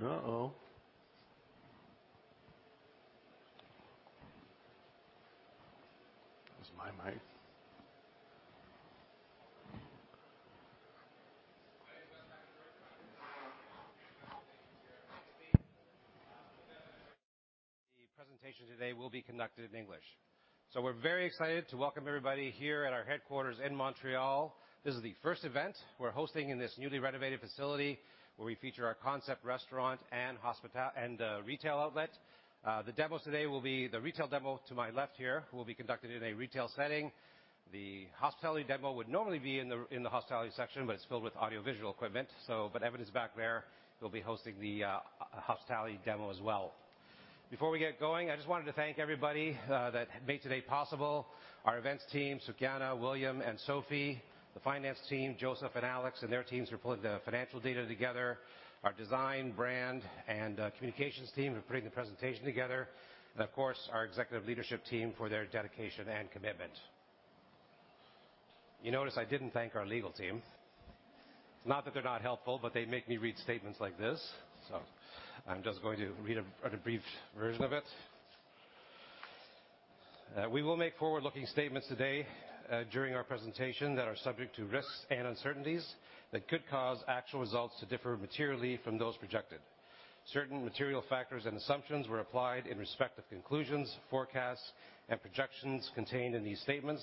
That's great. Good morning, everybody. My name is Uh-oh. That was my mic. My name is Gus Papageorgiou. The presentation today will be conducted in English. We're very excited to welcome everybody here at our headquarters in Montreal. This is the first event we're hosting in this newly renovated facility, where we feature our concept restaurant and hospitality and retail outlet. The demos today will be the retail demo to my left here will be conducted in a retail setting. The hospitality demo would normally be in the hospitality section, but it's filled with audiovisual equipment. But Evan is back there, he'll be hosting the hospitality demo as well. Before we get going, I just wanted to thank everybody that made today possible. Our events team, Suthan Sukumar, William, and Sophie. The finance team, Joseph and Alex, and their teams for pulling the financial data together. Our design, brand, and communications team for putting the presentation together. Of course, our executive leadership team for their dedication and commitment. You notice I didn't thank our legal team. It's not that they're not helpful, but they make me read statements like this, so I'm just going to read a brief version of it. We will make forward-looking statements today during our presentation that are subject to risks and uncertainties that could cause actual results to differ materially from those projected. Certain material factors and assumptions were applied in respect of conclusions, forecasts, and projections contained in these statements.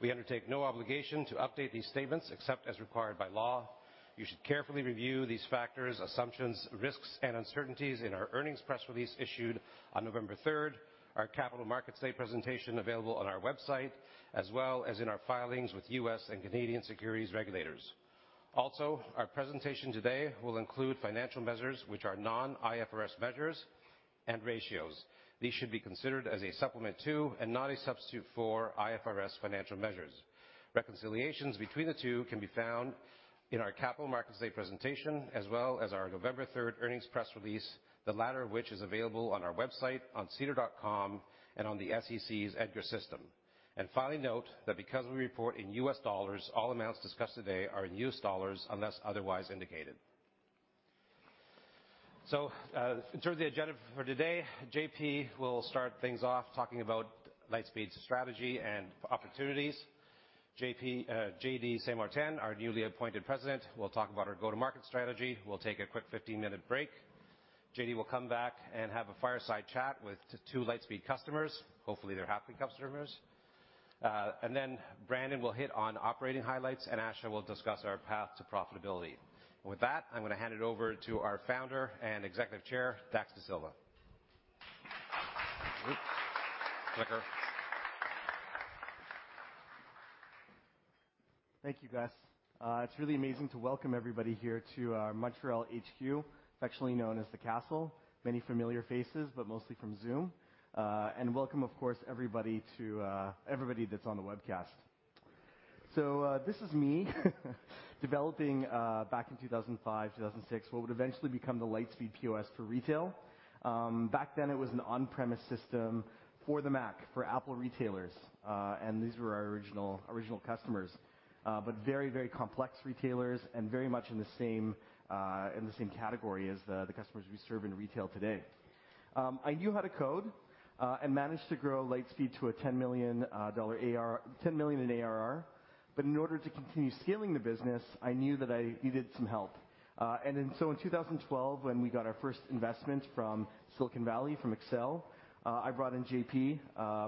We undertake no obligation to update these statements except as required by law. You should carefully review these factors, assumptions, risks, and uncertainties in our earnings press release issued on November third, our Capital Markets Day presentation available on our website, as well as in our filings with US and Canadian securities regulators. Also, our presentation today will include financial measures, which are non-IFRS measures and ratios. These should be considered as a supplement to and not a substitute for IFRS financial measures. Reconciliations between the two can be found in our Capital Markets Day presentation, as well as our November third earnings press release, the latter of which is available on our website, on sedar.com, and on the SEC's EDGAR system. Finally note that because we report in US dollars, all amounts discussed today are in US dollars unless otherwise indicated. In terms of the agenda for today, JP will start things off talking about Lightspeed's strategy and opportunities. JP, JD Saint-Martin, our newly appointed President, will talk about our go-to-market strategy. We'll take a quick 15-minute break. JD will come back and have a fireside chat with two Lightspeed customers. Hopefully, they're happy customers. Brandon will hit on operating highlights, and Asha will discuss our path to profitability. With that, I'm going to hand it over to our founder and Executive Chair, Dax Dasilva. Whoop. Clicker. Thank you, Gus. It's really amazing to welcome everybody here to our Montreal HQ, affectionately known as The Castle. Many familiar faces, but mostly from Zoom. Welcome, of course, everybody that's on the webcast. This is me developing back in 2005, 2006, what would eventually become the Lightspeed POS for retail. Back then, it was an on-premise system for the Mac, for Apple retailers. These were our original customers. But very complex retailers and very much in the same category as the customers we serve in retail today. I knew how to code and managed to grow Lightspeed to $10 million in ARR. In order to continue scaling the business, I knew that I needed some help. In 2012, when we got our first investment from Silicon Valley, from Accel, I brought in JP,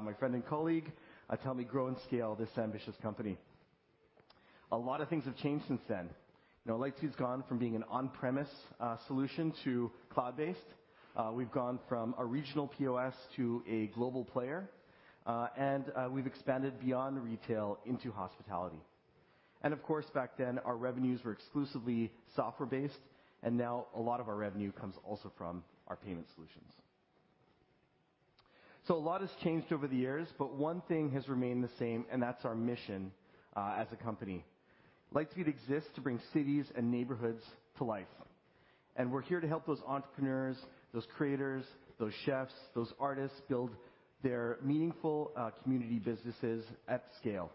my friend and colleague, to help me grow and scale this ambitious company. A lot of things have changed since then. Lightspeed's gone from being an on-premise solution to cloud-based. We've gone from a regional POS to a global player. We've expanded beyond retail into hospitality. Of course, back then, our revenues were exclusively software-based, and now a lot of our revenue comes also from our payment solutions. A lot has changed over the years, but one thing has remained the same, and that's our mission as a company. Lightspeed exists to bring cities and neighborhoods to life. We're here to help those entrepreneurs, those creators, those chefs, those artists build their meaningful, community businesses at scale.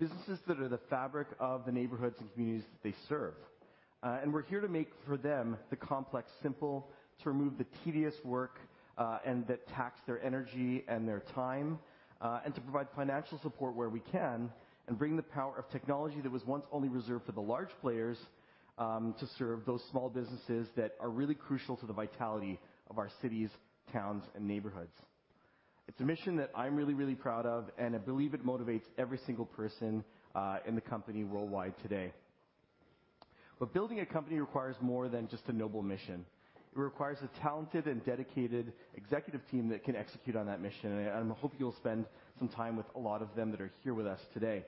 Businesses that are the fabric of the neighborhoods and communities that they serve. We're here to make for them the complex simple, to remove the tedious work, and that tax their energy and their time, and to provide financial support where we can, and bring the power of technology that was once only reserved for the large players, to serve those small businesses that are really crucial to the vitality of our cities, towns, and neighborhoods. It's a mission that I'm really, really proud of, and I believe it motivates every single person, in the company worldwide today. Building a company requires more than just a noble mission. It requires a talented and dedicated executive team that can execute on that mission, and I hope you'll spend some time with a lot of them that are here with us today.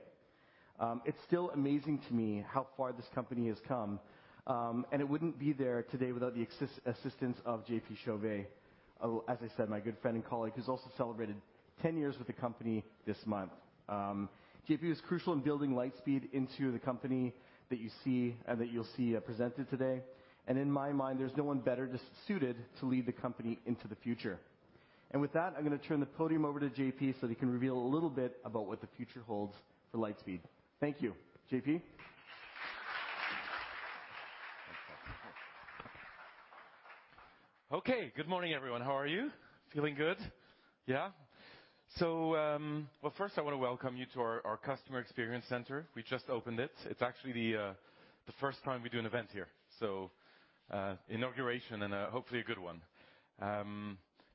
It's still amazing to me how far this company has come, and it wouldn't be here today without the assistance of JP Chauvet. As I said, my good friend and colleague who's also celebrated 10 years with the company this month. JP was crucial in building Lightspeed into the company that you see and that you'll see presented today. In my mind, there's no one better suited to lead the company into the future. With that, I'm going to turn the podium over to JP so he can reveal a little bit about what the future holds for Lightspeed. Thank you. JP? Good morning, everyone. How are you? Feeling good? Yeah. Well, first I want to welcome you to our customer experience center. We just opened it. It's actually the first time we do an event here, so inauguration and hopefully a good one.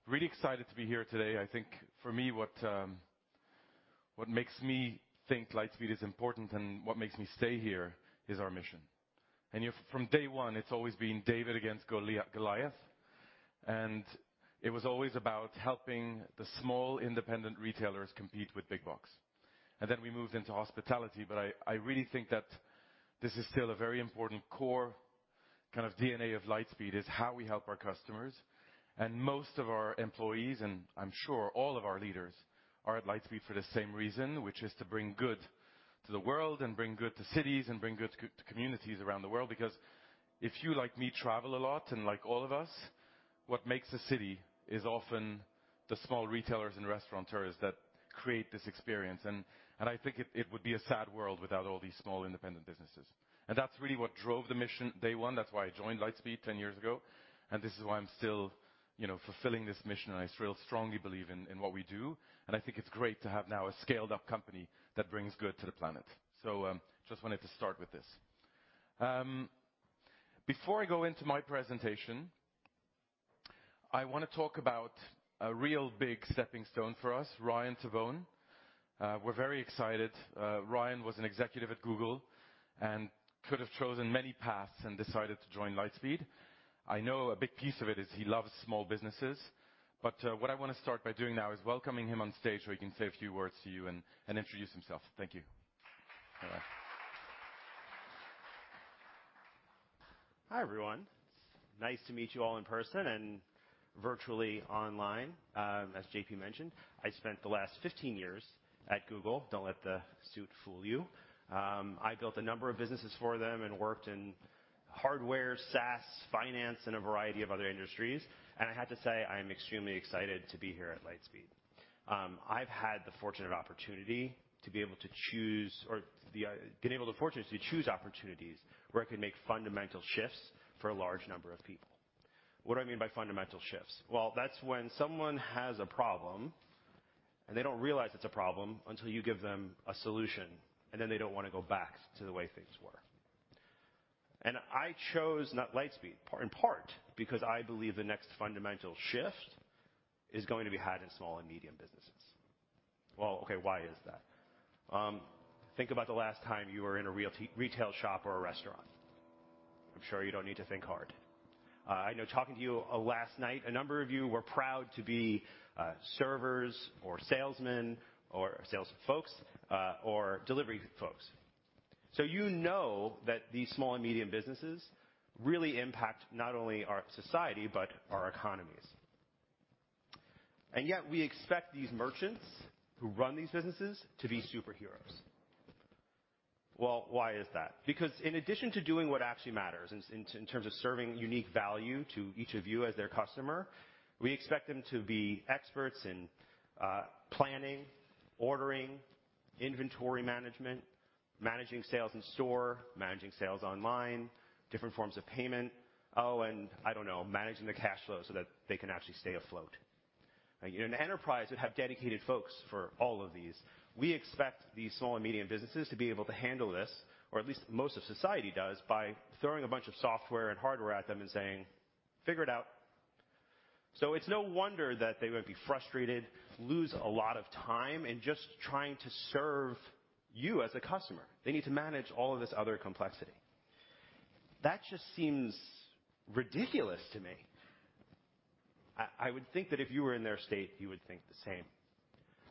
Really excited to be here today. I think for me, what makes me think Lightspeed is important and what makes me stay here is our mission. If from day one, it's always been David against Goliath, and it was always about helping the small independent retailers compete with big bucks. Then we moved into hospitality, but I really think that this is still a very important core kind of DNA of Lightspeed, is how we help our customers. Most of our employees, and I'm sure all of our leaders are at Lightspeed for the same reason, which is to bring good to the world and bring good to cities and bring good to communities around the world. Because if you, like me, travel a lot and like all of us, what makes a city is often the small retailers and restaurateurs that create this experience. I think it would be a sad world without all these small independent businesses. That's really what drove the mission day one. That's why I joined Lightspeed 10 years ago, and this is why I'm still fulfilling this mission. I still strongly believe in what we do, and I think it's great to have now a scaled up company that brings good to the planet. Just wanted to start with this. Before I go into my presentation, I want to talk about a real big stepping stone for us, Ryan Tabone. We're very excited. Ryan was an executive at Google and could have chosen many paths and decided to join Lightspeed. I know a big piece of it is he loves small businesses. What I want to start by doing now is welcoming him on stage so he can say a few words to you and introduce himself. Thank you. Ryan. Hi, everyone. Nice to meet you all in person and virtually online. As JP mentioned, I spent the last 15 years at Google. Don't let the suit fool you. I built a number of businesses for them and worked in hardware, SaaS, finance, and a variety of other industries. I have to say, I'm extremely excited to be here at Lightspeed. I've had the fortunate opportunity to be able to fortunately choose opportunities where I could make fundamental shifts for a large number of people. What do I mean by fundamental shifts? Well, that's when someone has a problem, and they don't realize it's a problem until you give them a solution, and then they don't want to go back to the way things were. I chose not Lightspeed, in part because I believe the next fundamental shift is going to be had in small and medium businesses. Well, okay, why is that? Think about the last time you were in a retail shop or a restaurant. I'm sure you don't need to think hard. I know talking to you, last night, a number of you were proud to be servers or salesmen or sales folks, or delivery folks. That these small and medium businesses really impact not only our society but our economies. Yet we expect these merchants who run these businesses to be superheroes. Well, why is that? Because in addition to doing what actually matters in terms of serving unique value to each of you as their customer, we expect them to be experts in planning, ordering, inventory management, managing sales in store, managing sales online, different forms of payment. Oh, and I don't know, managing the cash flow so that they can actually stay afloat. In enterprise, you have dedicated folks for all of these. We expect these small and medium businesses to be able to handle this, or at least most of society does by throwing a bunch of software and hardware at them and saying, "Figure it out." It's no wonder that they might be frustrated, lose a lot of time in just trying to serve you as a customer. They need to manage all of this other complexity. That just seems ridiculous to me. I would think that if you were in their state, you would think the same.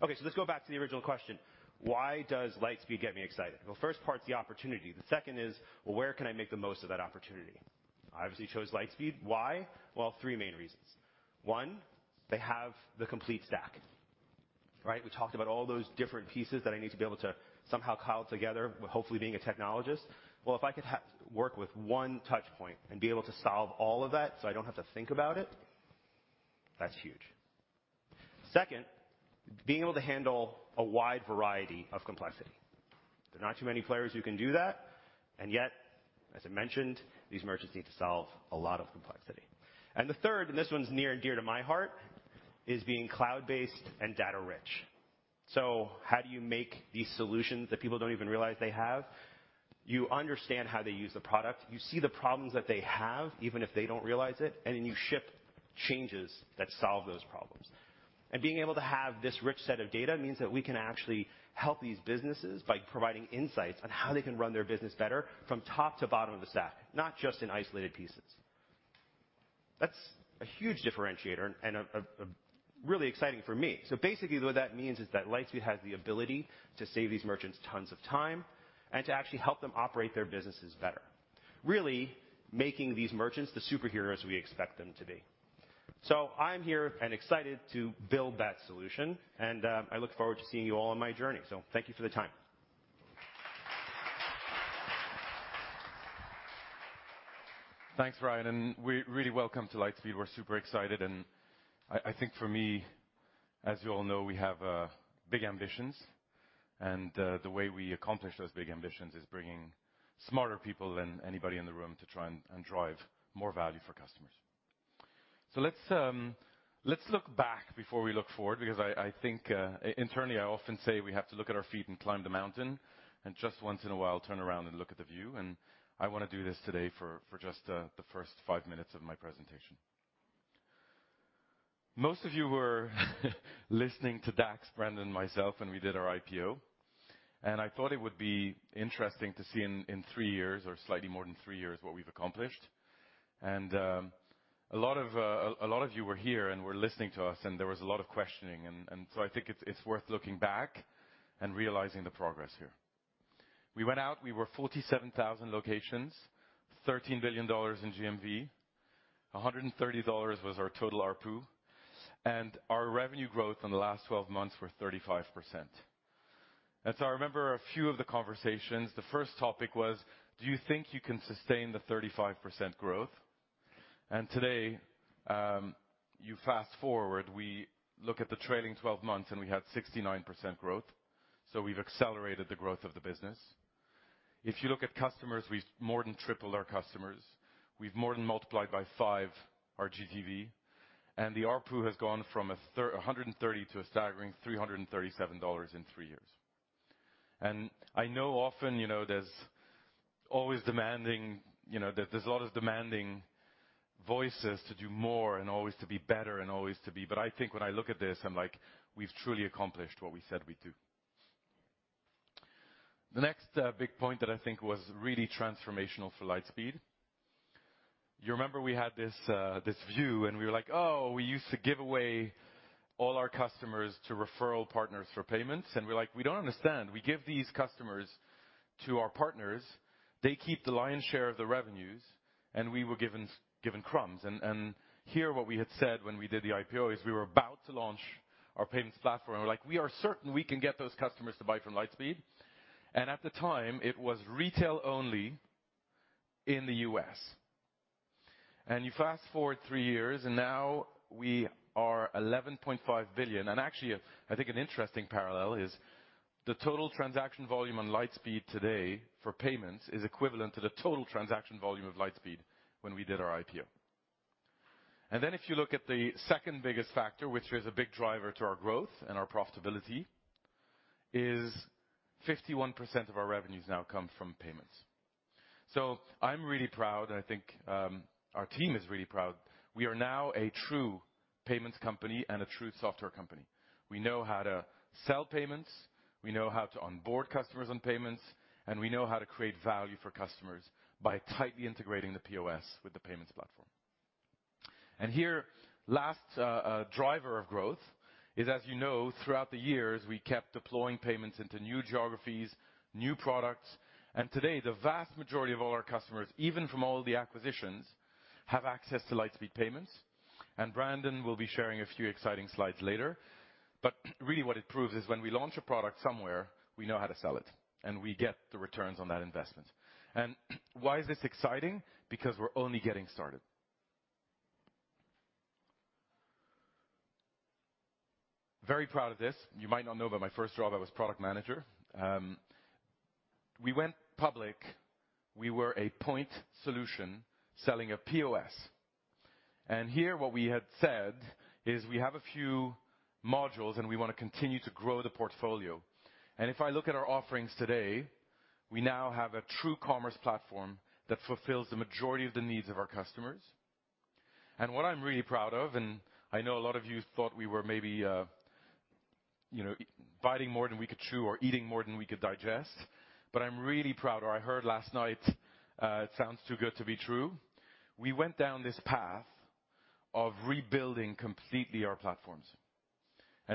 Okay, let's go back to the original question: Why does Lightspeed get me excited? Well, first part is the opportunity. The second is, well, where can I make the most of that opportunity? I obviously chose Lightspeed. Why? Well, three main reasons. One, they have the complete stack. Right? We talked about all those different pieces that I need to be able to somehow compile together with hopefully being a technologist. Well, if I could work with one touch point and be able to solve all of that, so I don't have to think about it, that's huge. Second, being able to handle a wide variety of complexity. There are not too many players who can do that, and yet, as I mentioned, these merchants need to solve a lot of complexity. The third, and this one's near and dear to my heart, is being cloud-based and data-rich. How do you make these solutions that people don't even realize they have? You understand how they use the product, you see the problems that they have, even if they don't realize it, and then you ship changes that solve those problems. Being able to have this rich set of data means that we can actually help these businesses by providing insights on how they can run their business better from top to bottom of the stack, not just in isolated pieces. That's a huge differentiator and a really exciting for me. Basically, what that means is that Lightspeed has the ability to save these merchants tons of time and to actually help them operate their businesses better. Really making these merchants the superheroes we expect them to be. I'm here and excited to build that solution, and, I look forward to seeing you all on my journey. Thank you for the time. Thanks, Ryan, and we really welcome to Lightspeed. We're super excited. I think for me, as you all know, we have big ambitions. The way we accomplish those big ambitions is bringing smarter people than anybody in the room to try and drive more value for customers. Let's look back before we look forward, because I think internally, I often say we have to look at our feet and climb the mountain, and just once in a while, turn around and look at the view. I want to do this today for just the first five minutes of my presentation. Most of you were listening to Dax, Brandon, and myself when we did our IPO, and I thought it would be interesting to see in three years, or slightly more than three years, what we've accomplished. A lot of you were here and were listening to us, and there was a lot of questioning. So I think it's worth looking back and realizing the progress here. We went out, we were 47,000 locations, $13 billion in GMV. $130 was our total ARPU, and our revenue growth in the last twelve months were 35%. As I remember a few of the conversations, the first topic was. Do you think you can sustain the 35% growth? Today, you fast-forward, we look at the trailing twelve months, and we had 69% growth. We've accelerated the growth of the business. If you look at customers, we've more than tripled our customers. We've more than multiplied by five our GTV, and the ARPU has gone from a thir... $130 to a staggering $337 in three years. I know often there's always a lot of demanding voices to do more and always to be better and always to be. But I think when I look at this, I'm like, "We've truly accomplished what we said we'd do." The next big point that I think was really transformational for Lightspeed. You remember we had this view and we were like, " we used to give away all our customers to referral partners for payments." We're like, "We don't understand. We give these customers to our partners. They keep the lion's share of the revenues," and we were given crumbs. Here what we had said when we did the IPO is we were about to launch our payments platform. We're like, "We are certain we can get those customers to buy from Lightspeed." At the time, it was retail only in the U.S. You fast-forward three years and now we are $11.5 billion. Actually, I think an interesting parallel is the total transaction volume on Lightspeed today for payments is equivalent to the total transaction volume of Lightspeed when we did our IPO. If you look at the second biggest factor, which is a big driver to our growth and our profitability, is 51% of our revenues now come from payments. I'm really proud, and I think our team is really proud. We are now a true payments company and a true software company. We know how to sell payments, we know how to onboard customers on payments, and we know how to create value for customers by tightly integrating the POS with the payments platform. Here, last driver of growth is as throughout the years, we kept deploying payments into new geographies, new products, and today, the vast majority of all our customers, even from all the acquisitions, have access to Lightspeed Payments. Brandon will be sharing a few exciting slides later. Really what it proves is when we launch a product somewhere, we know how to sell it, and we get the returns on that investment. Why is this exciting? Because we're only getting started. Very proud of this. You might not know, but my first job, I was product manager. We went public. We were a point solution selling a POS. Here what we had said is we have a few modules, and we want to continue to grow the portfolio. If I look at our offerings today, we now have a true commerce platform that fulfills the majority of the needs of our customers. What I'm really proud of, and I know a lot of you thought we were maybe biting more than we could chew or eating more than we could digest, but I'm really proud. I heard last night, it sounds too good to be true. We went down this path of rebuilding completely our platforms.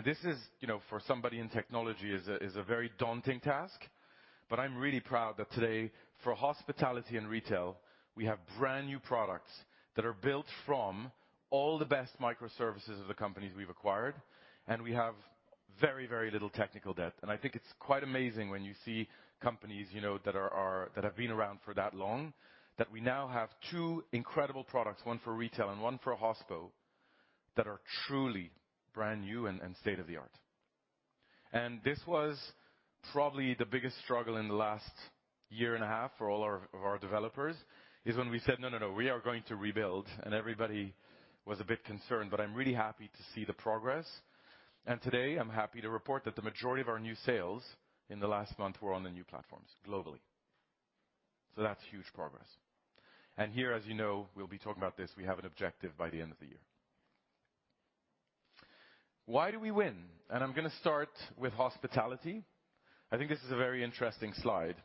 This is for somebody in technology is a very daunting task, but I'm really proud that today, for hospitality and retail, we have brand-new products that are built from all the best microservices of the companies we've acquired, and we have very, very little technical debt. I think it's quite amazing when you see companies that have been around for that long, that we now have two incredible products, one for retail and one for hospo, that are truly brand new and state-of-the-art. This was probably the biggest struggle in the last year and a half for all our developers, is when we said, "No, no, we are going to rebuild." Everybody was a bit concerned, but I'm really happy to see the progress. Today I'm happy to report that the majority of our new sales in the last month were on the new platforms globally. That's huge progress. Here, as we'll be talking about this. We have an objective by the end of the year. Why do we win? I'm going to start with hospitality. I think this is a very interesting slide.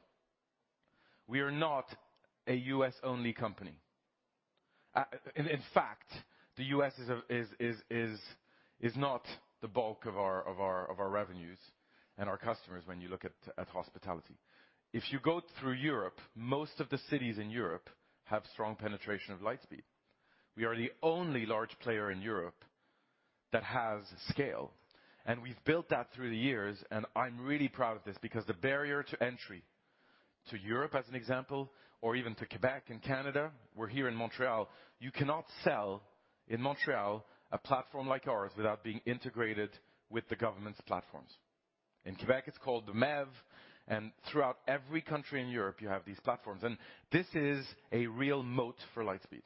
We are not a U.S.-only company. In fact, the U.S. is not the bulk of our revenues and our customers when you look at hospitality. If you go through Europe, most of the cities in Europe have strong penetration of Lightspeed. We are the only large player in Europe that has scale, and we've built that through the years, and I'm really proud of this because the barrier to entry to Europe as an example, or even to Quebec and Canada, we're here in Montreal, you cannot sell in Montreal a platform like ours without being integrated with the government's platforms. In Quebec, it's called the MEV, and throughout every country in Europe you have these platforms. This is a real moat for Lightspeed.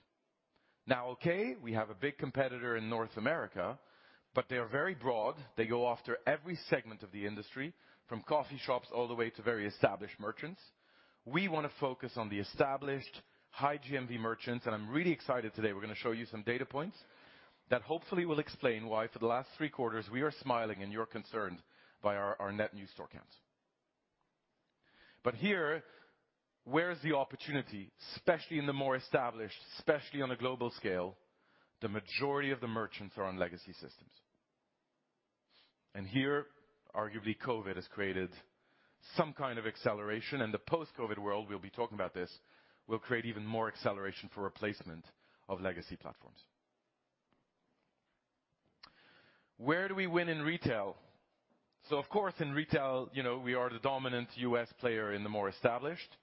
Now, okay, we have a big competitor in North America, but they are very broad. They go after every segment of the industry from coffee shops all the way to very established merchants. We want to focus on the established high GMV merchants, and I'm really excited today we're going to show you some data points that hopefully will explain why for the last three quarters we are smiling and you're concerned by our net new store counts. Here, where's the opportunity, especially in the more established, especially on a global scale, the majority of the merchants are on legacy systems. Here, arguably, COVID has created some kind of acceleration. In the post-COVID world, we'll be talking about this, we'll create even more acceleration for replacement of legacy platforms. Where do we win in retail? Of course, in retail we are the dominant US player in the more established.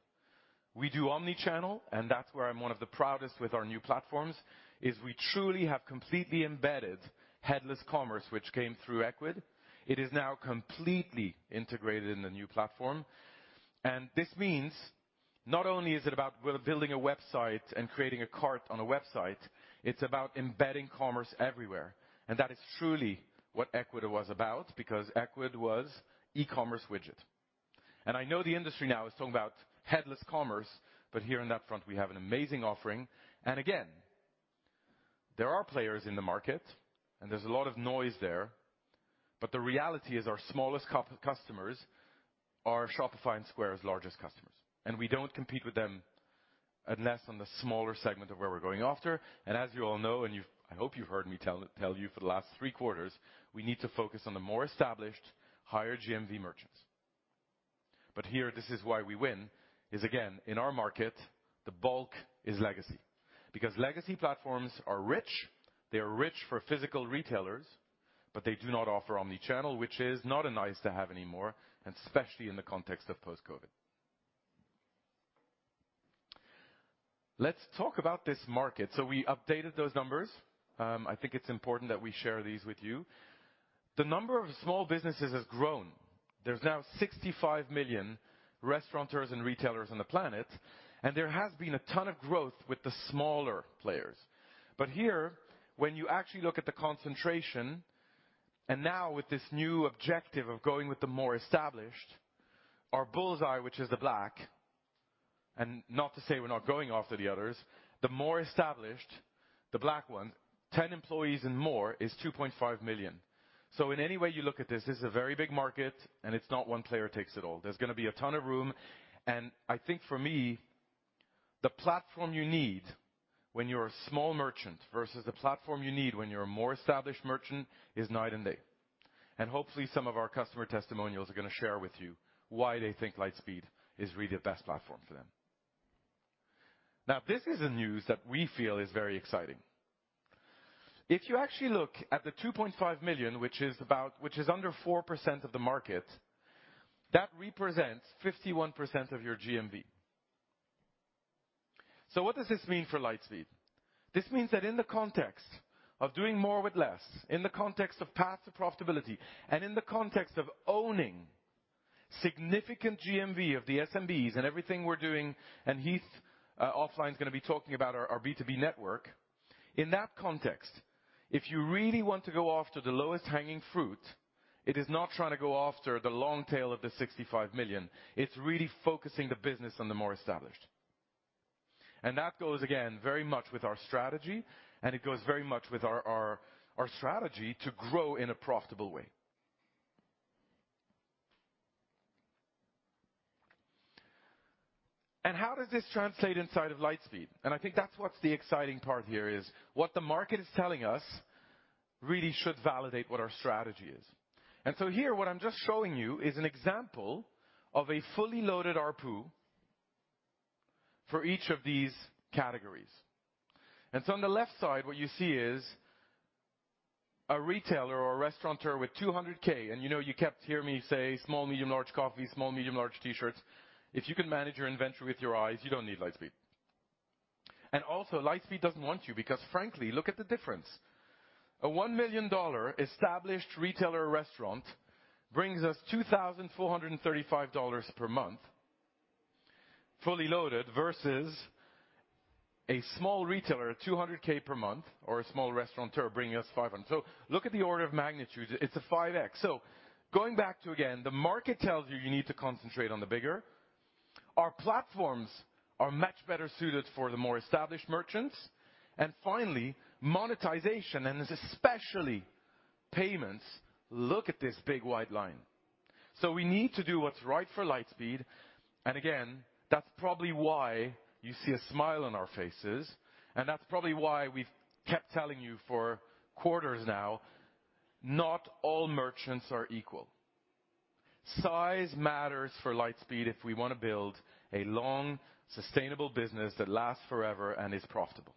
We do omnichannel, and that's where I'm one of the proudest with our new platforms, is we truly have completely embedded headless commerce, which came through Ecwid. It is now completely integrated in the new platform. This means not only is it about building a website and creating a cart on a website, it's about embedding commerce everywhere. That is truly what Ecwid was about because Ecwid was e-commerce widget. I know the industry now is talking about headless commerce, but here in that front we have an amazing offering. Again, there are players in the market, and there's a lot of noise there, but the reality is our smallest customers are Shopify and Square's largest customers, and we don't compete with them unless on the smaller segment of where we're going after. As you all know, I hope you've heard me tell you for the last three quarters, we need to focus on the more established higher GMV merchants. Here, this is why we win is again, in our market, the bulk is legacy. Because legacy platforms are rich, they're rich for physical retailers, but they do not offer omnichannel, which is not a nice-to-have anymore, and especially in the context of post-COVID. Let's talk about this market. We updated those numbers. I think it's important that we share these with you. The number of small businesses has grown. There's now 65 million restaurateurs and retailers on the planet, and there has been a ton of growth with the smaller players. Here, when you actually look at the concentration, and now with this new objective of going with the more established, our bullseye, which is the black, and not to say we're not going after the others, the more established, the black ones, 10 employees and more is 2.5 million. In any way you look at this is a very big market and it's not one player takes it all. There's going to be a ton of room. I think for me, the platform you need when you're a small merchant versus the platform you need when you're a more established merchant is night and day. Hopefully, some of our customer testimonials are going to share with you why they think Lightspeed is really the best platform for them. Now, this is a news that we feel is very exciting. If you actually look at the 2.5 million, which is under 4% of the market, that represents 51% of your GMV. What does this mean for Lightspeed? This means that in the context of doing more with less, in the context of path to profitability and in the context of owning significant GMV of the SMBs and everything we're doing, and Heath offline is going to be talking about our B2B network. In that context, if you really want to go after the lowest hanging fruit, it is not trying to go after the long tail of the 65 million. It's really focusing the business on the more established. That goes again, very much with our strategy, and it goes very much with our strategy to grow in a profitable way. How does this translate inside of Lightspeed? I think that's what's the exciting part here is what the market is telling us really should validate what our strategy is. Here what I'm just showing you is an example of a fully loaded ARPU for each of these categories. On the left side what you see is a retailer or a restaurateur with $200K. You keep hearing me say small, medium, large coffee, small, medium, large T-shirts. If you can manage your inventory with your eyes, you don't need Lightspeed. Also Lightspeed doesn't want you because frankly, look at the difference. A $1 million established retailer or restaurant brings us $2,435 per month, fully loaded versus a small retailer, $200 per month or a small restaurateur bringing us $500. Look at the order of magnitude. It's a 5x. Going back to again, the market tells you you need to concentrate on the bigger. Our platforms are much better suited for the more established merchants. Finally, monetization, and it's especially payments. Look at this big wide line. We need to do what's right for Lightspeed. Again, that's probably why you see a smile on our faces, and that's probably why we've kept telling you for quarters now, not all merchants are equal. Size matters for Lightspeed if we want to build a long, sustainable business that lasts forever and is profitable.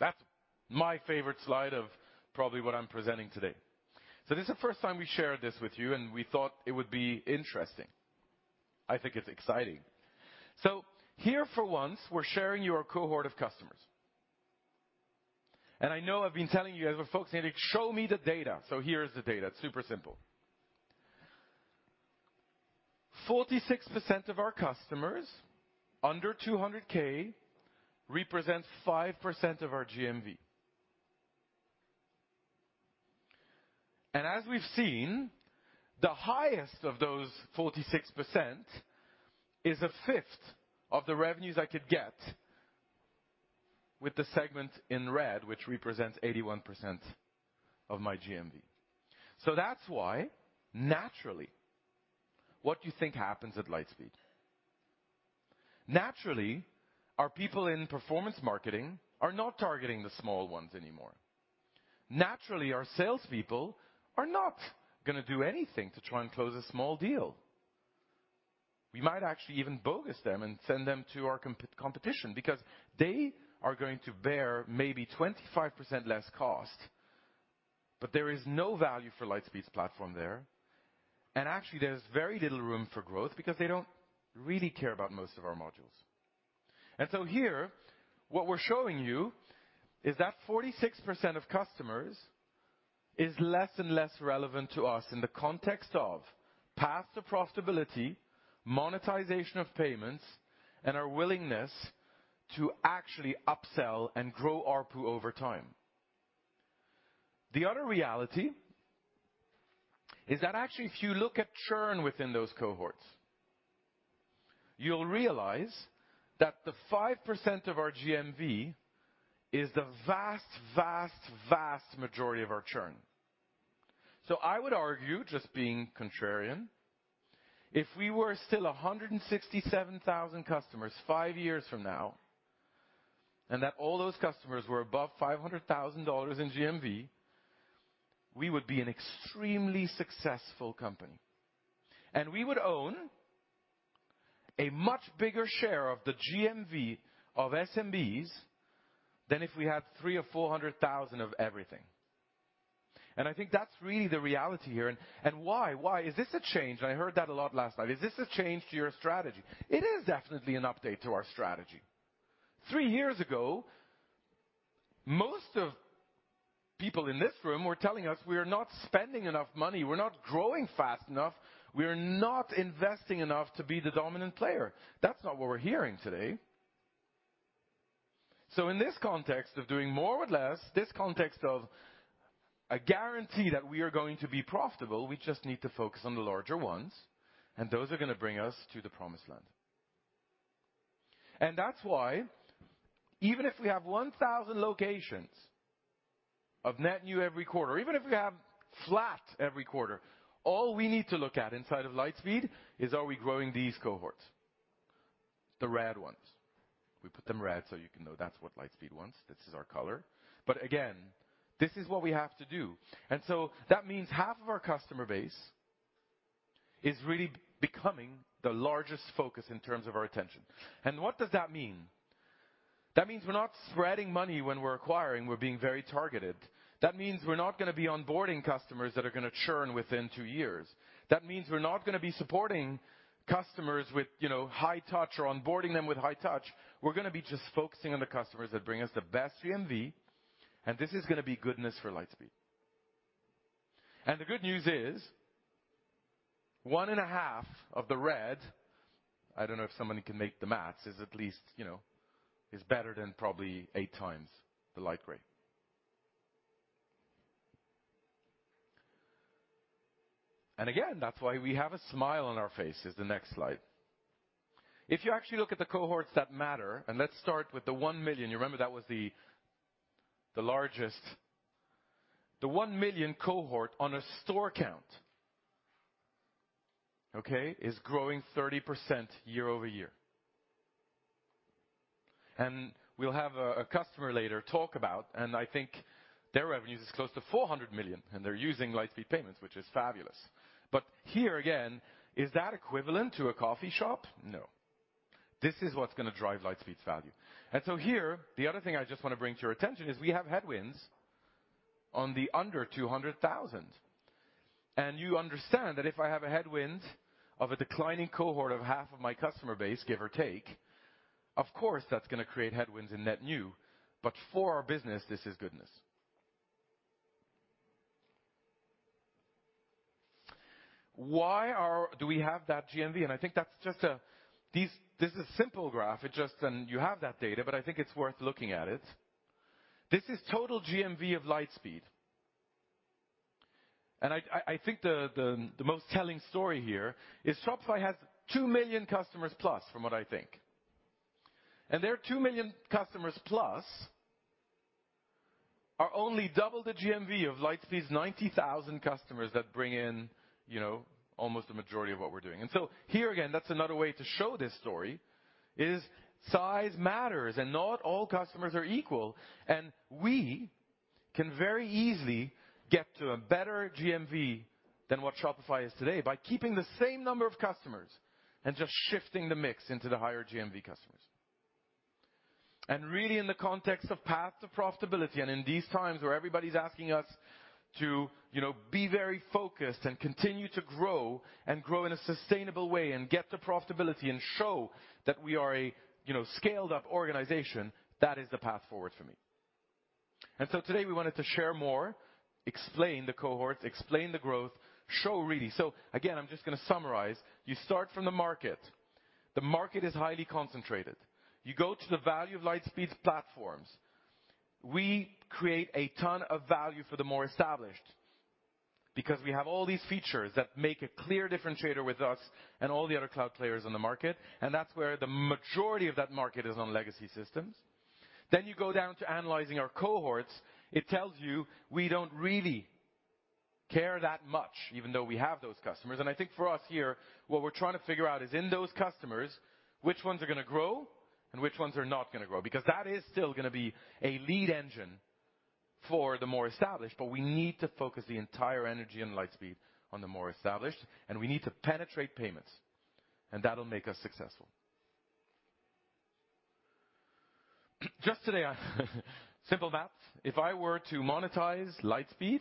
That's my favorite slide of probably what I'm presenting today. This is the first time we shared this with you, and we thought it would be interesting. I think it's exciting. Here for once, we're sharing you our cohort of customers. I know I've been telling you, asking folks saying, "Show me the data." Here is the data. It's super simple. 46% of our customers under 200K represents 5% of our GMV. As we've seen, the highest of those 46% is a fifth of the revenues I could get with the segment in red, which represents 81% of my GMV. That's why, naturally, what do you think happens at Lightspeed? Naturally, our people in performance marketing are not targeting the small ones anymor e. Naturally, our salespeople are not going to do anything to try and close a small deal. We might actually even bogus them and send them to our competition because they are going to bear maybe 25% less cost, but there is no value for Lightspeed's platform there. Actually, there's very little room for growth because they don't really care about most of our modules. Here, what we're showing you is that 46% of customers is less and less relevant to us in the context of path to profitability, monetization of payments, and our willingness to actually upsell and grow ARPU over time. The other reality is that actually if you look at churn within those cohorts, you'll realize that the 5% of our GMV is the vast, vast majority of our churn. I would argue, just being contrarian, if we were still 167,000 customers five years from now, and that all those customers were above $500,000 in GMV, we would be an extremely successful company. We would own a much bigger share of the GMV of SMBs than if we had 300,000-400,000 of everything. I think that's really the reality here. Why? Why? Is this a change? I heard that a lot last night. Is this a change to your strategy? It is definitely an update to our strategy. Three years ago, most of people in this room were telling us we are not spending enough money, we're not growing fast enough, we are not investing enough to be the dominant player. That's not what we're hearing today. In this context of doing more with less, this context of a guarantee that we are going to be profitable, we just need to focus on the larger ones, and those are going to bring us to the promised land. That's why even if we have 1,000 locations of net new every quarter, even if we have flat every quarter, all we need to look at inside of Lightspeed is are we growing these cohorts? The red ones. We put them red, so you can know that's what Lightspeed wants. This is our color. Again, this is what we have to do. That means half of our customer base is really becoming the largest focus in terms of our attention. What does that mean? That means we're not spreading money when we're acquiring, we're being very targeted. That means we're not going to be onboarding customers that are going to churn within two years. That means we're not going to be supporting customers with high touch or onboarding them with high touch. We're going to be just focusing on the customers that bring us the best GMV, and this is going to be goodness for Lightspeed. The good news is, 1.5 of the red, I don't know if somebody can make the math, is at least is better than probably 8 times the light gray. Again, that's why we have a smile on our face is the next slide. If you actually look at the cohorts that matter, and let's start with the $1 million. You remember that was the largest. The $1 million cohort on a store count, okay, is growing 30% year-over-year. We'll have a customer later talk about, and I think their revenues is close to $400 million, and they're using Lightspeed Payments, which is fabulous. Here again, is that equivalent to a coffee shop? No. This is what's going to drive Lightspeed's value. Here, the other thing I just want to bring to your attention is we have headwinds on the under 200,000. You understand that if I have a headwind of a declining cohort of half of my customer base, give or take, of course, that's going to create headwinds in net new. For our business, this is goodness. Do we have that GMV? This is simple graph. You have that data, but I think it's worth looking at it. This is total GMV of Lightspeed. I think the most telling story here is Shopify has 2 million customers plus from what I think. Their 2 million customers plus are only double the GMV of Lightspeed's 90,000 customers that bring in almost the majority of what we're doing. Here again, that's another way to show this story is size matters, and not all customers are equal. We can very easily get to a better GMV than what Shopify is today by keeping the same number of customers and just shifting the mix into the higher GMV customers. Really in the context of path to profitability and in these times where everybody's asking us to be very focused and continue to grow and grow in a sustainable way and get to profitability and show that we are a scaled-up organization, that is the path forward for me. Today we wanted to share more, explain the cohorts, explain the growth, show really. Again, I'm just going to summarize. You start from the market. The market is highly concentrated. You go to the value of Lightspeed's platforms. We create a ton of value for the more established because we have all these features that make a clear differentiator with us and all the other cloud players on the market, and that's where the majority of that market is on legacy systems. You go down to analyzing our cohorts. It tells you we don't really care that much, even though we have those customers. I think for us here, what we're trying to figure out is in those customers, which ones are going to grow and which ones are not going to grow. Because that is still going to be a lead engine for the more established, but we need to focus the entire energy on Lightspeed on the more established, and we need to penetrate payments, and that'll make us successful. Just today, simple math. If I were to monetize Lightspeed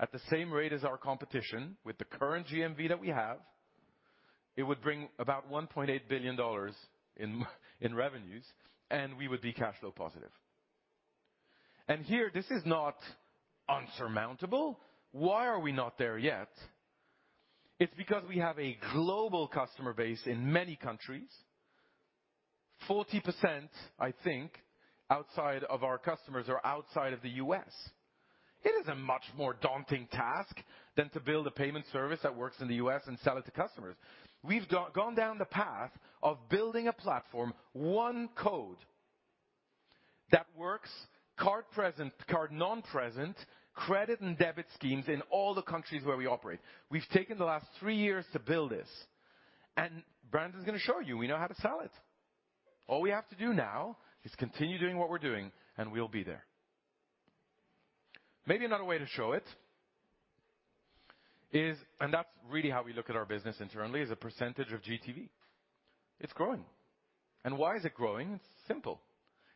at the same rate as our competition with the current GMV that we have, it would bring about $1.8 billion in revenues, and we would be cash flow positive. Here, this is not insurmountable. Why are we not there yet? It's because we have a global customer base in many countries. 40%, I think, outside of our customers are outside of the US. It is a much more daunting task than to build a payment service that works in the US and sell it to customers. We've gone down the path of building a platform, one code that works card present, card non-present, credit and debit schemes in all the countries where we operate. We've taken the last three years to build this, and Brandon's going to show you, we know how to sell it. All we have to do now is continue doing what we're doing, and we'll be there. Maybe another way to show it is, and that's really how we look at our business internally is a percentage of GTV. It's growing. Why is it growing? Simple.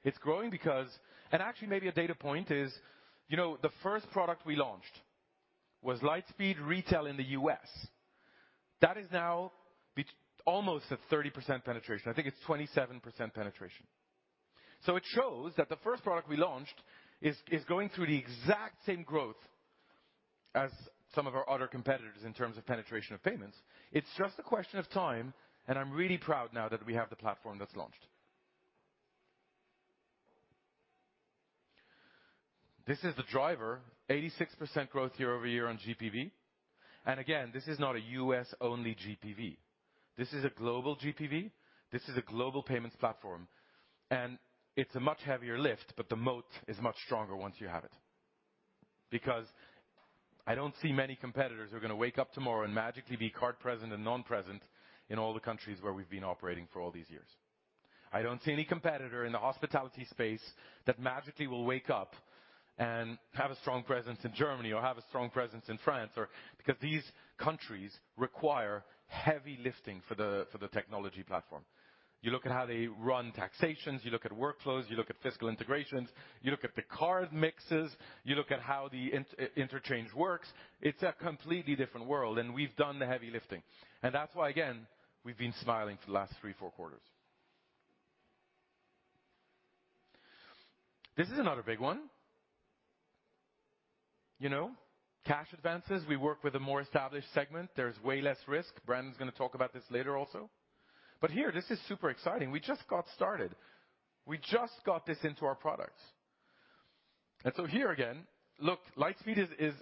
It's growing because. Actually maybe a data point is the first product we launched was Lightspeed Retail in the U.S. That is now almost at 30% penetration. I think it's 27% penetration. It shows that the first product we launched is going through the exact same growth as some of our other competitors in terms of penetration of payments. It's just a question of time, and I'm really proud now that we have the platform that's launched. This is the driver, 86% growth year-over-year on GPV. This is not a U.S.-only GPV. This is a global GPV. This is a global payments platform. It's a much heavier lift, but the moat is much stronger once you have it. Because I don't see many competitors who are going to wake up tomorrow and magically be card present and non-present in all the countries where we've been operating for all these years. I don't see any competitor in the hospitality space that magically will wake up and have a strong presence in Germany or have a strong presence in France, because these countries require heavy lifting for the technology platform. You look at how they run taxation, you look at workflows, you look at fiscal integrations, you look at the card mixes, you look at how the interchange works. It's a completely different world, and we've done the heavy lifting. That's why, again, we've been smiling for the last 3, 4 quarters. This is another big one. Cash advances, we work with a more established segment. There's way less risk. Brandon's going to talk about this later also. But here, this is super exciting. We just got started. We just got this into our products. Here again, look, Lightspeed is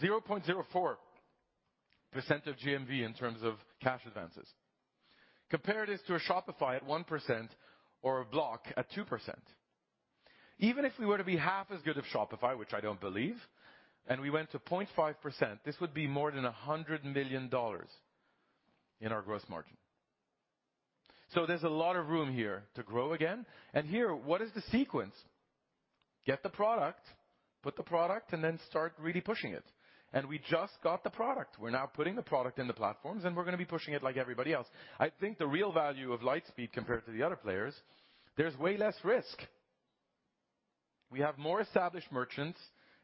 0.04% of GMV in terms of cash advances. Compare this to a Shopify at 1% or a Block at 2%. Even if we were to be half as good of Shopify, which I don't believe, and we went to 0.5%, this would be more than $100 million in our gross margin. So there's a lot of room here to grow again. Here, what is the sequence? Get the product, put the product, and then start really pushing it. We just got the product. We're now putting the product in the platforms, and we're going to be pushing it like everybody else. I think the real value of Lightspeed compared to the other players, there's way less risk. We have more established merchants,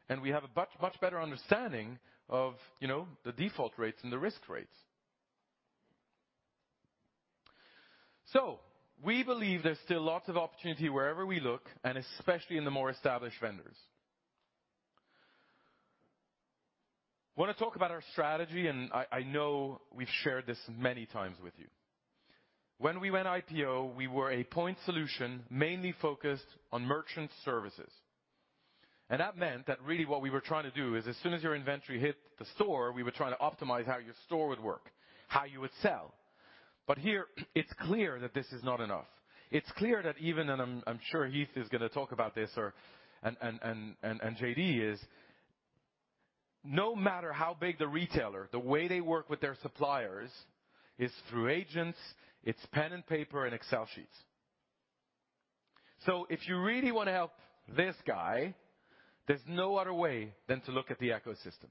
and we have a much, much better understanding of the default rates and the risk rates. We believe there's still lots of opportunity wherever we look and especially in the more established vendors. want to talk about our strategy, and I know we've shared this many times with you. When we went IPO, we were a point solution mainly focused on merchant services. That meant that really what we were trying to do is as soon as your inventory hit the store, we were trying to optimize how your store would work, how you would sell. Here it's clear that this is not enough. It's clear that even, and I'm sure Heath is going to talk about this. And JD, no matter how big the retailer, the way they work with their suppliers is through agents, it's pen and paper and Excel sheets. If you really want to help this guy, there's no other way than to look at the ecosystem.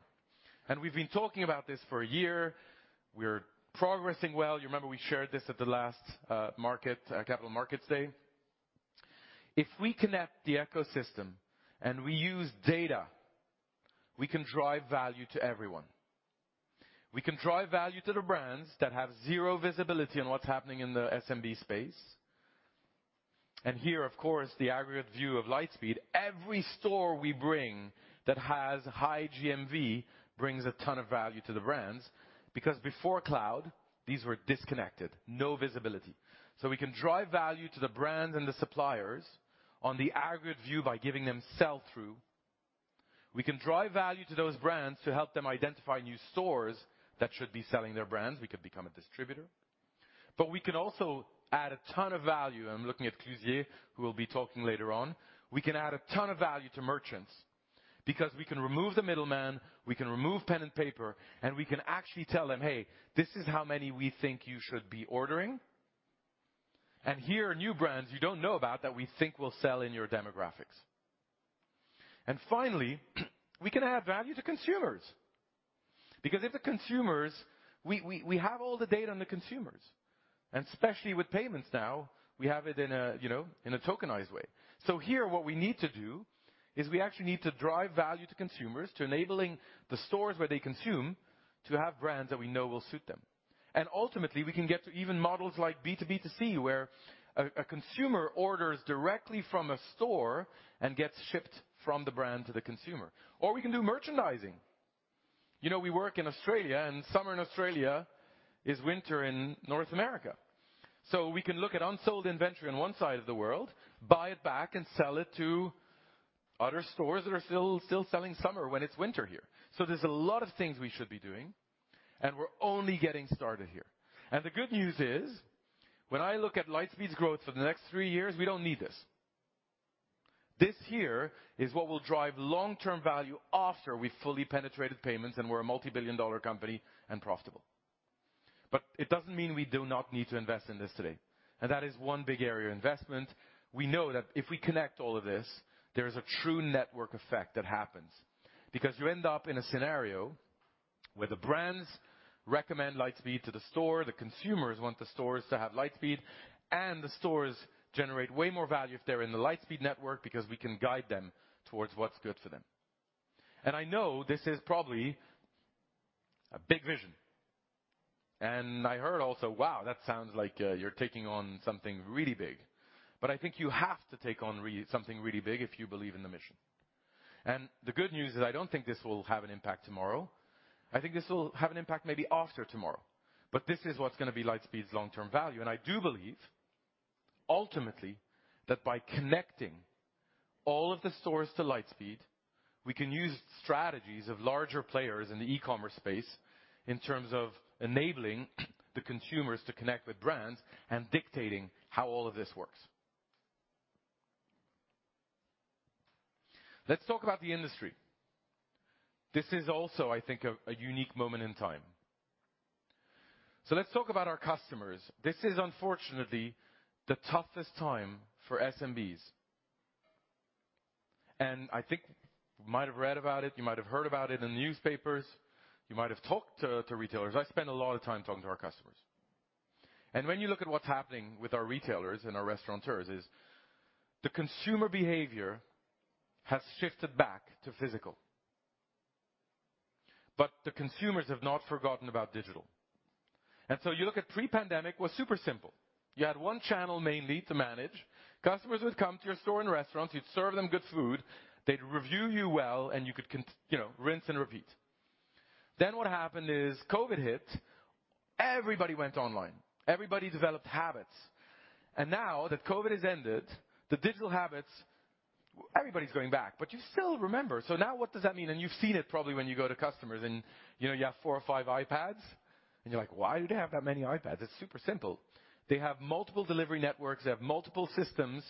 We've been talking about this for a year. We're progressing well. You remember we shared this at the last capital markets day. If we connect the ecosystem and we use data, we can drive value to everyone. We can drive value to the brands that have zero visibility on what's happening in the SMB space. Here, of course, the aggregate view of Lightspeed, every store we bring that has high GMV brings a ton of value to the brands, because before cloud, these were disconnected, no visibility. We can drive value to the brands and the suppliers on the aggregate view by giving them sell-through. We can drive value to those brands to help them identify new stores that should be selling their brands. We could become a distributor. We can also add a ton of value. I'm looking at Clusier, who will be talking later on. We can add a ton of value to merchants because we can remove the middleman, we can remove pen and paper, and we can actually tell them, "Hey, this is how many we think you should be ordering, and here are new brands you don't know about that we think will sell in your demographics." Finally, we can add value to consumers because we have all the data on the consumers, and especially with payments now, we have it in a in a tokenized way. Here what we need to do is we actually need to drive value to consumers to enabling the stores where they consume to have brands that we know will suit them. Ultimately, we can get to even models like B2B2C, where a consumer orders directly from a store and gets shipped from the brand to the consumer. We can do merchandising. We work in Australia and summer in Australia is winter in North America. We can look at unsold inventory on one side of the world, buy it back and sell it to other stores that are still selling summer when it's winter here. There's a lot of things we should be doing, and we're only getting started here. The good news is, when I look at Lightspeed's growth for the next three years, we don't need this. This here is what will drive long-term value after we fully penetrated payments and we're a multi-billion dollar company and profitable. It doesn't mean we do not need to invest in this today. That is one big area of investment. We know that if we connect all of this, there is a true network effect that happens because you end up in a scenario where the brands recommend Lightspeed to the store, the consumers want the stores to have Lightspeed, and the stores generate way more value if they're in the Lightspeed network because we can guide them towards what's good for them. I know this is probably a big vision, and I heard also, "Wow, that sounds like, you're taking on something really big." I think you have to take on something really big if you believe in the mission. The good news is, I don't think this will have an impact tomorrow. I think this will have an impact maybe after tomorrow, but this is what's going to be Lightspeed's long-term value. I do believe ultimately that by connecting all of the stores to Lightspeed, we can use strategies of larger players in the e-commerce space in terms of enabling the consumers to connect with brands and dictating how all of this works. Let's talk about the industry. This is also, I think, a unique moment in time. Let's talk about our customers. This is unfortunately the toughest time for SMBs, and I think you might have read about it, you might have heard about it in the newspapers, you might have talked to retailers. I spend a lot of time talking to our customers, and when you look at what's happening with our retailers and our restaurateurs is the consumer behavior has shifted back to physical, but the consumers have not forgotten about digital. You look at pre-pandemic was super simple. You had one channel mainly to manage. Customers would come to your store and restaurants, you'd serve them good food, they'd review you well, and you could rinse and repeat. What happened is COVID hit, everybody went online, everybody developed habits, and now that COVID has ended the digital habits, everybody's going back, but you still remember. Now what does that mean? You've seen it probably when you go to customers and you have 4 or 5 iPads and you're like, "Why do they have that many iPads?" It's super simple. They have multiple delivery networks, they have multiple systems.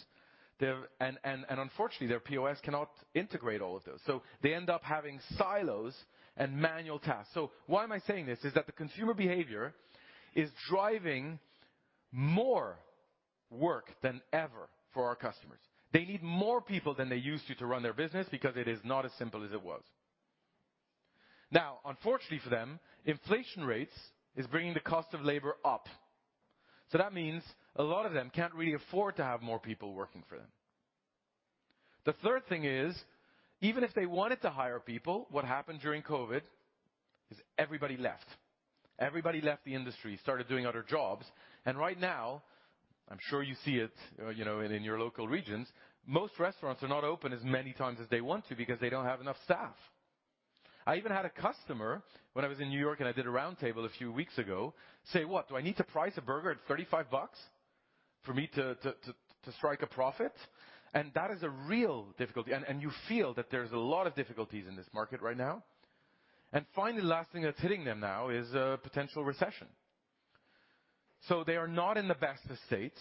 They have and unfortunately, their POS cannot integrate all of those, so they end up having silos and manual tasks. Why am I saying this? That is, the consumer behavior is driving more work than ever for our customers. They need more people than they used to run their business because it is not as simple as it was. Now, unfortunately for them, inflation rates is bringing the cost of labor up. That means a lot of them can't really afford to have more people working for them. The third thing is, even if they wanted to hire people, what happened during COVID is everybody left. Everybody left the industry, started doing other jobs, and right now, I'm sure you see it in your local regions, most restaurants are not open as many times as they want to because they don't have enough staff. I even had a customer when I was in New York, and I did a roundtable a few weeks ago, say, "What? Do I need to price a burger at $35 for me to strike a profit?" That is a real difficulty. You feel that there's a lot of difficulties in this market right now. Finally, last thing that's hitting them now is a potential recession. They are not in the best of states,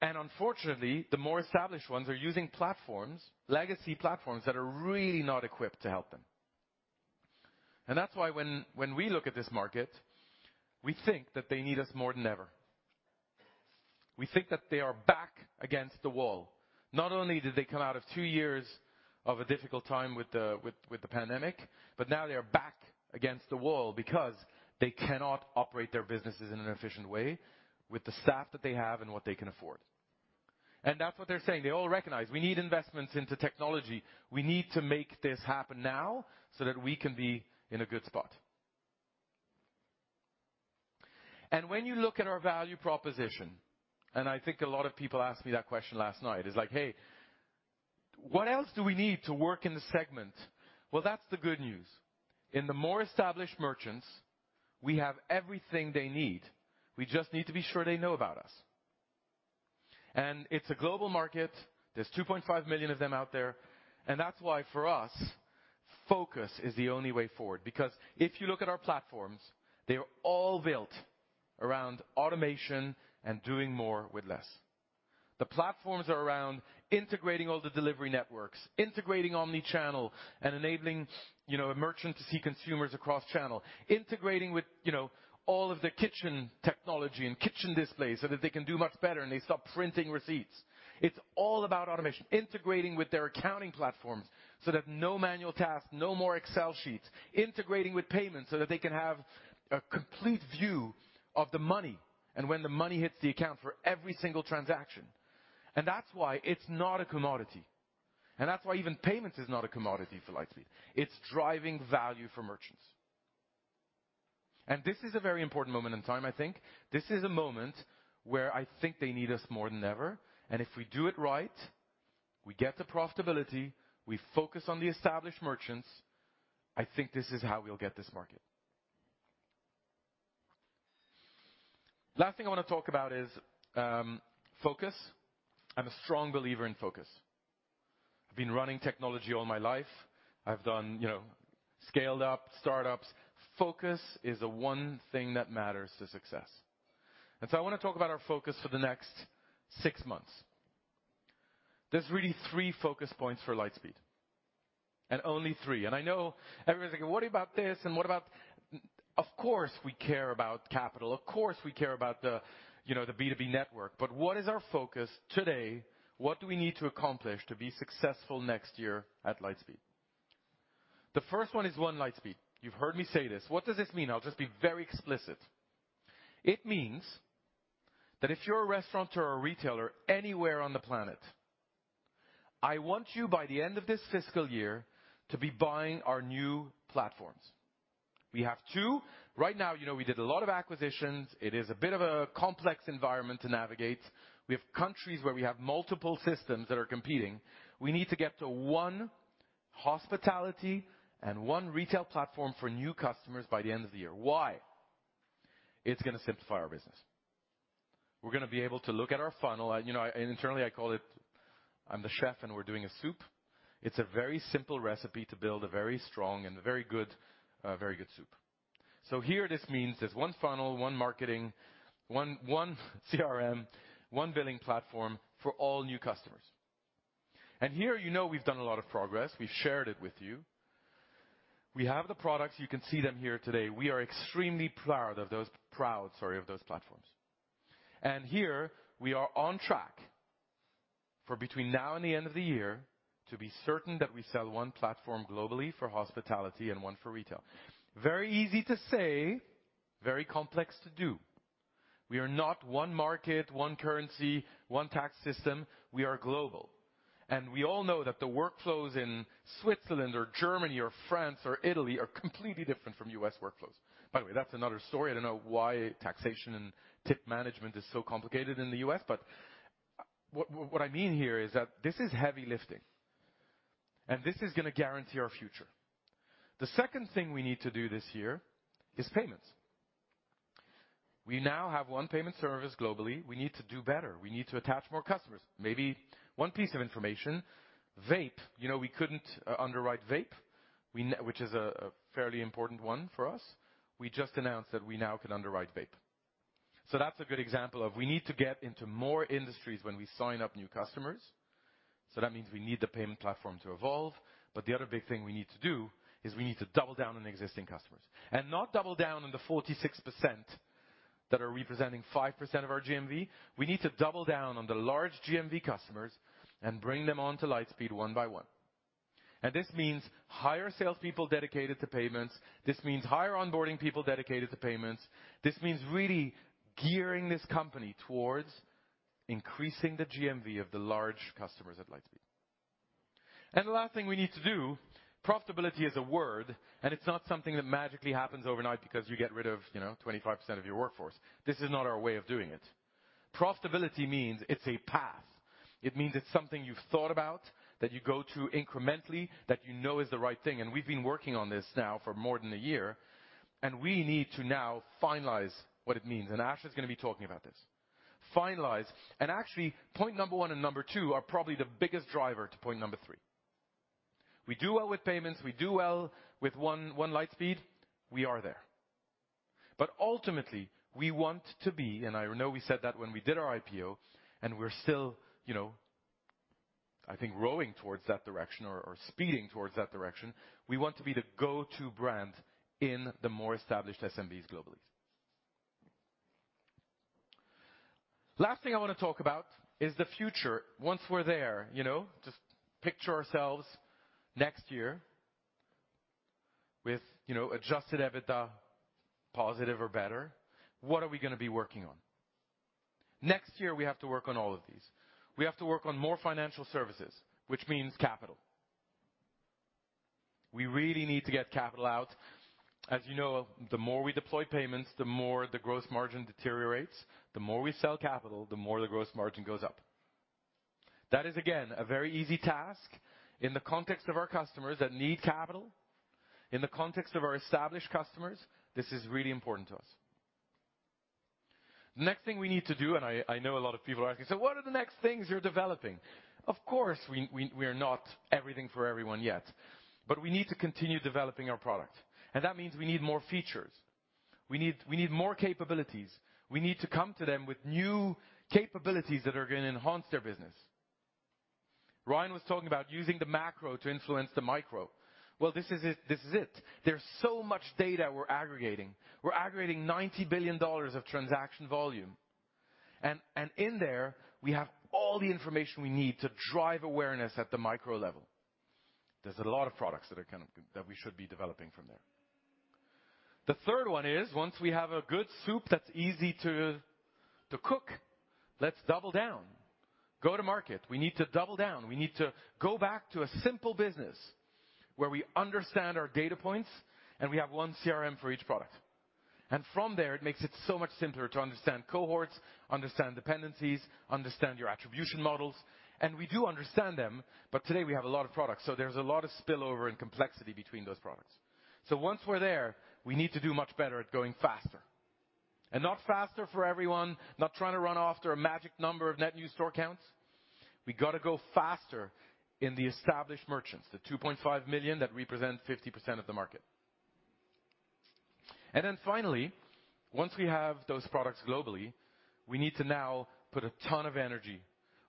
and unfortunately, the more established ones are using platforms, legacy platforms that are really not equipped to help them. That's why when we look at this market, we think that they need us more than ever. We think that they are back against the wall. Not only did they come out of two years of a difficult time with the pandemic, but now they are back against the wall because they cannot operate their businesses in an efficient way with the staff that they have and what they can afford. That's what they're saying. They all recognize we need investments into technology. We need to make this happen now so that we can be in a good spot. When you look at our value proposition, and I think a lot of people asked me that question last night, is like, "Hey, what else do we need to work in the segment?" Well, that's the good news. In the more established merchants, we have everything they need. We just need to be sure they know about us. It's a global market. There's 2.5 million of them out there. That's why for us, focus is the only way forward. Because if you look at our platforms, they're all built around automation and doing more with less. The platforms are around integrating all the delivery networks, integrating omni-channel, and enabling a merchant to see consumers across channel, integrating with all of their kitchen technology and kitchen displays so that they can do much better, and they stop printing receipts. It's all about automation. Integrating with their accounting platforms so that no manual tasks, no more Excel sheets. Integrating with payments so that they can have a complete view of the money, and when the money hits the account for every single transaction. That's why it's not a commodity. That's why even payments is not a commodity for Lightspeed. It's driving value for merchants. This is a very important moment in time, I think. This is a moment where I think they need us more than ever. If we do it right, we get the profitability, we focus on the established merchants, I think this is how we'll get this market. Last thing I want to talk about is focus. I'm a strong believer in focus. I've been running technology all my life. I've done scaled up startups. Focus is the one thing that matters to success. I want to talk about our focus for the next six months. There's really three focus points for Lightspeed, and only three. I know everybody's like, "What about this, and what about" Of course, we care about capital. Of course, we care about the the B2B network. What is our focus today? What do we need to accomplish to be successful next year at Lightspeed? The first one is one Lightspeed. You've heard me say this. What does this mean? I'll just be very explicit. It means that if you're a restaurateur or retailer anywhere on the planet, I want you by the end of this fiscal year to be buying our new platforms. We have two. Right now we did a lot of acquisitions. It is a bit of a complex environment to navigate. We have countries where we have multiple systems that are competing. We need to get to one hospitality and one retail platform for new customers by the end of the year. Why? It's going to simplify our business. We're going to be able to look at our funnel. Internally, I call it I'm the chef, and we're doing a soup. It's a very simple recipe to build a very strong and a very good soup. Here, this means there's one funnel, one marketing, one CRM, one billing platform for all new customers. Here, we've done a lot of progress. We've shared it with you. We have the products. You can see them here today. We are extremely proud of those platforms. Here we are on track for between now and the end of the year to be certain that we sell one platform globally for hospitality and one for retail. Very easy to say, very complex to do. We are not one market, one currency, one tax system. We are global. We all know that the workflows in Switzerland or Germany or France or Italy are completely different from U.S. workflows. By the way, that's another story. I don't know why taxation and tip management is so complicated in the U.S., but what I mean here is that this is heavy lifting, and this is going to guarantee our future. The second thing we need to do this year is payments. We now have one payment service globally. We need to do better. We need to attach more customers. Maybe one piece of information, vape. we couldn't underwrite vape which is a fairly important one for us. We just announced that we now can underwrite vape. That's a good example of we need to get into more industries when we sign up new customers. That means we need the payment platform to evolve. The other big thing we need to do is we need to double down on existing customers. Not double down on the 46% that are representing 5% of our GMV. We need to double down on the large GMV customers and bring them onto Lightspeed one by one. This means hire salespeople dedicated to payments. This means hire onboarding people dedicated to payments. This means really gearing this company towards increasing the GMV of the large customers at Lightspeed. The last thing we need to do, profitability is a word, and it's not something that magically happens overnight because you get rid of 25% of your workforce. This is not our way of doing it. Profitability means it's a path. It means it's something you've thought about, that you go to incrementally, that is the right thing. We've been working on this now for more than a year, and we need to now finalize what it means. Ash is going to be talking about this. Finalize. Actually, point number one and number two are probably the biggest driver to point number three. We do well with payments. We do well with one Lightspeed, we are there. Ultimately, we want to be, and I know we said that when we did our IPO, and we're still I think growing towards that direction or speeding towards that direction. We want to be the go-to brand in the more established SMBs globally. Last thing I want to talk about is the future. Once we're there just picture ourselves next year with adjusted EBITDA positive or better, what are we going to be working on? Next year, we have to work on all of these. We have to work on more financial services, which means capital. We really need to get capital out. As the more we deploy payments, the more the gross margin deteriorates. The more we sell capital, the more the gross margin goes up. That is, again, a very easy task in the context of our customers that need capital, in the context of our established customers. This is really important to us. Next thing we need to do, I know a lot of people are asking, "So what are the next things you're developing?" Of course, we're not everything for everyone yet, but we need to continue developing our product, and that means we need more features. We need more capabilities. We need to come to them with new capabilities that are going to enhance their business. Ryan was talking about using the macro to influence the micro. Well, this is it. There's so much data we're aggregating. We're aggregating $90 billion of transaction volume. In there, we have all the information we need to drive awareness at the micro level. There's a lot of products that we should be developing from there. The third one is, once we have a good soup that's easy to cook, let's double down. Go to market. We need to double down. We need to go back to a simple business where we understand our data points and we have one CRM for each product. From there, it makes it so much simpler to understand cohorts, understand dependencies, understand your attribution models, and we do understand them, but today we have a lot of products. There's a lot of spillover and complexity between those products. Once we're there, we need to do much better at going faster. Not faster for everyone, not trying to run after a magic number of net new store counts. We gotta go faster in the established merchants, the 2.5 million that represent 50% of the market. Then finally, once we have those products globally, we need to now put a ton of energy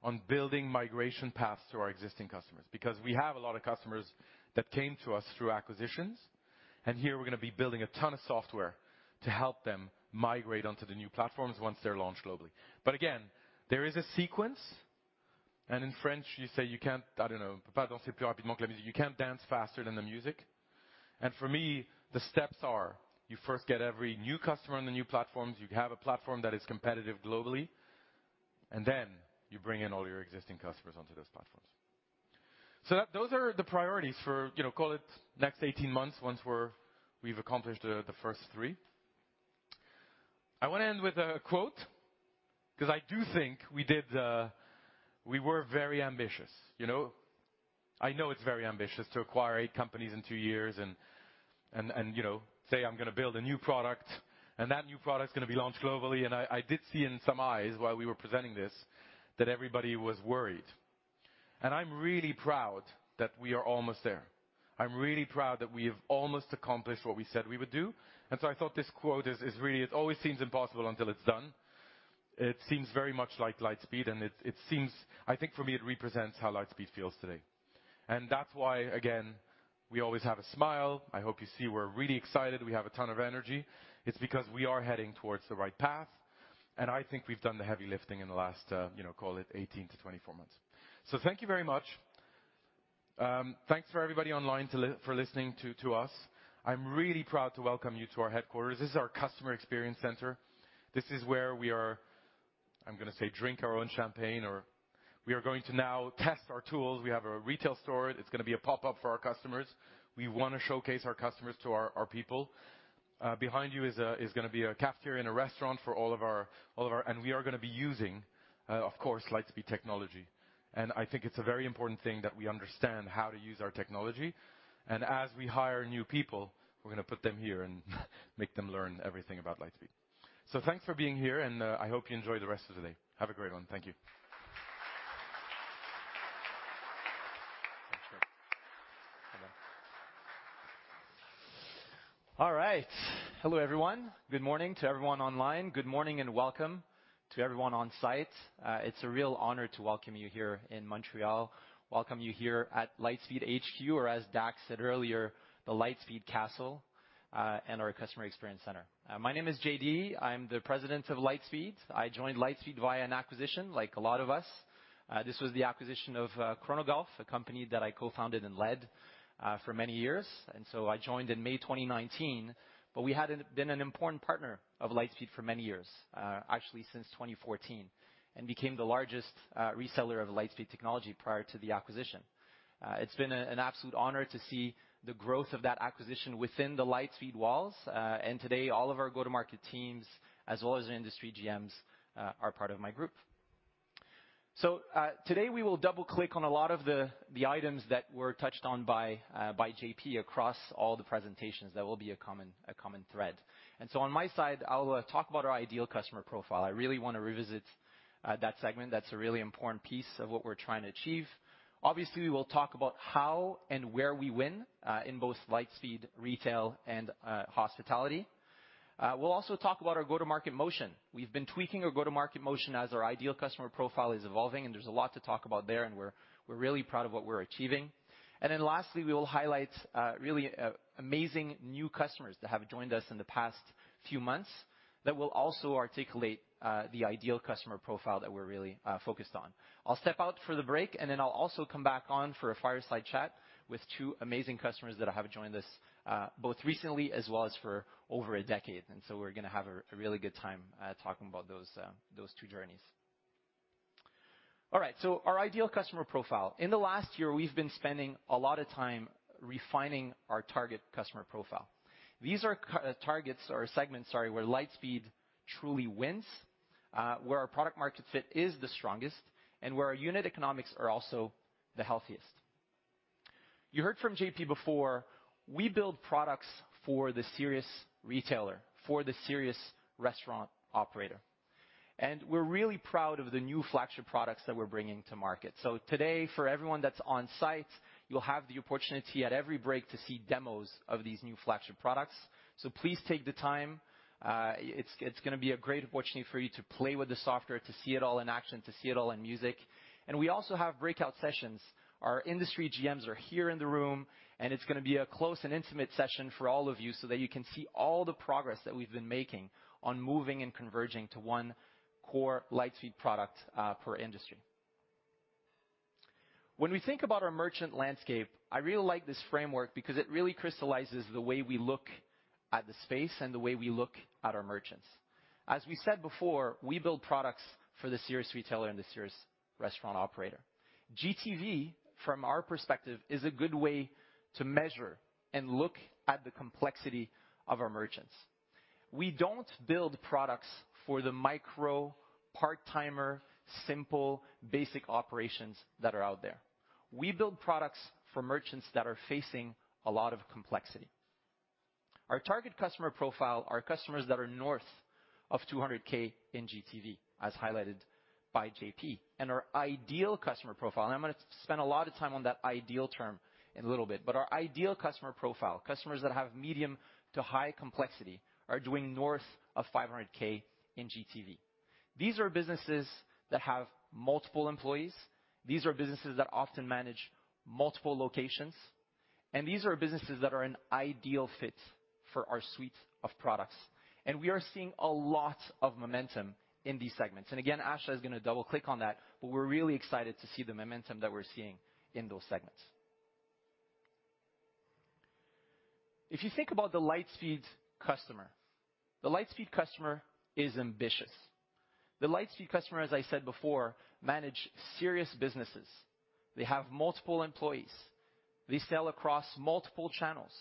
on building migration paths to our existing customers, because we have a lot of customers that came to us through acquisitions, and here we're going to be building a ton of software to help them migrate onto the new platforms once they're launched globally. Again, there is a sequence, and in French, you say you can't, i don't know. you can't dance faster than the music. and for me, the steps are, you first get every new customer on the new platforms, you have a platform that is competitive globally, and then you bring in all your existing customers onto the platform. so those are the priorities for call it the next 18 months once we've accomplished the first three. i want to end with a quote because i do think we did, we were very ambitious,? i know it's very ambitious to acquire eight companies in two years and say i'm going to build a new product, and that new product is going to be launched globally. I did see in some eyes while we were presenting this that everybody was worried. And I'm really proud that we are almost there. I'm really proud that we have almost accomplished what we said we would do. And so I thought this quote is really, it always seems impossible until it's done. It seems very much like Lightspeed and it seems, I think for me, it represents how Lightspeed feels today. And that's why, again, we always have a smile. I hope you see we're really excited. We have a ton of energy. It's because we are heading towards the right path. And I think we've done the heavy lifting in the last, you know, call it 18 to 24 months. So thank you very much. Thanks for everybody online for listening to us. I'm really proud to welcome you to our headquarters. This is our customer experience center. This is where we are, I'm going to say, drink our own champagne or we are going to now test our tools. We have a retail store. It's going to be a pop-up for our customers. We want to showcase our customers to our people. Behind you is going to be a cafeteria and a restaurant for all of our, and we are going to be using, of course, Lightspeed technology. And I think it's a very important thing that we understand how to use our technology. And as we hire new people, we're going to put them here and make them learn everything about Lightspeed. So thanks for being here and I hope you enjoy the rest of the day. Have a great one. Thank you. All right. Hello, everyone. Good morning to everyone online. Good morning and welcome to everyone on-site. It's a real honor to welcome you here in Montreal, welcome you here at Lightspeed HQ, or as Dax said earlier, the Lightspeed Castle, and our Customer Experience Center. My name is JD. I'm the President of Lightspeed. I joined Lightspeed via an acquisition, like a lot of us. This was the acquisition of Chronogolf, a company that I co-founded and led for many years. I joined in May 2019, but we had been an important partner of Lightspeed for many years, actually since 2014, and became the largest reseller of Lightspeed technology prior to the acquisition. It's been an absolute honor to see the growth of that acquisition within the Lightspeed walls. Today, all of our go-to-market teams, as well as the industry GMs, are part of my group. Today we will double-click on a lot of the items that were touched on by JP across all the presentations. That will be a common thread. On my side, I'll talk about our ideal customer profile. I really want to revisit that segment. That's a really important piece of what we're trying to achieve. Obviously, we will talk about how and where we win in both Lightspeed Retail and Hospitality. We'll also talk about our go-to-market motion. We've been tweaking our go-to-market motion as our ideal customer profile is evolving, and there's a lot to talk about there, and we're really proud of what we're achieving. Lastly, we will highlight really amazing new customers that have joined us in the past few months that will also articulate the ideal customer profile that we're really focused on. I'll step out for the break, and then I'll also come back on for a fireside chat with two amazing customers that have joined us both recently as well as for over a decade. We're going to have a really good time talking about those two journeys. All right, our ideal customer profile. In the last year, we've been spending a lot of time refining our target customer profile. These are targets or segments, sorry, where Lightspeed truly wins, where our product market fit is the strongest, and where our unit economics are also the healthiest. You heard from JP before, we build products for the serious retailer, for the serious restaurant operator, and we're really proud of the new flagship products that we're bringing to market. Today, for everyone that's on site, you'll have the opportunity at every break to see demos of these new flagship products. Please take the time. It's going to be a great opportunity for you to play with the software, to see it all in action, to see it all in motion. We also have breakout sessions. Our industry GMs are here in the room, and it's going to be a close and intimate session for all of you so that you can see all the progress that we've been making on moving and converging to one core Lightspeed product per industry. When we think about our merchant landscape, I really like this framework because it really crystallizes the way we look at the space and the way we look at our merchants. As we said before, we build products for the serious retailer and the serious restaurant operator. GTV, from our perspective, is a good way to measure and look at the complexity of our merchants. We don't build products for the micro, part-timer, simple, basic operations that are out there. We build products for merchants that are facing a lot of complexity. Our target customer profile are customers that are north of $200K in GTV, as highlighted by JP. Our ideal customer profile, and I'm going to spend a lot of time on that ideal term in a little bit, but our ideal customer profile, customers that have medium to high complexity are doing north of $500K in GTV. These are businesses that have multiple employees. These are businesses that often manage multiple locations, and these are businesses that are an ideal fit for our suite of products. We are seeing a lot of momentum in these segments. Again, Asha is going to double-click on that, but we're really excited to see the momentum that we're seeing in those segments. If you think about the Lightspeed customer, the Lightspeed customer is ambitious. The Lightspeed customer, as I said before, manage serious businesses. They have multiple employees. They sell across multiple channels,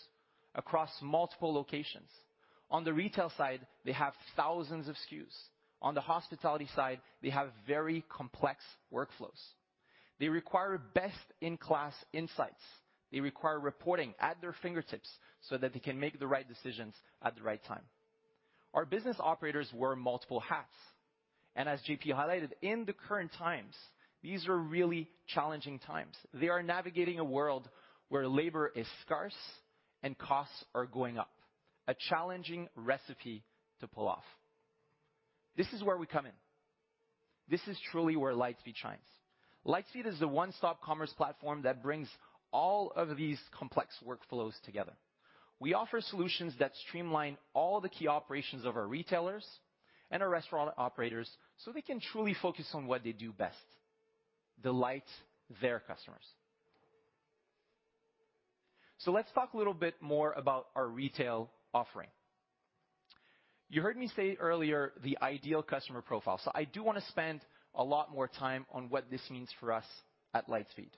across multiple locations. On the retail side, they have thousands of SKUs. On the hospitality side, they have very complex workflows. They require best-in-class insights. They require reporting at their fingertips so that they can make the right decisions at the right time. Our business operators wear multiple hats, and as JP highlighted, in the current times, these are really challenging times. They are navigating a world where labor is scarce and costs are going up. A challenging recipe to pull off. This is where we come in. This is truly where Lightspeed shines. Lightspeed is the one-stop commerce platform that brings all of these complex workflows together. We offer solutions that streamline all the key operations of our retailers and our restaurant operators, so they can truly focus on what they do best, delight their customers. Let's talk a little bit more about our retail offering. You heard me say earlier, the ideal customer profile. I do want to spend a lot more time on what this means for us at Lightspeed.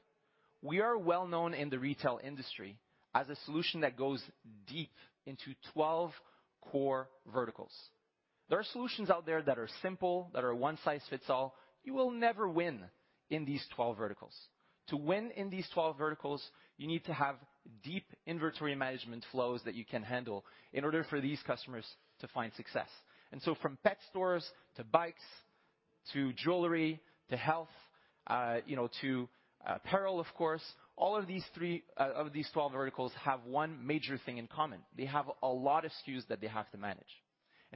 We are well-known in the retail industry as a solution that goes deep into 12 core verticals. There are solutions out there that are simple, that are one size fits all. You will never win in these 12 verticals. To win in these 12 verticals, you need to have deep inventory management flows that you can handle in order for these customers to find success. From pet stores to bikes to jewelry to health to apparel, of course, all of these 12 verticals have one major thing in common. They have a lot of SKUs that they have to manage.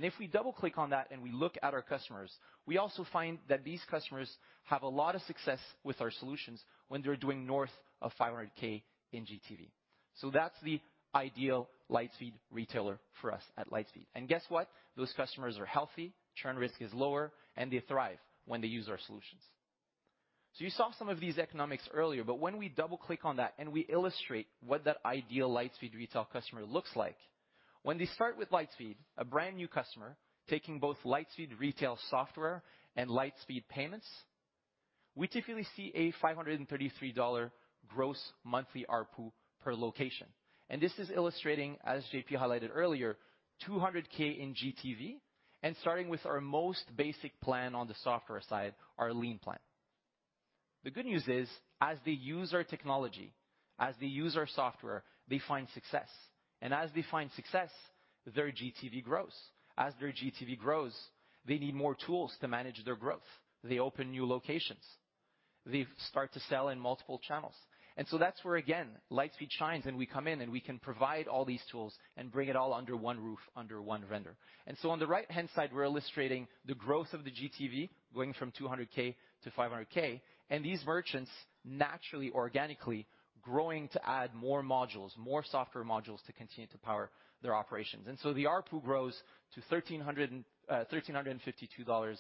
If we double-click on that and we look at our customers, we also find that these customers have a lot of success with our solutions when they're doing north of 500K in GTV. That's the ideal Lightspeed Retail retailer for us at Lightspeed. Guess what? Those customers are healthy, churn risk is lower, and they thrive when they use our solutions. You saw some of these economics earlier, but when we double-click on that and we illustrate what that ideal Lightspeed Retail customer looks like. When they start with Lightspeed, a brand new customer taking both Lightspeed Retail software and Lightspeed Payments, we typically see a $533 gross monthly ARPU per location. This is illustrating, as JP highlighted earlier, 200K in GTV and starting with our most basic plan on the software side, our lean plan. The good news is as they use our technology, as they use our software, they find success, and as they find success, their GTV grows. As their GTV grows, they need more tools to manage their growth. They open new locations. They start to sell in multiple channels. That's where, again, Lightspeed shines, and we come in, and we can provide all these tools and bring it all under one roof, under one vendor. On the right-hand side, we're illustrating the growth of the GTV going from 200K to 500K. These merchants naturally, organically growing to add more modules, more software modules, to continue to power their operations. The ARPU grows to $1,352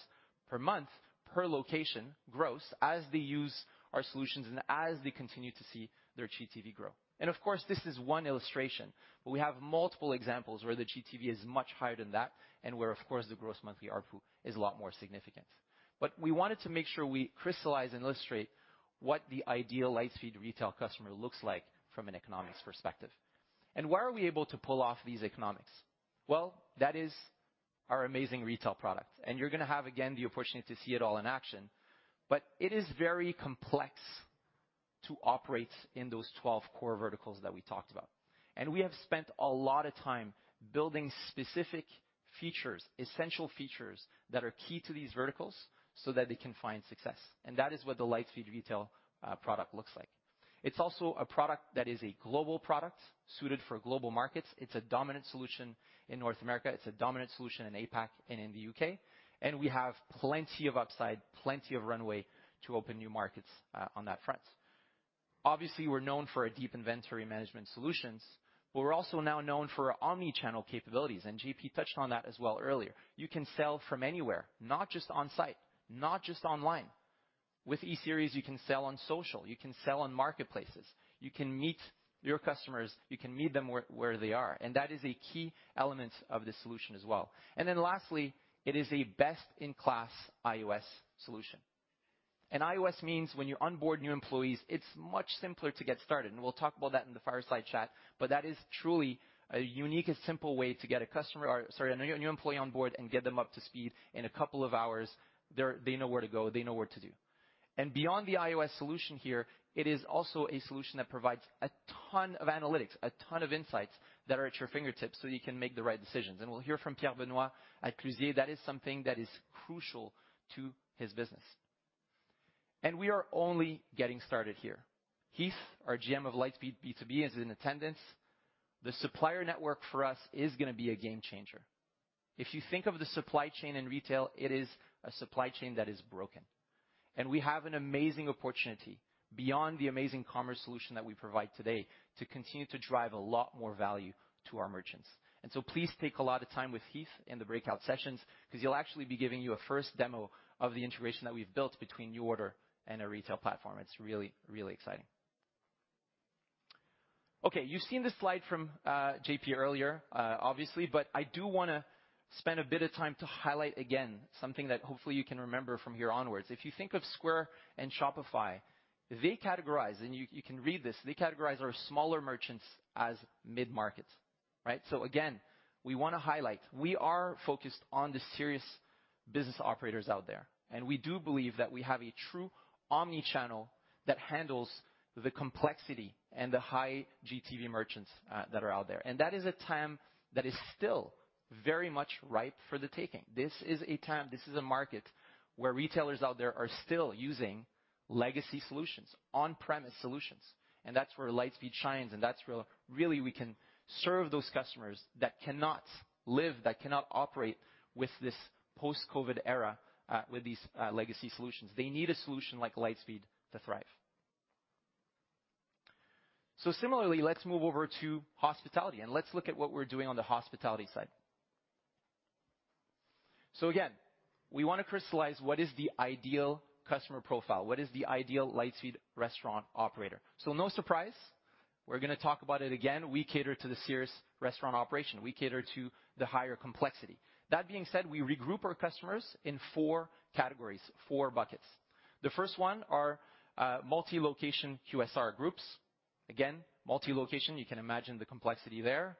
per month per location gross as they use our solutions and as they continue to see their GTV grow. Of course, this is one illustration, but we have multiple examples where the GTV is much higher than that and where, of course, the gross monthly ARPU is a lot more significant. We wanted to make sure we crystallize and illustrate what the ideal Lightspeed Retail customer looks like from an economics perspective. Why are we able to pull off these economics? Well, that is our amazing Retail product. You're going to have again the opportunity to see it all in action. It is very complex to operate in those 12 core verticals that we talked about. We have spent a lot of time building specific features, essential features that are key to these verticals so that they can find success. That is what the Lightspeed Retail product looks like. It's also a product that is a global product suited for global markets. It's a dominant solution in North America. It's a dominant solution in APAC and in the UK, and we have plenty of upside, plenty of runway to open new markets on that front. Obviously, we're known for our deep inventory management solutions, but we're also now known for our omni-channel capabilities, and JP touched on that as well earlier. You can sell from anywhere, not just on-site, not just online. With E-Series, you can sell on social, you can sell on marketplaces, you can meet your customers, you can meet them where they are. That is a key element of this solution as well. Then lastly, it is a best in class iOS solution. iOS means when you onboard new employees, it's much simpler to get started, and we'll talk about that in the fireside chat. That is truly a unique and simple way to get a customer or, sorry, a new employee on board and get them up to speed in a couple of hours. They're, they know where to go. They know what to do. Beyond the iOS solution here, it is also a solution that provides a ton of analytics, a ton of insights that are at your fingertips, so you can make the right decisions. We'll hear from Pierre-Benoît Duhamel at Clusier. That is something that is crucial to his business. We are only getting started here. Heath, our GM of Lightspeed B2B is in attendance. The supplier network for us is going to be a game changer. If you think of the supply chain in retail, it is a supply chain that is broken. We have an amazing opportunity beyond the amazing commerce solution that we provide today to continue to drive a lot more value to our merchants. Please take a lot of time with Heath in the breakout sessions because he'll actually be giving you a first demo of the integration that we've built between NuORDER and our retail platform. It's really, really exciting. Okay, you've seen this slide from JP earlier, obviously, but I do want to spend a bit of time to highlight again something that hopefully you can remember from here onwards. If you think of Square and Shopify, they categorize, and you can read this, they categorize our smaller merchants as mid-market, right? Again, we want to highlight we are focused on the serious business operators out there, and we do believe that we have a true omni-channel that handles the complexity and the high GTV merchants that are out there. That is a TAM that is still very much ripe for the taking. This is a TAM, this is a market where retailers out there are still using legacy solutions, on-premise solutions, and that's where Lightspeed shines, and that's where really we can serve those customers that cannot operate with this post-COVID era with these legacy solutions. They need a solution like Lightspeed to thrive. Similarly, let's move over to hospitality, and let's look at what we're doing on the hospitality side. Again, we want to crystallize what is the ideal customer profile, what is the ideal Lightspeed restaurant operator. No surprise, we're going to talk about it again. We cater to the serious restaurant operation. We cater to the higher complexity. That being said, we regroup our customers in four categories, four buckets. The first one are multi-location QSR groups. Again, multi-location, you can imagine the complexity there.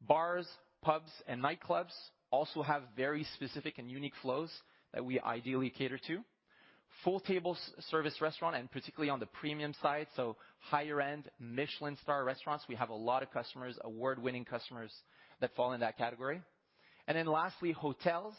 Bars, pubs, and nightclubs also have very specific and unique flows that we ideally cater to. Full table service restaurant and particularly on the premium side, so higher end Michelin star restaurants. We have a lot of customers, award-winning customers that fall in that category. Then lastly, hotels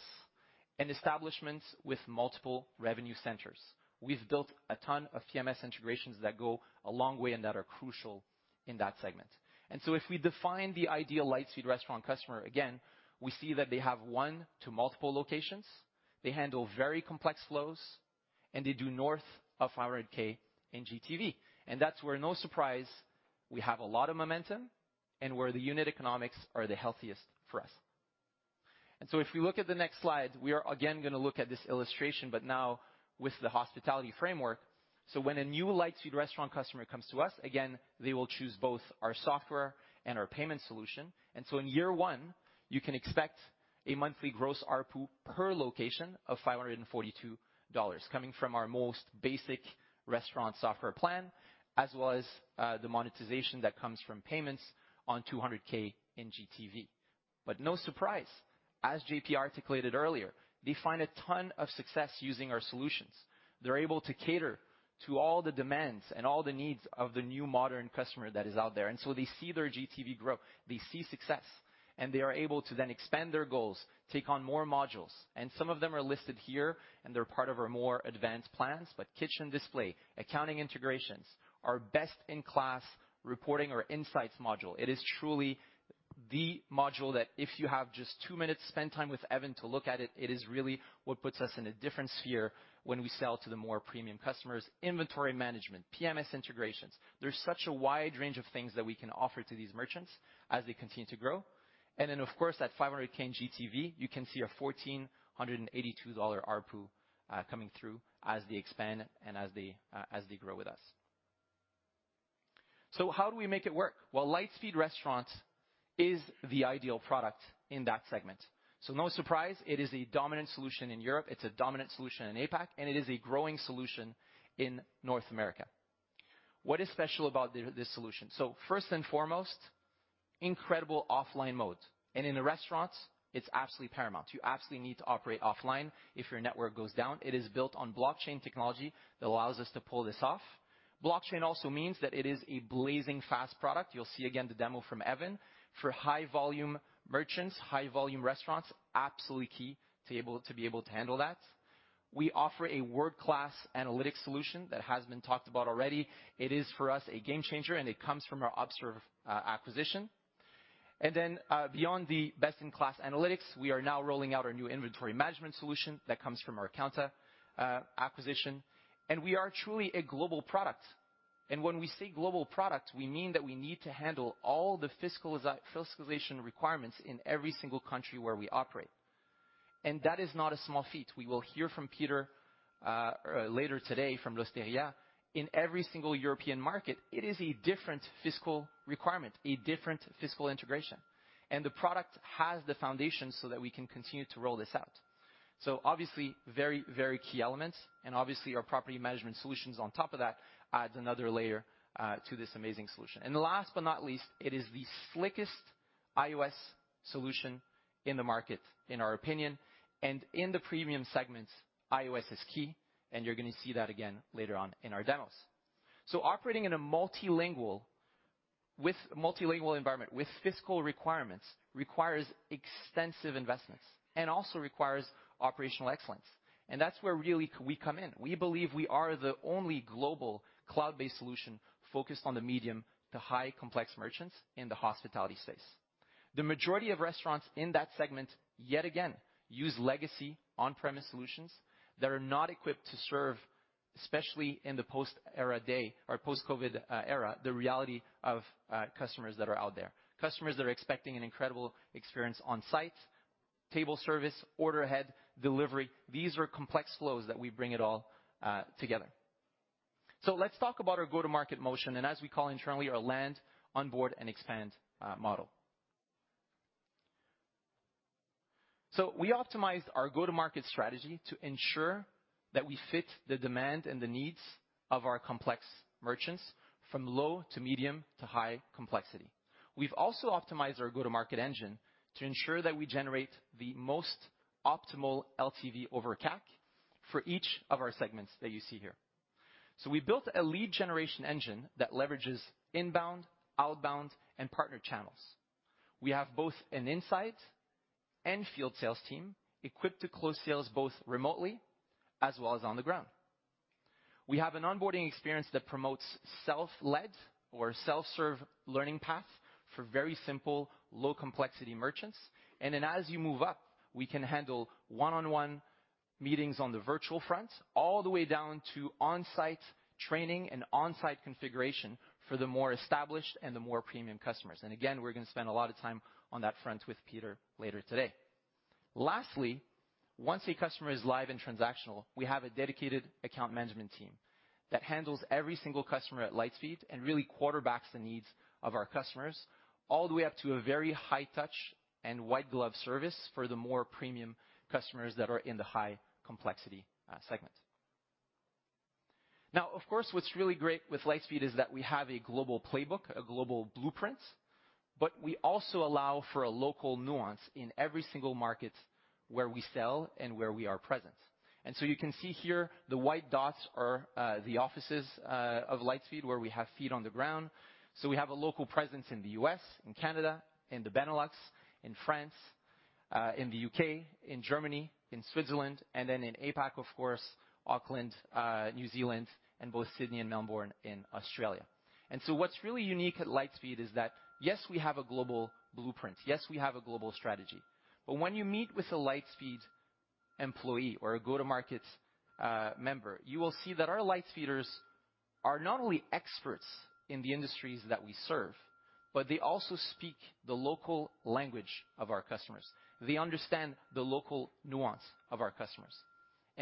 and establishments with multiple revenue centers. We've built a ton of PMS integrations that go a long way and that are crucial in that segment. If we define the ideal Lightspeed Restaurant customer, again, we see that they have one to multiple locations. They handle very complex flows, and they do north of $500K in GTV. That's where, no surprise, we have a lot of momentum and where the unit economics are the healthiest for us. If we look at the next slide, we are again going to look at this illustration, but now with the hospitality framework. When a new Lightspeed Restaurant customer comes to us, again, they will choose both our software and our payment solution. In year one, you can expect a monthly gross ARPU per location of $542 coming from our most basic restaurant software plan, as well as, the monetization that comes from payments on $200K in GTV. No surprise, as JP articulated earlier, they find a ton of success using our solutions. They're able to cater to all the demands and all the needs of the new modern customer that is out there. \They see their GTV grow, they see success, and they are able to then expand their goals, take on more modules. Some of them are listed here, and they're part of our more advanced plans. Kitchen Display, accounting integrations, our best-in-class reporting or Insights module. It is truly the module that, if you have just two minutes, spend time with Evan to look at it. It is really what puts us in a different sphere when we sell to the more premium customers. Inventory management, PMS integrations. There's such a wide range of things that we can offer to these merchants as they continue to grow. Of course, that $500K in GTV, you can see a $1,482 ARPU coming through as they expand and as they grow with us. How do we make it work? Well, Lightspeed Restaurant is the ideal product in that segment. No surprise, it is a dominant solution in Europe, it's a dominant solution in APAC, and it is a growing solution in North America. What is special about this solution? First and foremost, incredible offline mode. In a restaurant, it's absolutely paramount. You absolutely need to operate offline if your network goes down. It is built on blockchain technology that allows us to pull this off. Blockchain also means that it is a blazing fast product. You'll see again the demo from Evan. For high volume merchants, high volume restaurants, absolutely key to be able to handle that. We offer a world-class analytics solution that has been talked about already. It is, for us, a game changer, and it comes from our Observe acquisition. Then, beyond the best-in-class analytics, we are now rolling out our new inventory management solution that comes from our Kounta acquisition. We are truly a global product. When we say global product, we mean that we need to handle all the fiscalization requirements in every single country where we operate. That is not a small feat. We will hear from Peter later today from L'Osteria. In every single European market, it is a different fiscal requirement, a different fiscal integration. The product has the foundation so that we can continue to roll this out. Obviously, very, very key elements. Obviously, our property management solutions on top of that adds another layer to this amazing solution. The last but not least, it is the slickest iOS solution in the market, in our opinion. In the premium segments, iOS is key, and you're going to see that again later on in our demos. Operating in a multilingual environment with fiscal requirements requires extensive investments and also requires operational excellence. That's where really we come in. We believe we are the only global cloud-based solution focused on the medium to high complex merchants in the hospitality space. The majority of restaurants in that segment, yet again, use legacy on-premise solutions that are not equipped to serve, especially in the post-pandemic era or post-COVID era, the reality of customers that are out there. Customers that are expecting an incredible experience on site, table service, order ahead, delivery. These are complex flows that we bring it all together. Let's talk about our go-to-market motion, and as we call internally, our land, onboard, and expand model. We optimize our go-to-market strategy to ensure that we fit the demand and the needs of our complex merchants from low to medium to high complexity. We've also optimized our go-to-market engine to ensure that we generate the most optimal LTV over CAC for each of our segments that you see here. We built a lead generation engine that leverages inbound, outbound, and partner channels. We have both an insight and field sales team equipped to close sales both remotely as well as on the ground. We have an onboarding experience that promotes self-led or self-serve learning path for very simple low complexity merchants. Then as you move up, we can handle one-on-one meetings on the virtual front, all the way down to on-site training and on-site configuration for the more established and the more premium customers. Again, we're going to spend a lot of time on that front with Peter later today. Lastly, once a customer is live and transactional, we have a dedicated account management team that handles every single customer at Lightspeed and really quarterbacks the needs of our customers, all the way up to a very high touch and white glove service for the more premium customers that are in the high complexity segment. Now, of course, what's really great with Lightspeed is that we have a global playbook, a global blueprint, but we also allow for a local nuance in every single market where we sell and where we are present. You can see here the white dots are the offices of Lightspeed, where we have feet on the ground. We have a local presence in the US, in Canada, in the Benelux, in France, in the UK, in Germany, in Switzerland, and then in APAC, of course, Auckland, New Zealand, and both Sydney and Melbourne in Australia. What's really unique at Lightspeed is that, yes, we have a global blueprint. Yes, we have a global strategy. When you meet with a Lightspeed employee or a go-to-market member, you will see that our Lightspeeders are not only experts in the industries that we serve, but they also speak the local language of our customers. They understand the local nuance of our customers.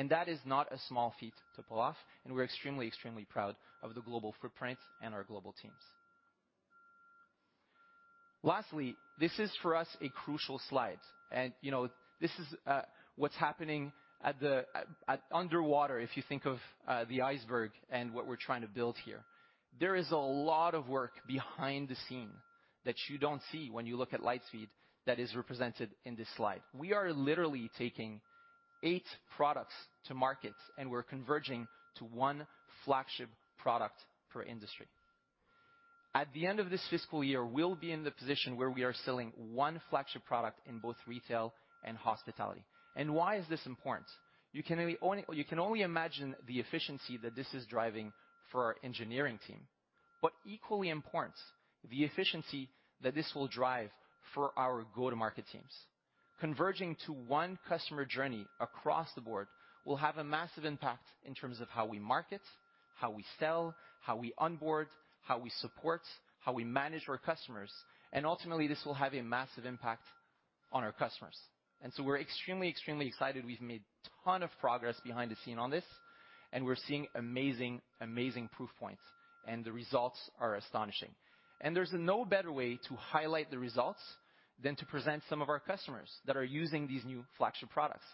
That is not a small feat to pull off, and we're extremely proud of the global footprint and our global teams. Lastly, this is for us a crucial slide. This is what's happening underwater, if you think of the iceberg and what we're trying to build here. There is a lot of work behind the scenes that you don't see when you look at Lightspeed that is represented in this slide. We are literally taking 8 products to market, and we're converging to one flagship product per industry. At the end of this fiscal year, we'll be in the position where we are selling one flagship product in both retail and hospitality. Why is this important? You can only imagine the efficiency that this is driving for our engineering team. Equally important, the efficiency that this will drive for our go-to-market teams. Converging to one customer journey across the board will have a massive impact in terms of how we market, how we sell, how we onboard, how we support, how we manage our customers, and ultimately, this will have a massive impact on our customers. We're extremely excited. We've made a ton of progress behind the scenes on this, and we're seeing amazing proof points, and the results are astonishing. There's no better way to highlight the results than to present some of our customers that are using these new flagship products.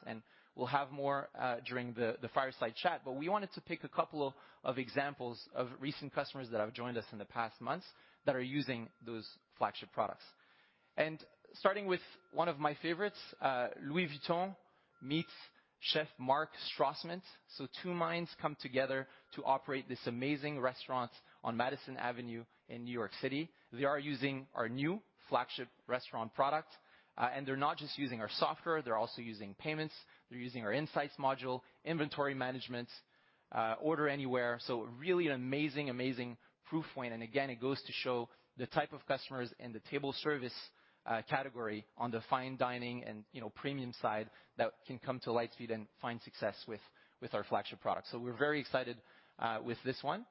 We'll have more during the fireside chat, but we wanted to pick a couple of examples of recent customers that have joined us in the past months that are using those flagship products. Starting with one of my favorites, Louis Vuitton meets Chef Marc Strausman. Two minds come together to operate this amazing restaurant on Madison Avenue in New York City. They are using our new flagship restaurant product. They're not just using our software, they're also using payments, they're using our insights module, inventory management, Order Anywhere. Really an amazing proof point. It goes to show the type of customers in the table service category on the fine dining and premium side that can come to Lightspeed and find success with our flagship products. We're very excited with this one.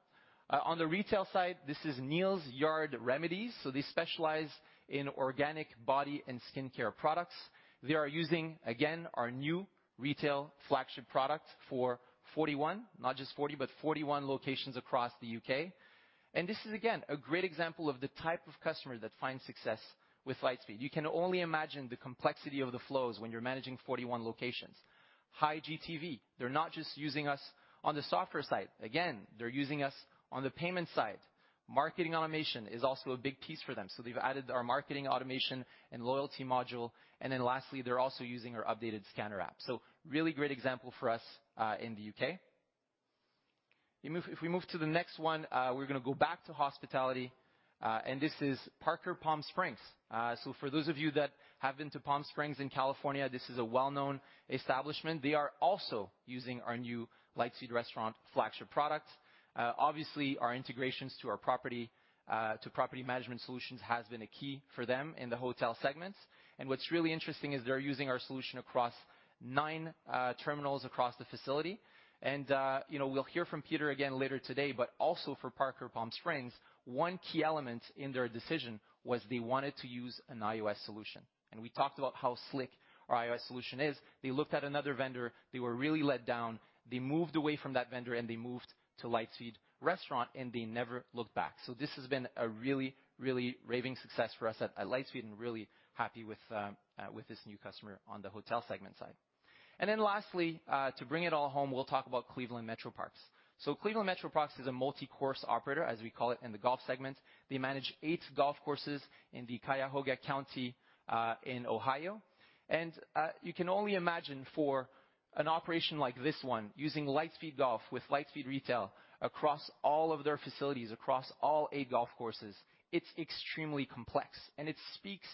On the retail side, this is Neal's Yard Remedies. They specialize in organic body and skincare products. They are using, again, our new retail flagship product for 41, not just 40, but 41 locations across the UK. This is again a great example of the type of customer that finds success with Lightspeed. You can only imagine the complexity of the flows when you're managing 41 locations. High GTV, they're not just using us on the software side. Again, they're using us on the payment side. Marketing automation is also a big piece for them. They've added our marketing automation and loyalty module. Then lastly, they're also using our updated scanner app. Really great example for us in the UK. If we move to the next one, we're going to go back to hospitality. This is Parker Palm Springs. For those of you that have been to Palm Springs in California, this is a well-known establishment. They are also using our new Lightspeed Restaurant flagship product. Obviously, our integrations to our property management solutions has been a key for them in the hotel segments. What's really interesting is they're using our solution across 9 terminals across the facility. we'll hear from Peter again later today, but also for Parker Palm Springs, one key element in their decision was they wanted to use an iOS solution. We talked about how slick our iOS solution is. They looked at another vendor, they were really let down. They moved away from that vendor, and they moved to Lightspeed Restaurant, and they never looked back. This has been a really, really raving success for us at Lightspeed, and really happy with this new customer on the hotel segment side. To bring it all home, we'll talk about Cleveland Metroparks. Cleveland Metroparks is a multi-course operator, as we call it in the golf segment. They manage eight golf courses in the Cuyahoga County, in Ohio. You can only imagine for an operation like this one, using Lightspeed Golf with Lightspeed Retail across all of their facilities, across all 8 golf courses, it's extremely complex. It speaks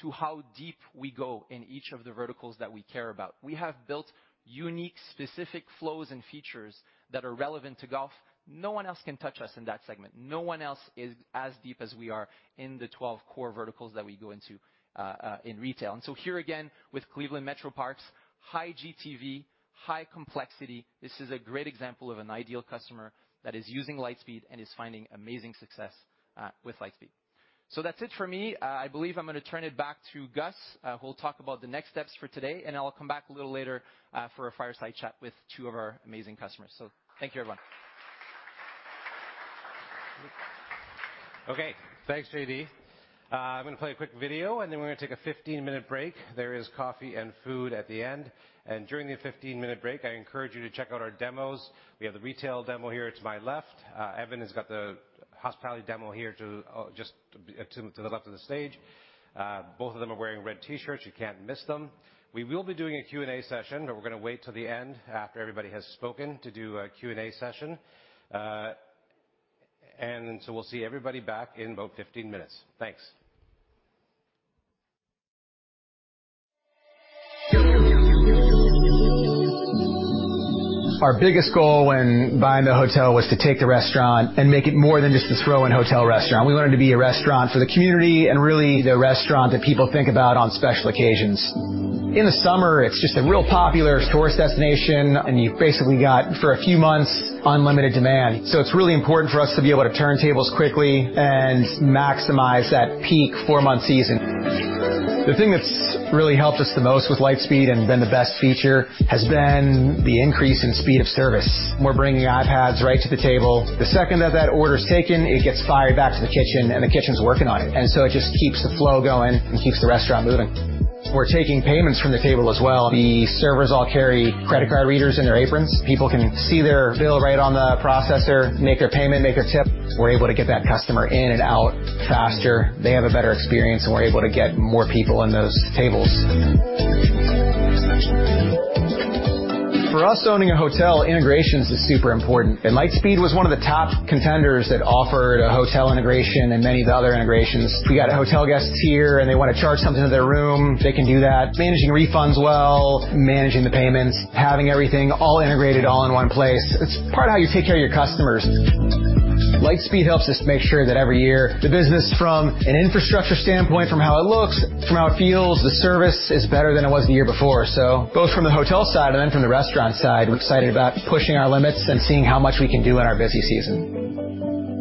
to how deep we go in each of the verticals that we care about. We have built unique, specific flows and features that are relevant to golf. No one else can touch us in that segment. No one else is as deep as we are in the 12 core verticals that we go into in retail. Here again, with Cleveland Metroparks, high GTV, high complexity, this is a great example of an ideal customer that is using Lightspeed and is finding amazing success with Lightspeed. That's it for me. I believe I'm going to turn it back to Gus, who will talk about the next steps for today, and I'll come back a little later for a fireside chat with two of our amazing customers. Thank you, everyone. Okay. Thanks, JD. I'm going to play a quick video, and then we're going to take a 15-minute break. There is coffee and food at the end. During the 15-minute break, I encourage you to check out our demos. We have the retail demo here to my left. Evan has got the hospitality demo here to just to the left of the stage. Both of them are wearing red T-shirts. You can't miss them. We will be doing a Q&A session, but we're going to wait till the end after everybody has spoken to do a Q&A session. We'll see everybody back in about 15 minutes. Thanks. Our biggest goal when buying the hotel was to take the restaurant and make it more than just this throw-in hotel restaurant. We want it to be a restaurant for the community and really the restaurant that people think about on special occasions. In the summer, it's just a real popular tourist destination, and you've basically got, for a few months, unlimited demand. It's really important for us to be able to turn tables quickly and maximize that peak four-month season. The thing that's really helped us the most with Lightspeed and been the best feature has been the increase in speed of service. We're bringing iPads right to the table. The second that order is taken, it gets fired back to the kitchen, and the kitchen's working on it. It just keeps the flow going and keeps the restaurant moving. We're taking payments from the table as well. The servers all carry credit card readers in their aprons. People can see their bill right on the processor, make their payment, make their tip. We're able to get that customer in and out faster. They have a better experience, and we're able to get more people in those tables. For us, owning a hotel, integrations is super important, and Lightspeed was one of the top contenders that offered a hotel integration and many of the other integrations. We got hotel guests here, and they want to charge something to their room. They can do that. Managing refunds well, managing the payments, having everything all integrated all in one place, it's part of how you take care of your customers. Lightspeed helps us make sure that every year the business from an infrastructure standpoint, from how it looks, from how it feels, the service is better than it was the year before. Both from the hotel side and then from the restaurant side, we're excited about pushing our limits and seeing how much we can do in our busy season.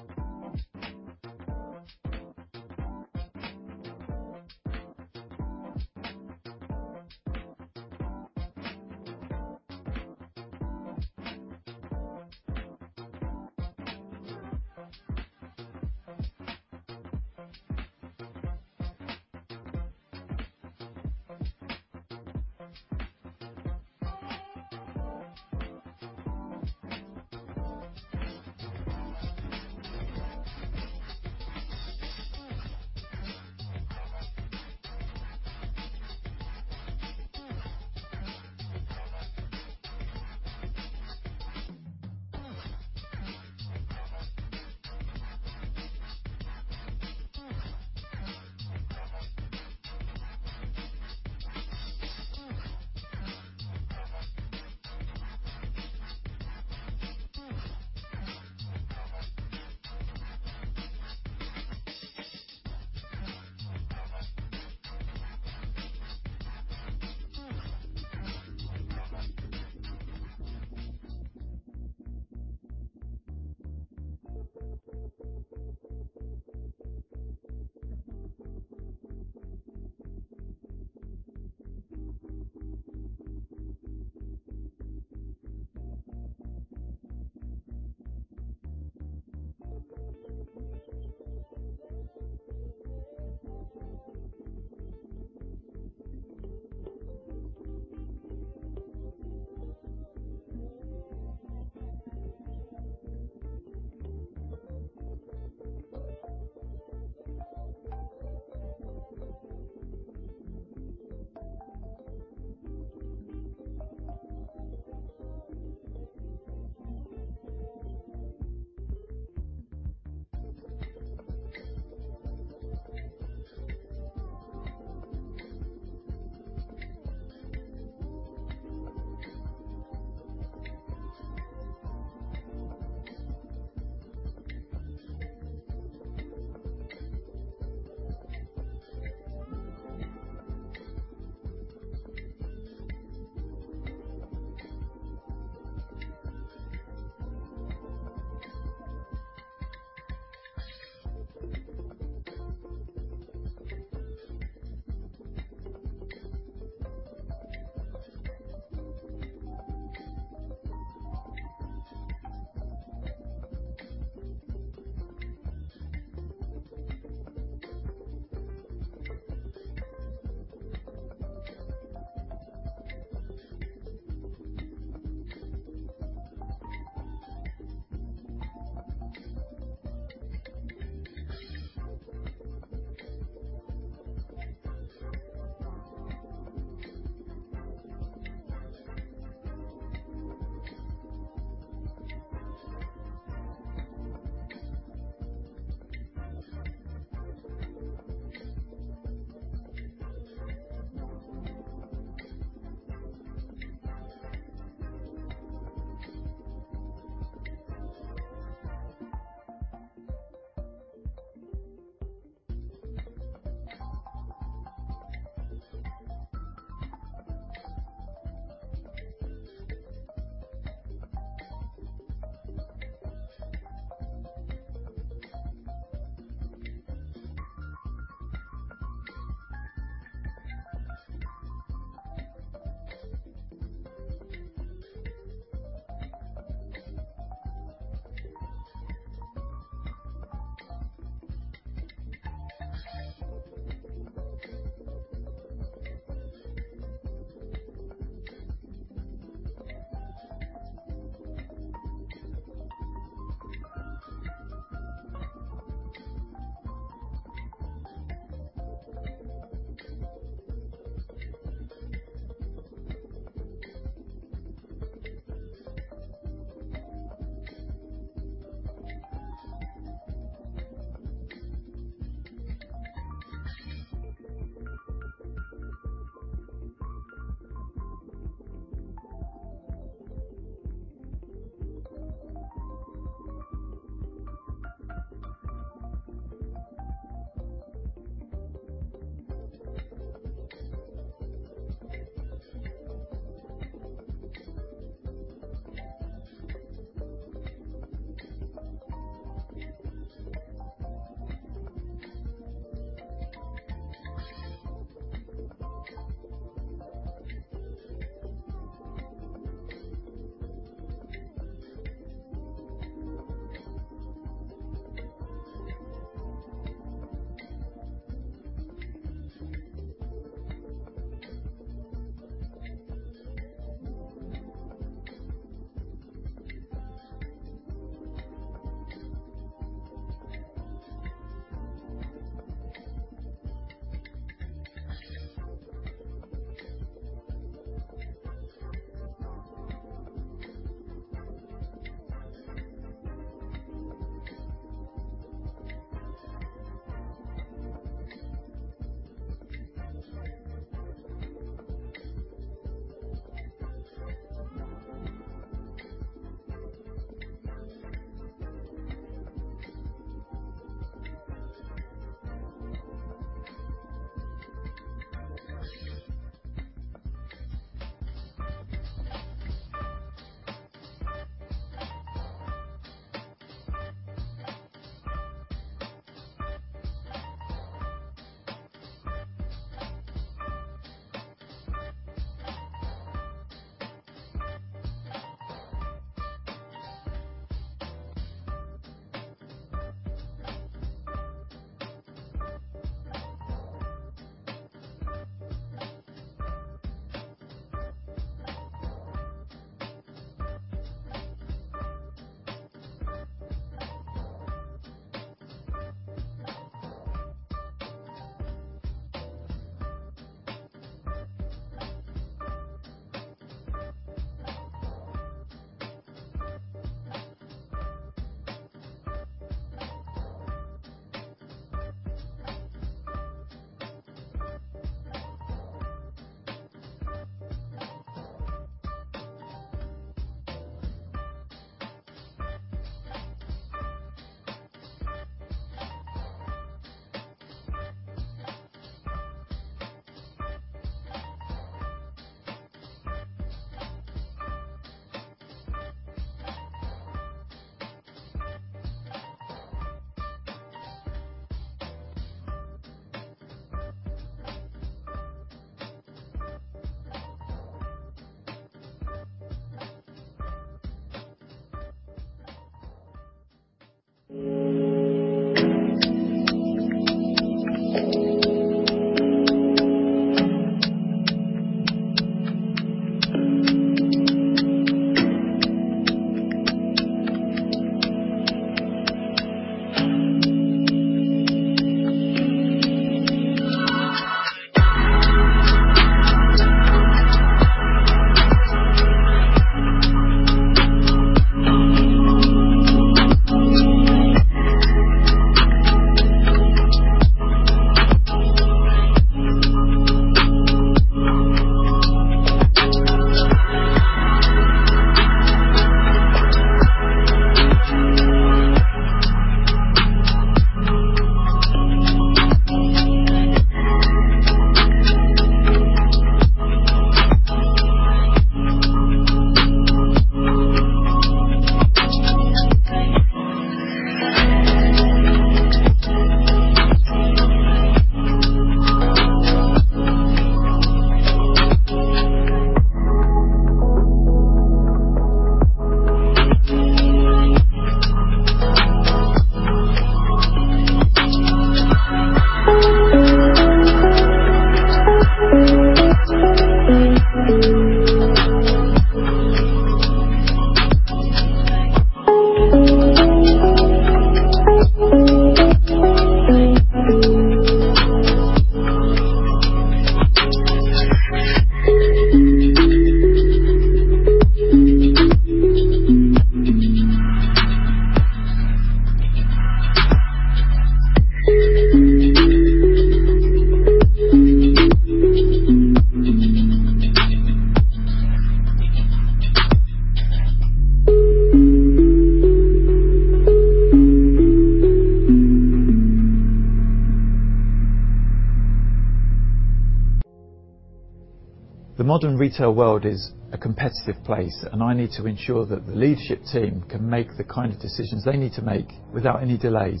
The modern retail world is a competitive place, and I need to ensure that the leadership team can make the kind of decisions they need to make without any delays.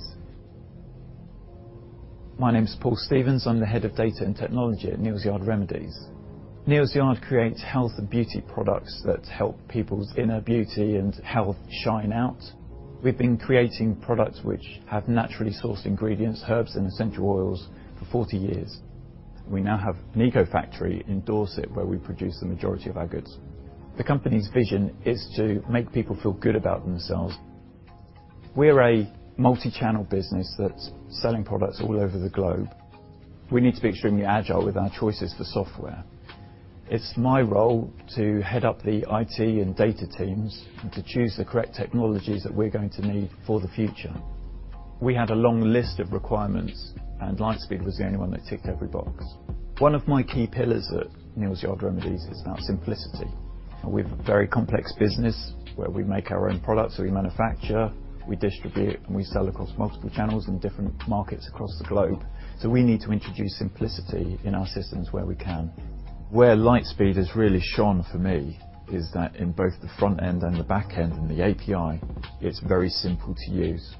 My name is Paul Stephens. I'm the Head of Data and Technology at Neal's Yard Remedies. Neal's Yard creates health and beauty products that help people's inner beauty and health shine out. We've been creating products which have naturally sourced ingredients, herbs, and essential oils for 40 years. We now have an eco-factory in Dorset, where we produce the majority of our goods. The company's vision is to make people feel good about themselves. We're a multi-channel business that's selling products all over the globe. We need to be extremely agile with our choices for software. It's my role to head up the IT and data teams, and to choose the correct technologies that we're going to need for the future. We had a long list of requirements, and Lightspeed was the only one that ticked every box. One of my key pillars at Neal's Yard Remedies is about simplicity. We have a very complex business where we make our own products, we manufacture, we distribute, and we sell across multiple channels in different markets across the globe. We need to introduce simplicity in our systems where we can. Where Lightspeed has really shone for me is that in both the front end and the back end and the API, it's very simple to use.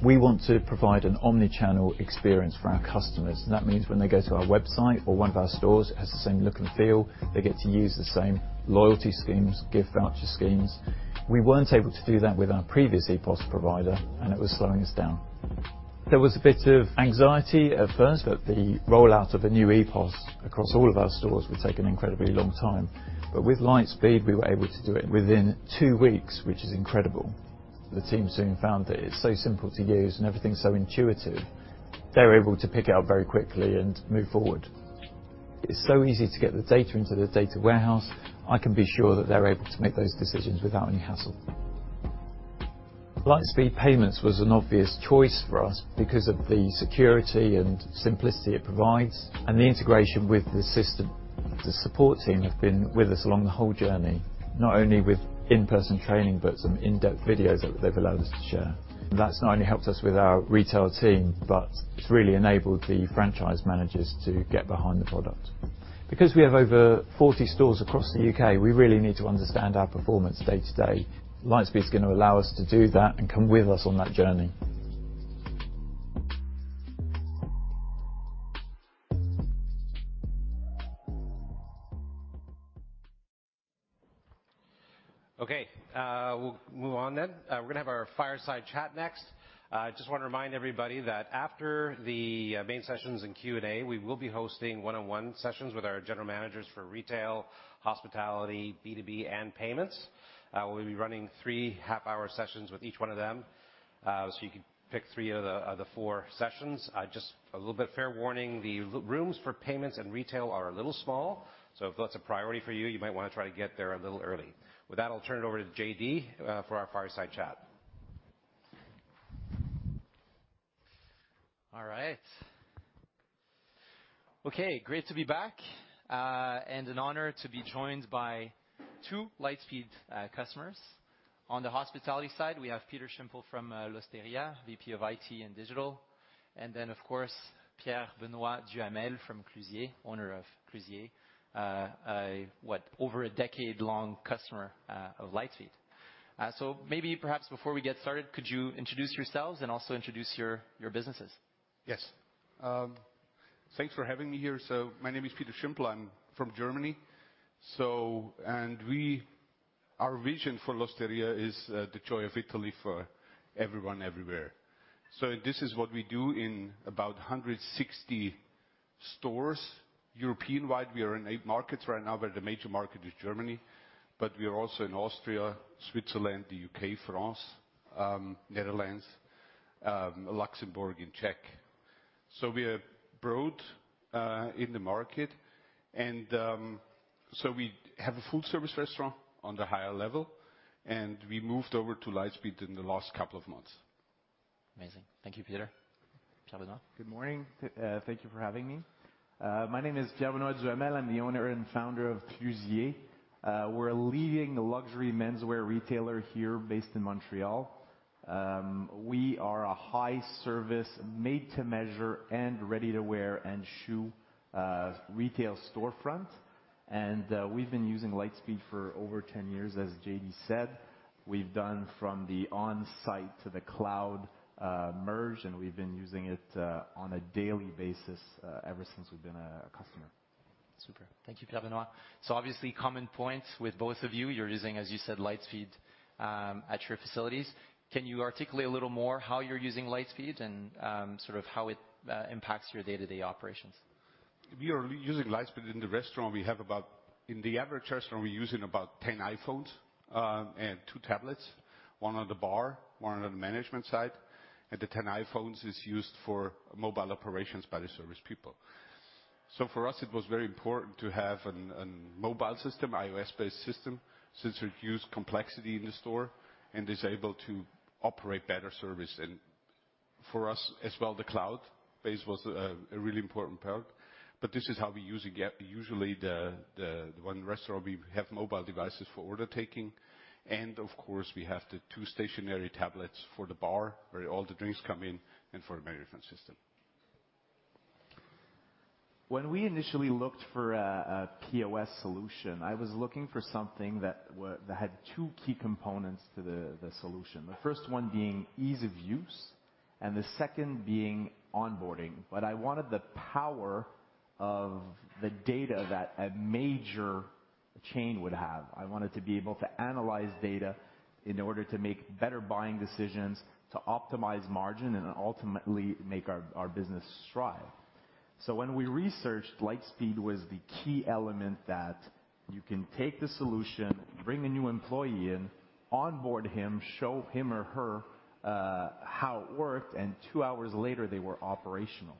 We want to provide an omni-channel experience for our customers. That means when they go to our website or one of our stores, it has the same look and feel. They get to use the same loyalty schemes, gift voucher schemes. We weren't able to do that with our previous EPOS provider, and it was slowing us down. There was a bit of anxiety at first that the rollout of the new EPOS across all of our stores would take an incredibly long time. With Lightspeed, we were able to do it within two weeks, which is incredible. The team soon found that it's so simple to use and everything's so intuitive, they were able to pick it up very quickly and move forward. It's so easy to get the data into the data warehouse. I can be sure that they're able to make those decisions without any hassle. Lightspeed Payments was an obvious choice for us because of the security and simplicity it provides and the integration with the system. The support team have been with us along the whole journey, not only with in-person training, but some in-depth videos that they've allowed us to share. That's not only helped us with our retail team, but it's really enabled the franchise managers to get behind the product. Because we have over 40 stores across the U.K., we really need to understand our performance day to day. Lightspeed's going to allow us to do that and come with us on that journey. Okay, we'll move on then. We're going to have our fireside chat next. I just want to remind everybody that after the main sessions and Q&A, we will be hosting one-on-one sessions with our general managers for retail, hospitality, B2B and payments. We'll be running three half-hour sessions with each one of them. You could pick three of the four sessions. Just a little bit fair warning, the rooms for payments and retail are a little small, so if that's a priority for you might want to try to get there a little early. With that, I'll turn it over to JD for our fireside chat. All right. Okay, great to be back. An honor to be joined by two Lightspeed customers. On the hospitality side, we have Peter Schimpl from L'Osteria, VP of IT and Digital. Then, of course, Pierre-Benoit Duhamel from Clusier, Owner of Clusier. A what? Over a decade-long customer of Lightspeed. Maybe perhaps before we get started, could you introduce yourselves and also introduce your businesses? Yes. Thanks for having me here. My name is Peter Schimpl. I'm from Germany. Our vision for L'Osteria is the joy of Italy for everyone, everywhere. This is what we do in about 160 stores Europe-wide. We are in eight markets right now, but the major market is Germany. We are also in Austria, Switzerland, the UK, France, Netherlands, Luxembourg, and Czech. We are broad in the market and we have a full-service restaurant on the higher level, and we moved over to Lightspeed in the last couple of months. Amazing. Thank you, Peter. Pierre-Benoit. Good morning. Thank you for having me. My name is Pierre-Benoit Duhamel. I'm the owner and founder of Clusier. We're a leading luxury menswear retailer here based in Montreal. We are a high service, made to measure and ready-to-wear and shoe retail storefront. We've been using Lightspeed for over 10 years, as JD said. We've done from the on-site to the cloud merge, and we've been using it on a daily basis ever since we've been a customer. Super. Thank you, Pierre-Benoit. Obviously, common points with both of you. You're using, as you said, Lightspeed at your facilities. Can you articulate a little more how you're using Lightspeed and sort of how it impacts your day-to-day operations? We are using Lightspeed in the restaurant. In the average restaurant, we're using about 10 iPhones and 2 tablets, one on the bar, one on the management side. The 10 iPhones is used for mobile operations by the service people. For us, it was very important to have a mobile system, iOS-based system, since it reduced complexity in the store and is able to operate better service. For us as well, the cloud-based was a really important perk. This is how we use it. Yeah. Usually the one restaurant, we have mobile devices for order taking, and of course we have the 2 stationary tablets for the bar, where all the drinks come in and for the management system. When we initially looked for a POS solution, I was looking for something that had two key components to the solution. The first one being ease of use, and the second being onboarding. I wanted the power of the data that a major chain would have. I wanted to be able to analyze data in order to make better buying decisions, to optimize margin, and ultimately make our business strive. When we researched, Lightspeed was the key element that you can take the solution, bring a new employee in, onboard him, show him or her how it worked, and two hours later they were operational.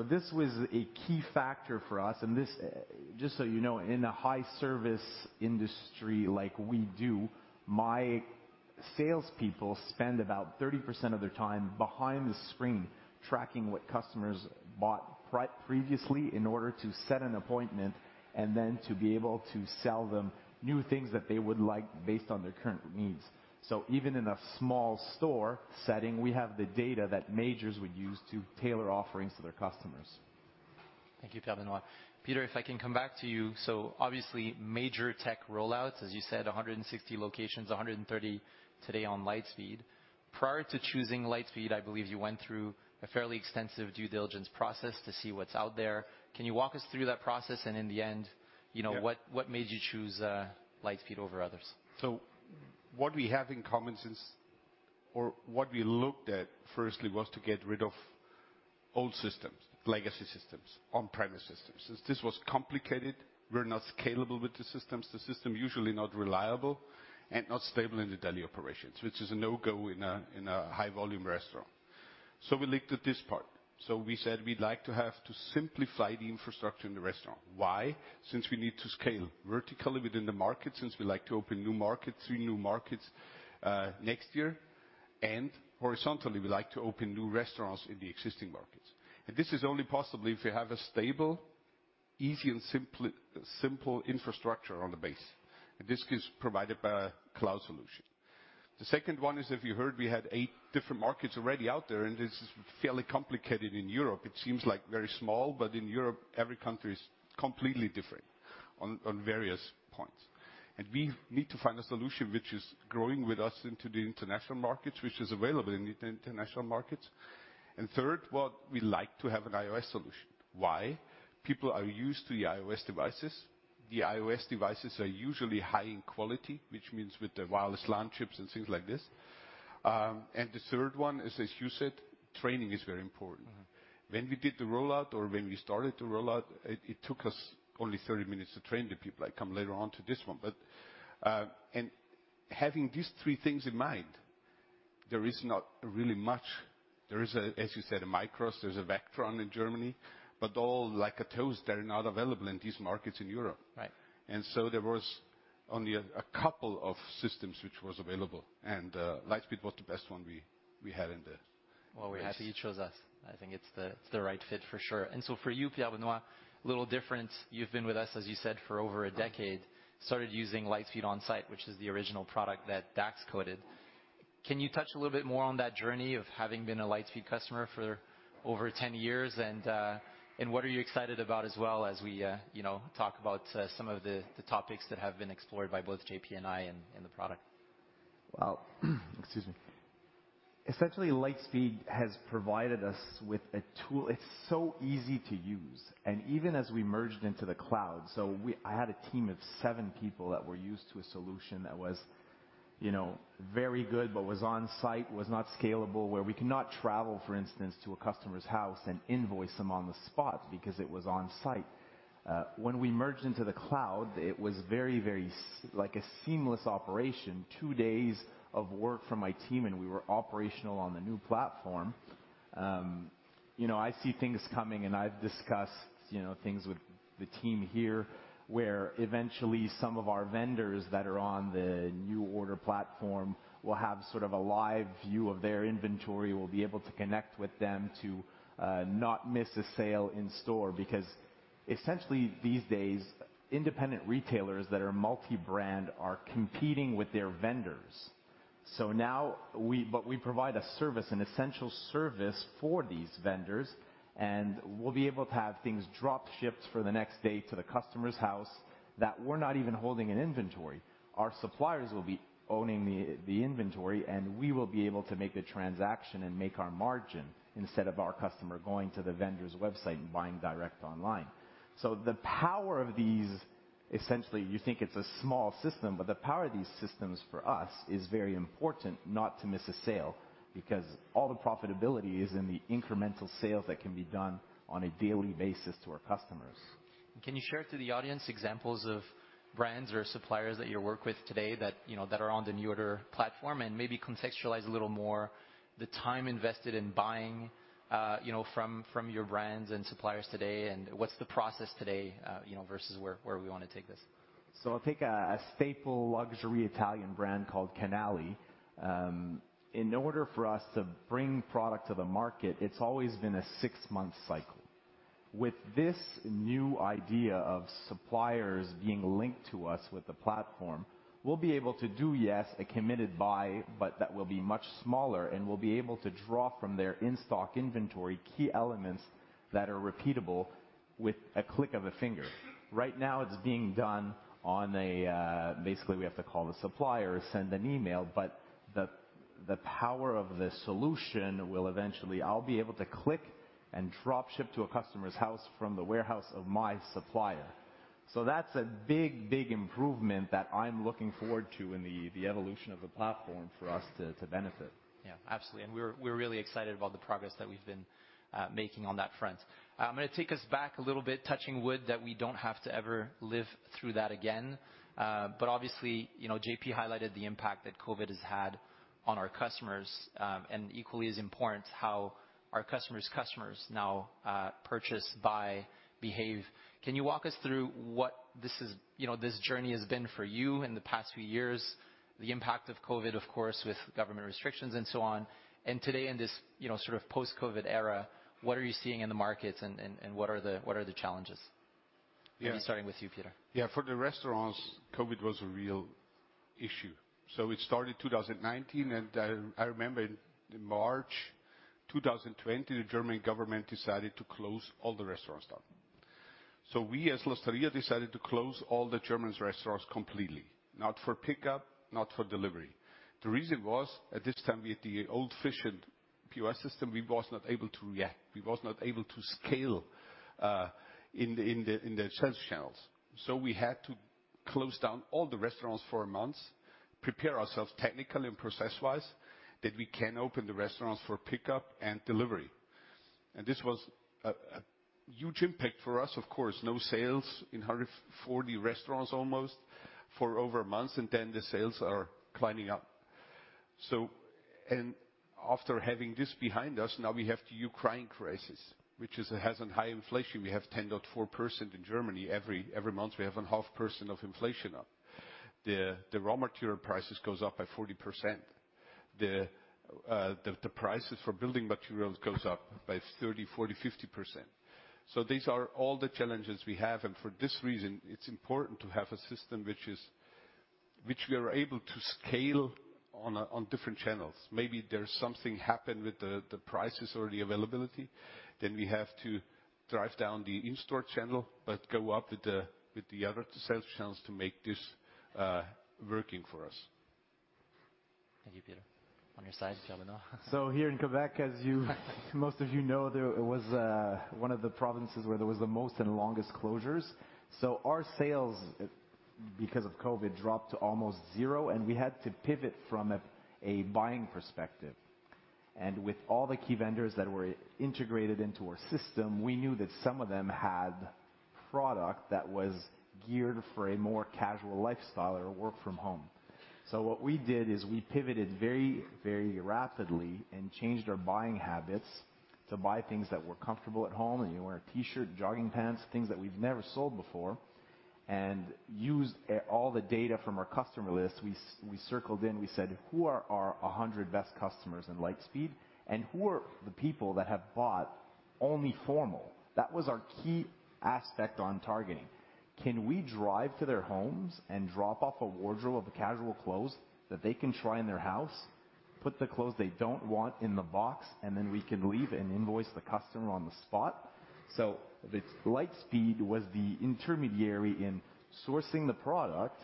This was a key factor for us. This, just so in a high service industry like we do, my salespeople spend about 30% of their time behind the screen tracking what customers bought previously in order to set an appointment and then to be able to sell them new things that they would like based on their current needs. Even in a small store setting, we have the data that merchants would use to tailor offerings to their customers. Thank you, Pierre-Benoit Duhamel. Peter, if I can come back to you. Obviously, major tech rollouts, as you said, 160 locations, 130 today on Lightspeed. Prior to choosing Lightspeed, I believe you went through a fairly extensive due diligence process to see what's out there. Can you walk us through that process? In the end. Yeah. what made you choose, Lightspeed over others? What we have in common since or what we looked at firstly was to get rid of old systems, legacy systems, on-premise systems. Since this was complicated, we're not scalable with the systems. The system usually not reliable and not stable in the daily operations, which is a no-go in a high-volume restaurant. We looked at this part. We said we'd like to have to simplify the infrastructure in the restaurant. Why? \Since we need to scale vertically within the market, since we like to open new markets, three new markets, next year, and horizontally, we like to open new restaurants in the existing markets. This is only possible if you have a stable, easy, and simple infrastructure on the base, and this is provided by a cloud solution. The second one is, if you heard, we had eight different markets already out there, and this is fairly complicated in Europe. It seems like very small, but in Europe, every country is completely different on various points. We need to find a solution which is growing with us into the international markets, which is available in the international markets. Third, what we like to have an iOS solution. Why? People are used to the iOS devices. The iOS devices are usually high in quality, which means with the wireless LAN chips and things like this. The third one is, as you said, training is very important. Mm-hmm. When we did the rollout or when we started the rollout, it took us only 30 minutes to train the people. I come later on to this one. Having these three things in mind, there is not really much. There is, as you said, a MICROS. There's a Vectron in Germany, but all like Toast, they're not available in these markets in Europe. Right. There was only a couple of systems which was available, and Lightspeed was the best one we had in there. Well, we're happy you chose us. I think it's the right fit for sure. For you, Pierre-Benoit Duhamel, little different. You've been with us, as you said, for over a decade. Started using Lightspeed Onsite, which is the original product that Dax coded. Can you touch a little bit more on that journey of having been a Lightspeed customer for over ten years? What are you excited about as well as we talk about some of the topics that have been explored by both JP and I and the product? Excuse me. Essentially, Lightspeed has provided us with a tool. It's so easy to use, and even as we merged into the cloud. I had a team of 7 people that were used to a solution that was very good but was on-site, was not scalable, where we cannot travel, for instance, to a customer's house and invoice them on the spot because it was on-site. When we merged into the cloud, it was very, very like a seamless operation. Tw o days of work from my team, and we were operational on the new platform. I see things coming, and I've discussed things with the team here, where eventually some of our vendors that are on the NuORDER platform will have sort of a live view of their inventory. We'll be able to connect with them to not miss a sale in store. Because essentially, these days, independent retailers that are multi-brand are competing with their vendors. We provide a service, an essential service for these vendors, and we'll be able to have things drop shipped for the next day to the customer's house that we're not even holding in inventory. Our suppliers will be owning the inventory, and we will be able to make the transaction and make our margin instead of our customer going to the vendor's website and buying direct online. The power of these, essentially, you think it's a small system, but the power of these systems for us is very important not to miss a sale because all the profitability is in the incremental sales that can be done on a daily basis to our customers. Can you share to the audience examples of brands or suppliers that you work with today that that are on the NuORDER platform? Maybe contextualize a little more the time invested in buying from your brands and suppliers today, and what's the process today versus where we want to take this. I'll take a staple luxury Italian brand called Canali. In order for us to bring product to the market, it's always been a six-month cycle. With this new idea of suppliers being linked to us with the platform, we'll be able to do, yes, a committed buy, but that will be much smaller, and we'll be able to draw from their in-stock inventory key elements that are repeatable with a click of a finger. Right now, basically, we have to call the supplier, send an email, but the power of the solution will eventually, I'll be able to click and drop ship to a customer's house from the warehouse of my supplier. That's a big, big improvement that I'm looking forward to in the evolution of the platform for us to benefit. Yeah, absolutely. We're really excited about the progress that we've been making on that front. I'm going to take us back a little bit, touching wood, that we don't have to ever live through that again. But obviously JP highlighted the impact that COVID has had on our customers, and equally as important, how our customers' customers now purchase, buy, behave. Can you walk us through what this is this journey has been for you in the past few years, the impact of COVID, of course, with government restrictions and so on. Today in this sort of post-COVID era, what are you seeing in the markets and what are the challenges? Yeah. Maybe starting with you, Peter. Yeah. For the restaurants, COVID was a real issue. It started 2019, and I remember in March 2020, the German government decided to close all the restaurants down. We, as L'Osteria, decided to close all the German restaurants completely. Not for pickup, not for delivery. The reason was, at this time, we had the old efficient POS system, we was not able to react. We was not able to scale in the sales channels. We had to close down all the restaurants for a month, prepare ourselves technically and process-wise, that we can open the restaurants for pickup and delivery. This was a huge impact for us, of course. No sales in 140 restaurants almost for over a month, and then the sales are climbing up. After having this behind us, now we have the Ukraine crisis, which it has a high inflation. We have 10.4% in Germany. Every month we have a half percent of inflation up. The raw material prices goes up by 40%. The prices for building materials goes up by 30, 40, 50%. These are all the challenges we have. For this reason, it's important to have a system which we are able to scale on different channels. Maybe there's something happened with the prices or the availability, then we have to drive down the in-store channel, but go up with the other sales channels to make this working for us. Thank you, Peter. On your side, Pierre-Benoit? Here in Quebec, most of there was one of the provinces where there was the most and longest closures. Our sales, because of COVID, dropped to almost zero, and we had to pivot from a buying perspective. With all the key vendors that were integrated into our system, we knew that some of them had product that was geared for a more casual lifestyle or work from home. What we did is we pivoted very, very rapidly and changed our buying habits to buy things that were comfortable at home. You wear a T-shirt, jogging pants, things that we've never sold before. Used all the data from our customer list. We circled in, we said, "Who are our 100 best customers in Lightspeed, and who are the people that have bought only formal?" That was our key aspect on targeting. Can we drive to their homes and drop off a wardrobe of casual clothes that they can try in their house? Put the clothes they don't want in the box, and then we can leave and invoice the customer on the spot. The Lightspeed was the intermediary in sourcing the product,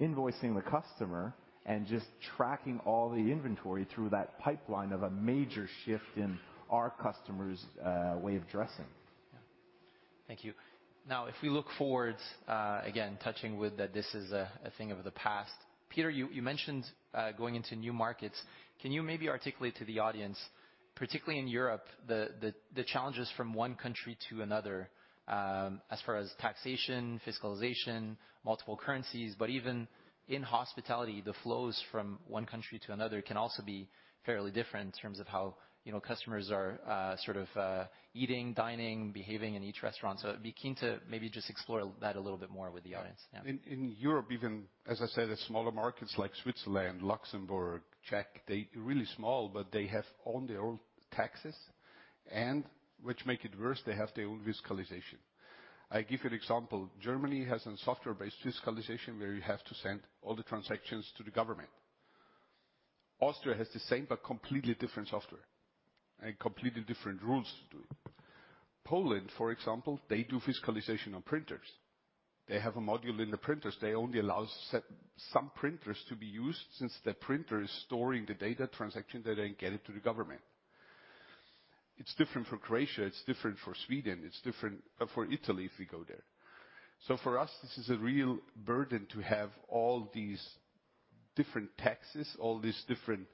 invoicing the customer, and just tracking all the inventory through that pipeline of a major shift in our customers' way of dressing. Yeah. Thank you. Now, if we look forward, again, touching wood, that this is a thing of the past. Peter, you mentioned going into new markets. Can you maybe articulate to the audience, particularly in Europe, the challenges from one country to another, as far as taxation, fiscalization, multiple currencies. Even in hospitality, the flows from one country to another can also be fairly different in terms of how customers are sort of eating, dining, behaving in each restaurant. I'd be keen to maybe just explore that a little bit more with the audience. Yeah. In Europe, even as I said, the smaller markets like Switzerland, Luxembourg, Czech, they're really small, but they have their own taxes. Which make it worse, they have their own fiscalization. I give you an example. Germany has a software-based fiscalization where you have to send all the transactions to the government. Austria has the same, but completely different software and completely different rules to it. Poland, for example, they do fiscalization on printers. They have a module in the printers. They only allow some printers to be used since the printer is storing the data transaction that they get it to the government. It's different for Croatia, it's different for Sweden, it's different for Italy, if we go there. For us, this is a real burden to have all these different taxes, all these different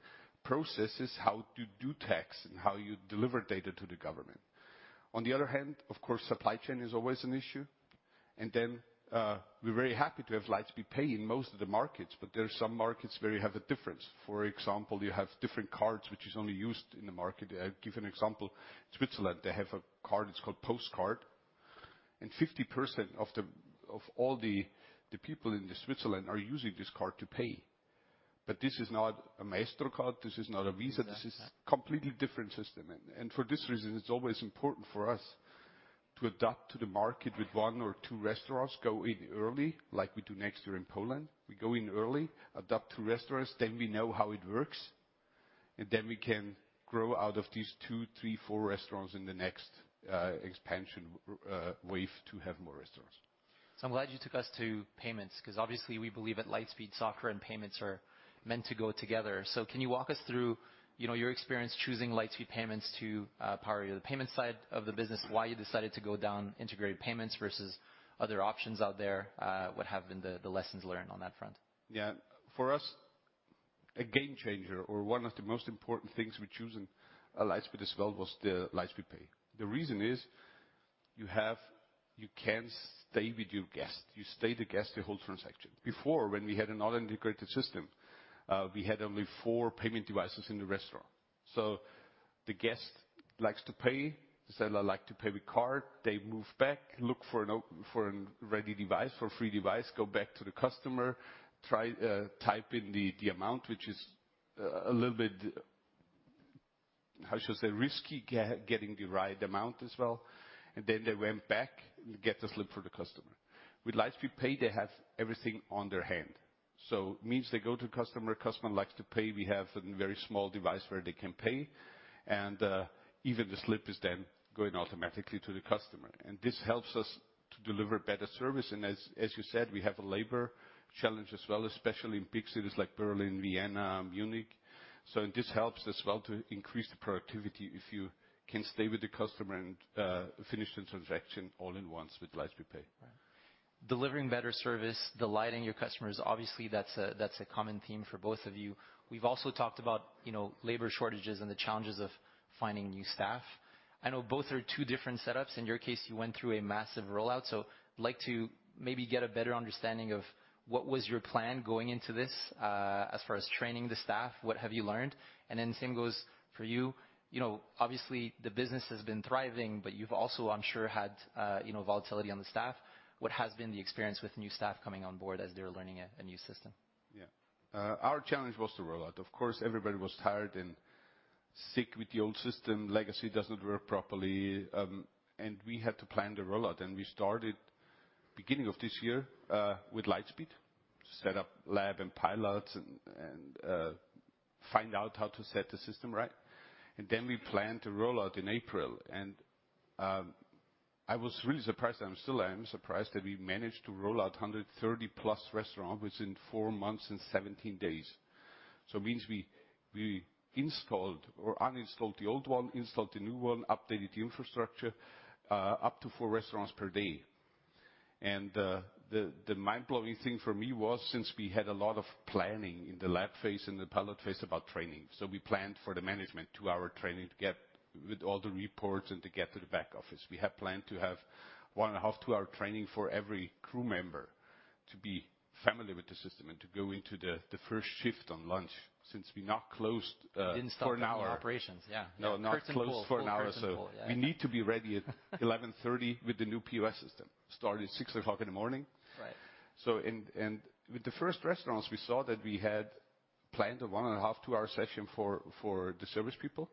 processes, how to do tax and how you deliver data to the government. On the other hand, of course, supply chain is always an issue. We're very happy to have Lightspeed Payments in most of the markets, but there are some markets where you have a difference. For example, you have different cards which is only used in the market. I give an example. Switzerland, they have a card, it's called PostFinance Card, and 50%of all the people in Switzerland are using this card to pay. But this is not a Maestro card, this is not a Visa. Yeah This is completely different system. For this reason, it's always important for us to adapt to the market with one or two restaurants, go in early, like we do next year in Poland. We go in early, a dapt to restaurants, then we know how it works, and then we can grow out of these two, three, four restaurants in the next expansion wave to have more restaurants. I'm glad you took us to payments, 'cause obviously, we believe at Lightspeed software and payments are meant to go together. Can you walk us through your experience choosing Lightspeed Payments to power the payment side of the business, why you decided to go down integrated payments versus other options out there? What have been the lessons learned on that front? Yeah. For us, a game changer or one of the most important things we choose in Lightspeed as well was the Lightspeed Payments. The reason is you can stay with your guest. You stay with the guest the whole transaction. Before, when we had another integrated system, we had only four payment devices in the restaurant. The guest likes to pay, the seller likes to pay with card, they move back, look for a ready device, a free device, go back to the customer, try to type in the amount which is a little bit, how should I say, risky, getting the right amount as well. They went back, get the slip for the customer. With Lightspeed Payments, they have everything in their hand. Means they go to customer likes to pay, we have a very small device where they can pay, and even the slip is then going automatically to the customer. This helps us to deliver better service. As you said, we have a labor challenge as well, especially in big cities like Berlin, Vienna, Munich. This helps as well to increase the productivity if you can stay with the customer and finish the transaction all in once with Lightspeed Payments. Right. Delivering better service, delighting your customers, obviously, that's a common theme for both of you. We've also talked about labor shortages and the challenges of finding new staff. I know both are two different setups. In your case, you went through a massive rollout, so I'd like to maybe get a better understanding of what was your plan going into this, as far as training the staff? What have you learned? Same goes for you. Obviously the business has been thriving, but you've also, I'm sure, had volatility on the staff. What has been the experience with new staff coming on board as they're learning a new system? Yeah. Our challenge was the rollout. Of course, everybody was tired and sick with the old system. Legacy doesn't work properly, and we had to plan the rollout, and we started at the beginning of this year with Lightspeed, set up lab and pilots, and find out how to set the system right. Then we planned to roll out in April. I was really surprised. I'm still surprised that we managed to roll out 130+ restaurants within four months and 17 days. Means we installed or uninstalled the old one, installed the new one, updated the infrastructure, up to four restaurants per day. The mind-blowing thing for me was since we had a lot of planning in the lab Phase, in the pilot Phase about training. We planned for the management 2-hour training to get with all the reports and to get to the back office. We had planned to have 1.5-2-hour training for every crew member to be familiar with the system and to go into the first shift on launch since we're not closed. Didn't stop doing operations. For an hour. Yeah. No, not closed for an hour. Kurt and Cole, yeah. We need to be ready at 11:30 A.M. with the new POS system. Started 6:00 A.M. in the morning. Right. With the first restaurants, we saw that we had planned a 1.5-2-hour session for the service people,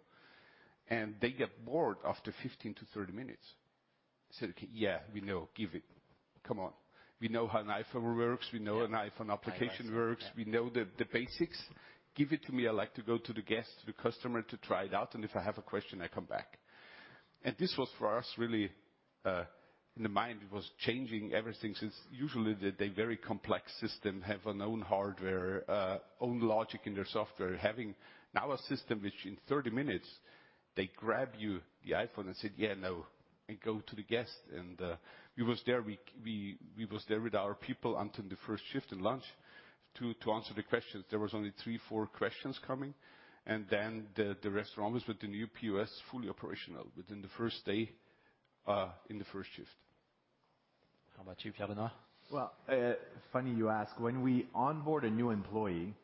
and they get bored after 15-30 minutes. They said, "Yeah, we know. Give it. Come on. We know how an iPhone works. We know an iPhone application works. iPhone, yeah. We know the basics. Give it to me. I like to go to the guest, to the customer to try it out, and if I have a question, I come back." This was for us really, in the mind, it was changing everything since usually the very complex system have an own hardware, own logic in their software. Having now a system which in 30 minutes they grab your iPhone and said, "Yeah, no," and go to the guest. We was there with our people until the first shift in lunch to answer the questions. There was only three, four questions coming. Then the restaurant was with the new POS, fully operational within the first day, in the first shift. How about you, Fabianna? Well, funny you ask. When we onboard a new employee,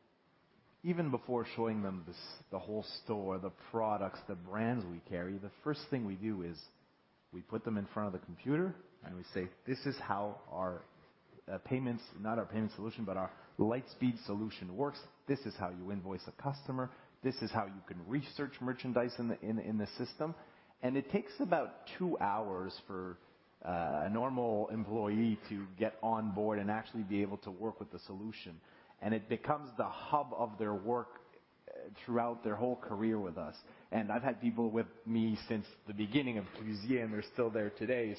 even before showing them this, the whole store, the products, the brands we carry, the first thing we do is we put them in front of the computer and we say, "This is how our Lightspeed solution works. This is how you invoice a customer. This is how you can research merchandise in the system." It takes about two hours for a normal employee to get on board and actually be able to work with the solution. It becomes the hub of their work throughout their whole career with us. I've had people with me since the beginning of Clusier, and they're still there today.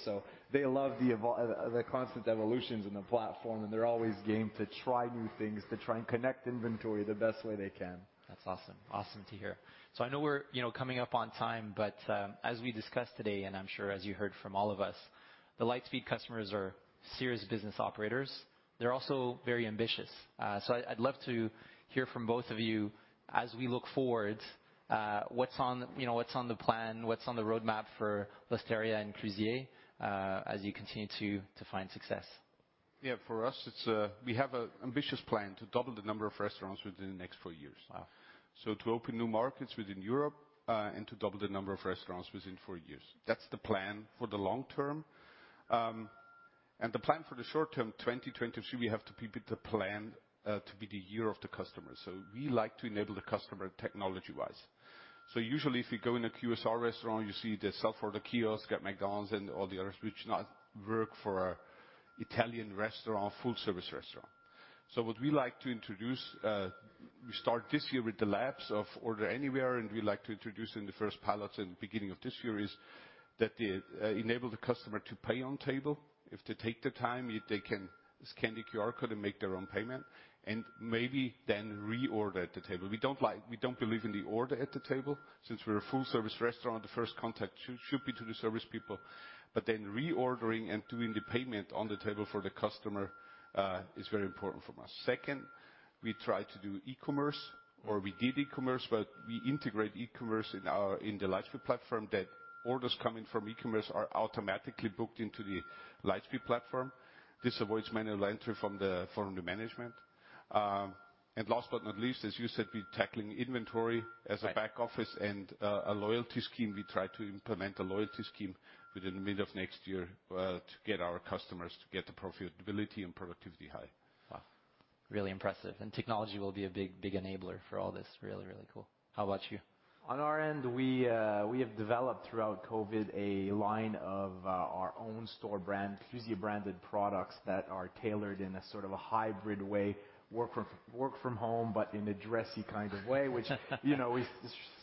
They love the constant evolutions in the platform, and they're always game to try new things, to try and connect inventory the best way they can. That's awesome. Awesome to hear. I know we're coming up on time, but, as we discussed today, and I'm sure as you heard from all of us, the Lightspeed customers are serious business operators. They're also very ambitious. I'd love to hear from both of you as we look forward, what's on what's on the plan? What's on the roadmap for L'Osteria and Clusier as you continue to find success? Yeah. For us, it's we have an ambitious plan to double the number of restaurants within the next four years. Wow. To open new markets within Europe and to double the number of restaurants within four years. That's the plan for the long term. The plan for the short term, 2022, we have to be with the plan to be the year of the customer. We like to enable the customer technology-wise. Usually, if you go in a QSR restaurant, you see the self-order kiosk, e.g., McDonald's and all the others which do not work for an Italian restaurant, full service restaurant. What we like to introduce, we start this year with the launch of Order Anywhere, and we like to introduce in the first pilots in the beginning of this year is That they enable the customer to pay on table. If they take the time, they can scan the QR code and make their own payment, and maybe then reorder at the table. We don't believe in the order at the table. Since we're a full service restaurant, the first contact should be to the service people. But then reordering and doing the payment on the table for the customer is very important for us. Second, we try to do e-commerce, or we did e-commerce, but we integrate e-commerce in the Lightspeed platform that orders coming from e-commerce are automatically booked into the Lightspeed platform. This avoids manual entry from the management. Last but not least, as you said, we're tackling inventory as a back office and a loyalty scheme. We try to implement a loyalty scheme within the middle of next year, to get our customers to get the profitability and productivity high. Wow. Really impressive. Technology will be a big, big enabler for all this. Really, really cool. How about you? On our end, we have developed throughout COVID a line of our own store brand, Clusier branded products that are tailored in a sort of a hybrid way, work from home, but in a dressy kind of way, which we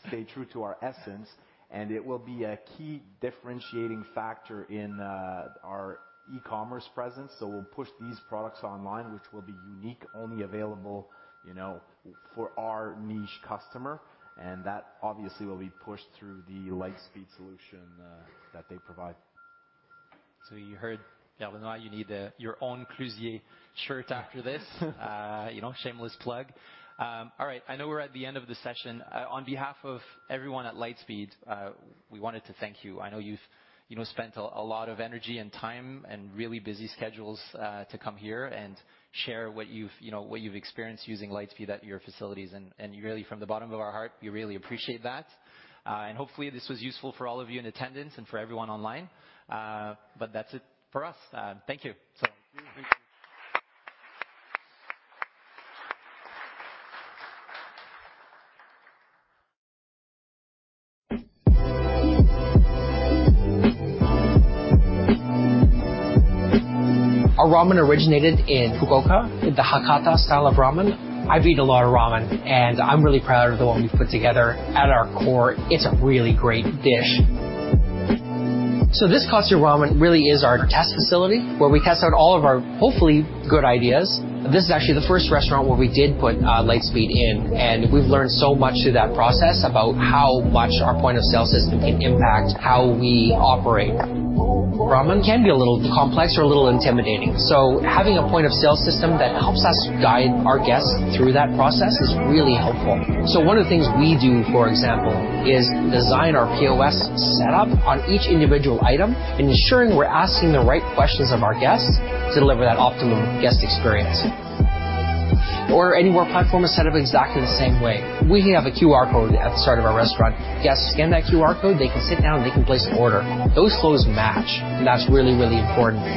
stay true to our essence, and it will be a key differentiating factor in our e-commerce presence. We'll push these products online, which will be unique, only available for our niche customer, and that obviously will be pushed through the Lightspeed solution that they provide. You heard, Benoit, you need your own Clusier shirt after this. Shameless plug. All right. I know we're at the end of the session. On behalf of everyone at Lightspeed, we wanted to thank you. I know you've spent a lot of energy and time and really busy schedules to come here and share what you've what you've experienced using Lightspeed at your facilities and really from the bottom of our heart, we really appreciate that. Hopefully this was useful for all of you in attendance and for everyone online. That's it for us. Thank you. Thank you. Our ramen originated in Fukuoka, in the Hakata style of ramen. I've eaten a lot of ramen, and I'm really proud of the one we've put together. At our core, it's a really great dish. This Kotsu Ramen really is our test facility where we test out all of our hopefully good ideas. This is actually the first restaurant where we did put Lightspeed in, and we've learned so much through that process about how much our point of sale system can impact how we operate. Ramen can be a little complex or a little intimidating, so having a point of sale system that helps us guide our guests through that process is really helpful. One of the things we do, for example, is design our POS setup on each individual item, ensuring we're asking the right questions of our guests to deliver that optimum guest experience. Our Anywhere platform is set up exactly the same way. We have a QR code at the start of our restaurant. Guests scan that QR code, they can sit down, and they can place an order. Those flows match, and that's really, really important.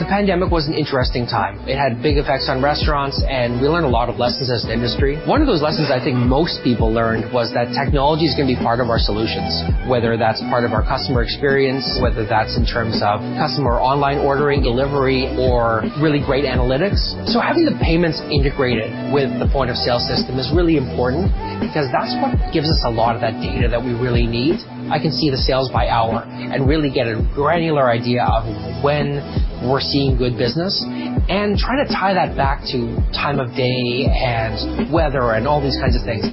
The pandemic was an interesting time. It had big effects on restaurants, and we learned a lot of lessons as an industry. One of those lessons I think most people learned was that technology is going to be part of our solutions, whether that's part of our customer experience, whether that's in terms of customer online ordering, delivery, or really great analytics. Having the payments integrated with the point of sale system is really important because that's what gives us a lot of that data that we really need. I can see the sales by hour and really get a granular idea of when we're seeing good business and try to tie that back to time of day and weather and all these kinds of things.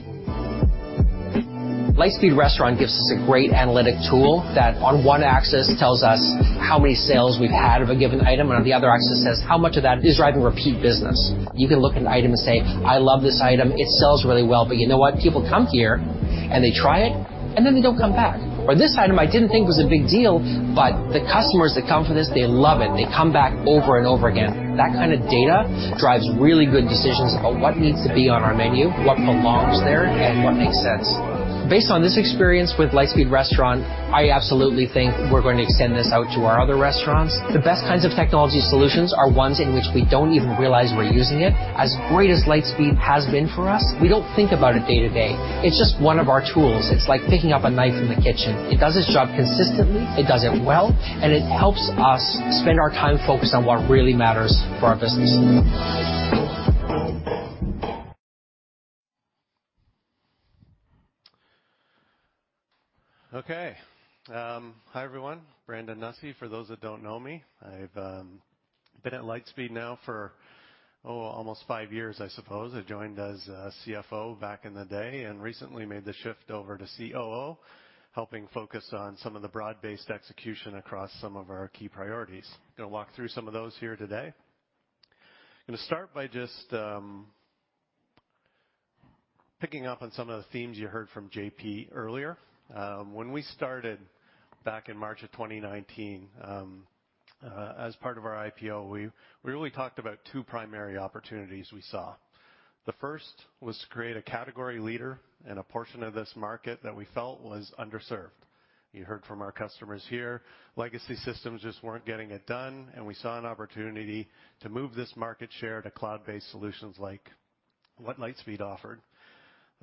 Lightspeed Restaurant gives us a great analytic tool that on one axis tells us how many sales we've had of a given item, and on the other axis says how much of that is driving repeat business. You can look at an item and say, "I love this item. It sells really well, what? People come here and they try it and then they don't come back." Or, "This item I didn't think was a big deal, but the customers that come for this, they love it. They come back over and over again." That kind of data drives really good decisions about what needs to be on our menu, what belongs there, and what makes sense. Based on this experience with Lightspeed Restaurant, I absolutely think we're going to extend this out to our other restaurants. The best kinds of technology solutions are ones in which we don't even realize we're using it. As great as Lightspeed has been for us, we don't think about it day-to-day. It's just one of our tools. It's like picking up a knife in the kitchen. It does its job consistently, it does it well, and it helps us spend our time focused on what really matters for our business. Okay. Hi, everyone. Brandon Nussey, for those that don't know me. I've been at Lightspeed now for almost five years, I suppose. I joined as CFO back in the day and recently made the shift over to COO, helping focus on some of the broad-based execution across some of our key priorities. going to walk through some of those here today. going to start by just picking up on some of the themes you heard from JP earlier. When we started back in March of 2019, as part of our IPO, we really talked about two primary opportunities we saw. The first was to create a category leader in a portion of this market that we felt was underserved. You heard from our customers here, legacy systems just weren't getting it done, and we saw an opportunity to move this market share to cloud-based solutions like what Lightspeed offered.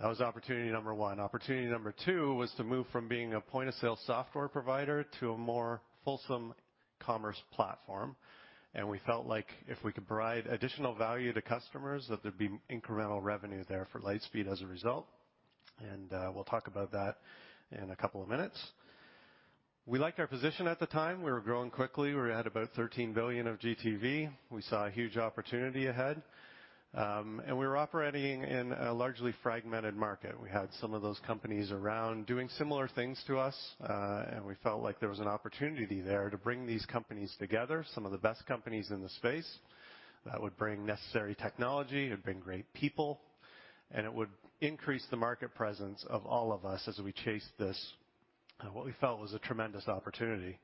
That was opportunity number one. Opportunity number two was to move from being a point-of-sale software provider to a more fulsome commerce platform. We felt like if we could provide additional value to customers, that there'd be incremental revenue there for Lightspeed as a result, and we'll talk about that in a couple of minutes. We liked our position at the time. We were growing quickly. We were at about $13 billion of GTV. We saw a huge opportunity ahead, and we were operating in a largely fragmented market. We had some of those companies around doing similar things to us, and we felt like there was an opportunity there to bring these companies together, some of the best companies in the space, that would bring necessary technology, it'd bring great people, and it would increase the market presence of all of us as we chased this, what we felt was a tremendous opportunity.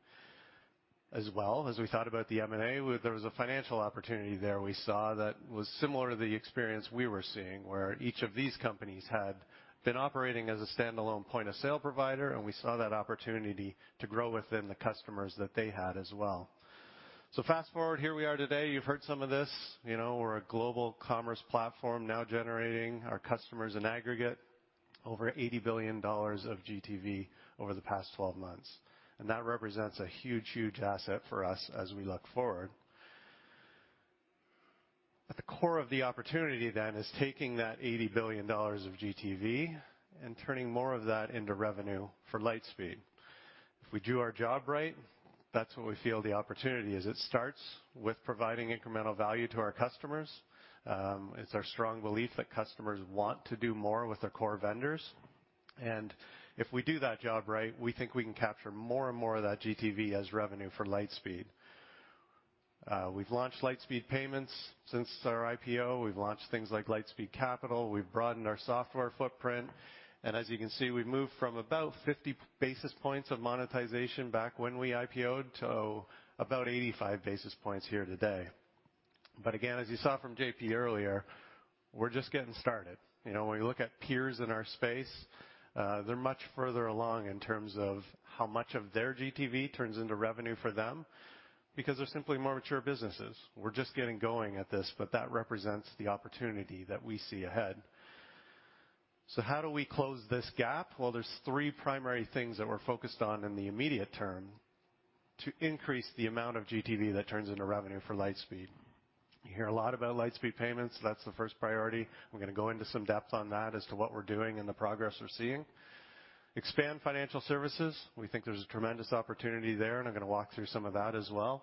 As well, as we thought about the M&A, there was a financial opportunity there we saw that was similar to the experience we were seeing, where each of these companies had been operating as a standalone point-of-sale provider, and we saw that opportunity to grow within the customers that they had as well. Fast-forward, here we are today. You've heard some of this. we're a global commerce platform now generating our customers in aggregate over $80 billion of GTV over the past 12 months, and that represents a huge asset for us as we look forward. At the core of the opportunity then is taking that $80 billion of GTV and turning more of that into revenue for Lightspeed. If we do our job right, that's what we feel the opportunity is. It starts with providing incremental value to our customers. It's our strong belief that customers want to do more with their core vendors, and if we do that job right, we think we can capture more and more of that GTV as revenue for Lightspeed. We've launched Lightspeed Payments since our IPO. We've launched things like Lightspeed Capital. We've broadened our software footprint, and as you can see, we've moved from about 50 basis points of monetization back when we IPO'd to about 85 basis points here today. Again, as you saw from JP earlier, we're just getting started. when we look at peers in our space, they're much further along in terms of how much of their GTV turns into revenue for them because they're simply more mature businesses. We're just getting going at this, but that represents the opportunity that we see ahead. How do we close this gap? Well, there's three primary things that we're focused on in the immediate term to increase the amount of GTV that turns into revenue for Lightspeed. You hear a lot about Lightspeed Payments. That's the first priority. We're going to go into some depth on that as to what we're doing and the progress we're seeing. Expand financial services. We think there's a tremendous opportunity there, and I'm going to walk through some of that as well.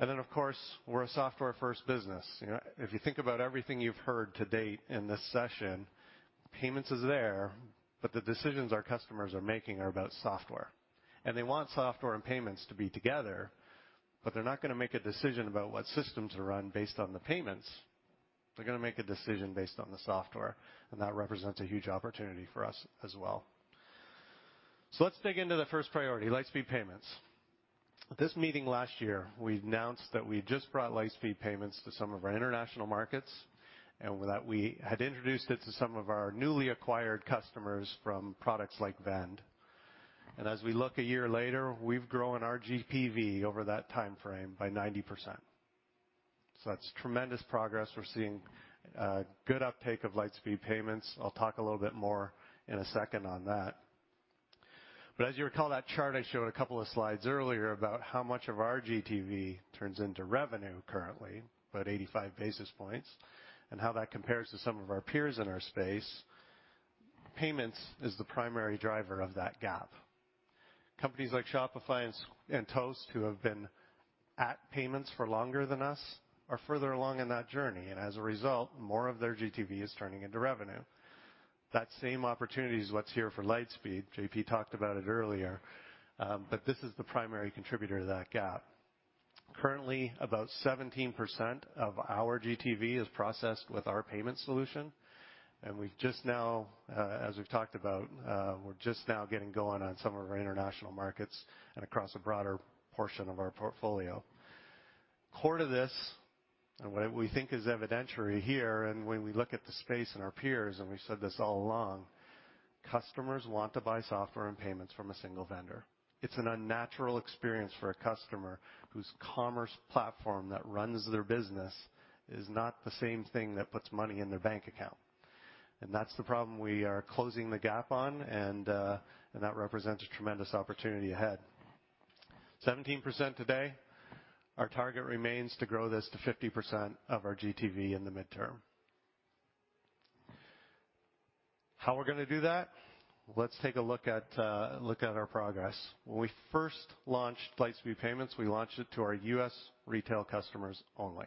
Then, of course, we're a software-first business. if you think about everything you've heard to date in this session, payments is there, but the decisions our customers are making are about software. They want software and payments to be together, but they're not going to make a decision about what systems are run based on the payments. They're going to make a decision based on the software, and that represents a huge opportunity for us as well. Let's dig into the first priority, Lightspeed Payments. At this meeting last year, we announced that we just brought Lightspeed Payments to some of our international markets, and with that, we had introduced it to some of our newly acquired customers from products like Vend. As we look a year later, we've grown our GPV over that timeframe by 90%. That's tremendous progress. We're seeing good uptake of Lightspeed Payments. I'll talk a little bit more in a second on that. As you recall that chart I showed a couple of slides earlier about how much of our GTV turns into revenue currently, about 85 basis points, and how that compares to some of our peers in our space, payments is the primary driver of that gap. Companies like Shopify and Toast, who have been at payments for longer than us, are further along in that journey, and as a result, more of their GTV is turning into revenue. That same opportunity is what's here for Lightspeed. JP talked about it earlier, but this is the primary contributor to that gap. Currently, about 17% of our GTV is processed with our payment solution, and we've just now, as we've talked about, we're just now getting going on some of our international markets and across a broader portion of our portfolio. Core to this, and what we think is evidentiary here, and when we look at the space and our peers, and we've said this all along, customers want to buy software and payments from a single vendor. It's an unnatural experience for a customer whose commerce platform that runs their business is not the same thing that puts money in their bank account. That's the problem we are closing the gap on, and that represents a tremendous opportunity ahead. 17% today, our target remains to grow this to 50% of our GTV in the midterm. How we're going to do that? Let's take a look at our progress. When we first launched Lightspeed Payments, we launched it to our US retail customers only.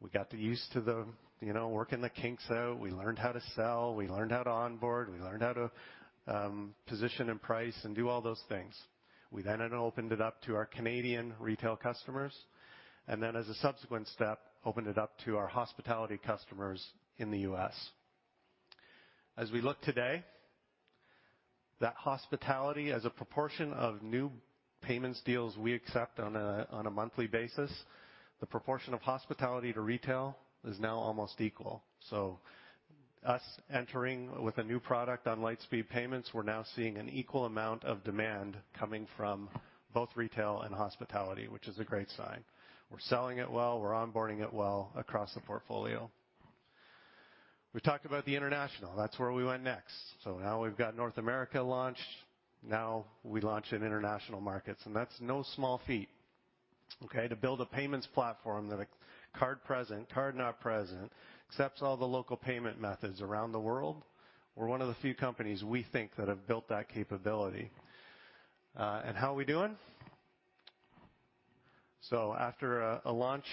We got used to the working the kinks out. We learned how to sell, we learned how to onboard, we learned how to position and price and do all those things. We then opened it up to our Canadian retail customers, and then as a subsequent step, opened it up to our hospitality customers in the U.S. As we look today, that hospitality as a proportion of new payments deals we accept on a monthly basis, the proportion of hospitality to retail is now almost equal. Us entering with a new product on Lightspeed Payments, we're now seeing an equal amount of demand coming from both retail and hospitality, which is a great sign. We're selling it well, we're onboarding it well across the portfolio. We talked about the international, that's where we went next. Now we've got North America launched, now we launch in international markets, and that's no small feat, okay? To build a payments platform that a card present, card not present, accepts all the local payment methods around the world. We're one of the few companies we think that have built that capability. How are we doing? After a launch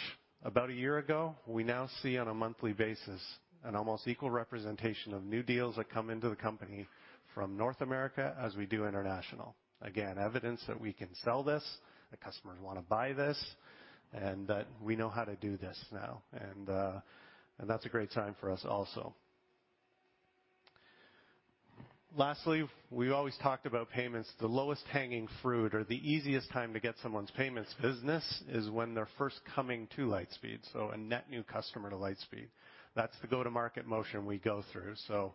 about a year ago, we now see on a monthly basis an almost equal representation of new deals that come into the company from North America as we do international. Again, evidence that we can sell this, the customers want to buy this, and that we know how to do this now. That's a great sign for us also. Lastly, we always talked about payments, the lowest hanging fruit or the easiest time to get someone's payments business is when they're first coming to Lightspeed, so a net new customer to Lightspeed. That's the go-to-market motion we go through. JP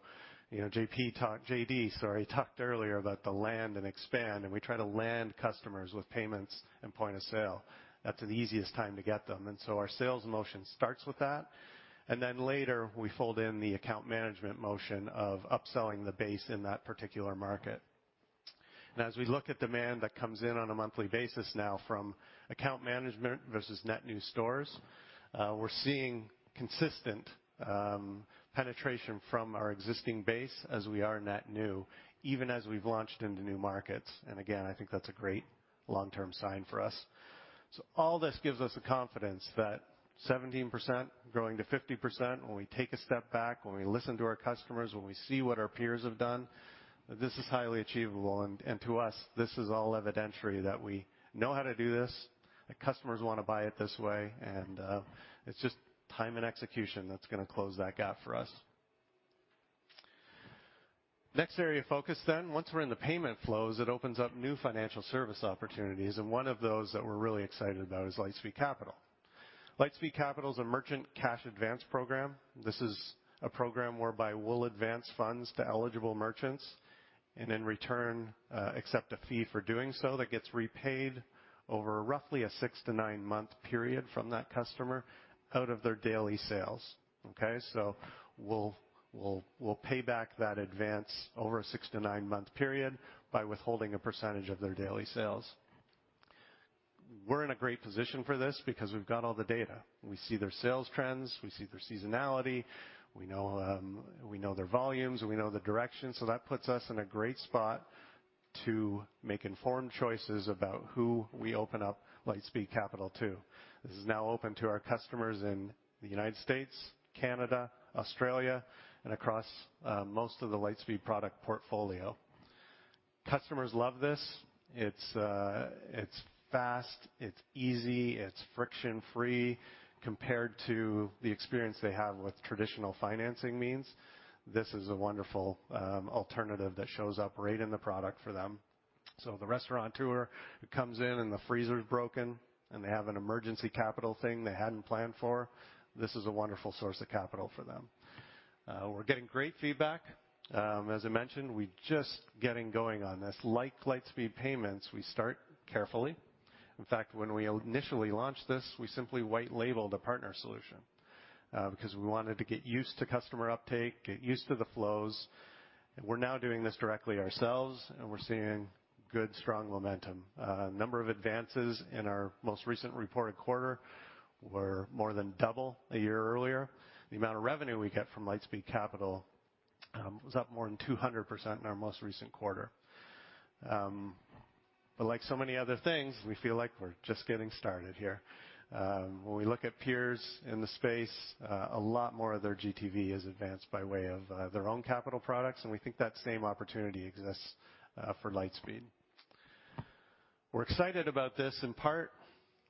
talked. JD, sorry, talked earlier about the land and expand, and we try to land customers with payments and point of sale. That's the easiest time to get them. Our sales motion starts with that, and then later we fold in the account management motion of upselling the base in that particular market. As we look at demand that comes in on a monthly basis now from account management versus net new stores, we're seeing consistent penetration from our existing base as we are net new, even as we've launched into new markets. Again, I think that's a great long-term sign for us. All this gives us the confidence that 17% growing to 50% when we take a step back, when we listen to our customers, when we see what our peers have done, this is highly achievable. To us, this is all evidentiary that we know how to do this, the customers want to buy it this way, and it's just time and execution that's going to close that gap for us. Next area of focus. Once we're in the payment flows, it opens up new financial service opportunities, and one of those that we're really excited about is Lightspeed Capital. Lightspeed Capital is a merchant cash advance program. This is a program whereby we'll advance funds to eligible merchants, and in return, accept a fee for doing so that gets repaid over roughly a 6- to 9-month period from that customer out of their daily sales, okay? We'll pay back that advance over a 6- to 9-month period by withholding a percentage of their daily sales. We're in a great position for this because we've got all the data. We see their sales trends, we see their seasonality, we know their volumes, and we know the direction, so that puts us in a great spot to make informed choices about who we open up Lightspeed Capital to. This is now open to our customers in the United States, Canada, Australia, and across most of the Lightspeed product portfolio. Customers love this. It's fast, it's easy, it's friction-free compared to the experience they have with traditional financing means. This is a wonderful alternative that shows up right in the product for them. The restaurateur comes in and the freezer's broken, and they have an emergency capital thing they hadn't planned for, this is a wonderful source of capital for them. We're getting great feedback. As I mentioned, we're just getting going on this. Like Lightspeed Payments, we start carefully. In fact, when we initially launched this, we simply white labeled a partner solution, because we wanted to get used to customer uptake, get used to the flows. We're now doing this directly ourselves, and we're seeing good, strong momentum. Number of advances in our most recent reported quarter were more than double a year earlier. The amount of revenue we get from Lightspeed Capital was up more than 200% in our most recent quarter. Like so many other things, we feel like we're just getting started here. When we look at peers in the space, a lot more of their GTV is advanced by way of their own capital products, and we think that same opportunity exists for Lightspeed. We're excited about this in part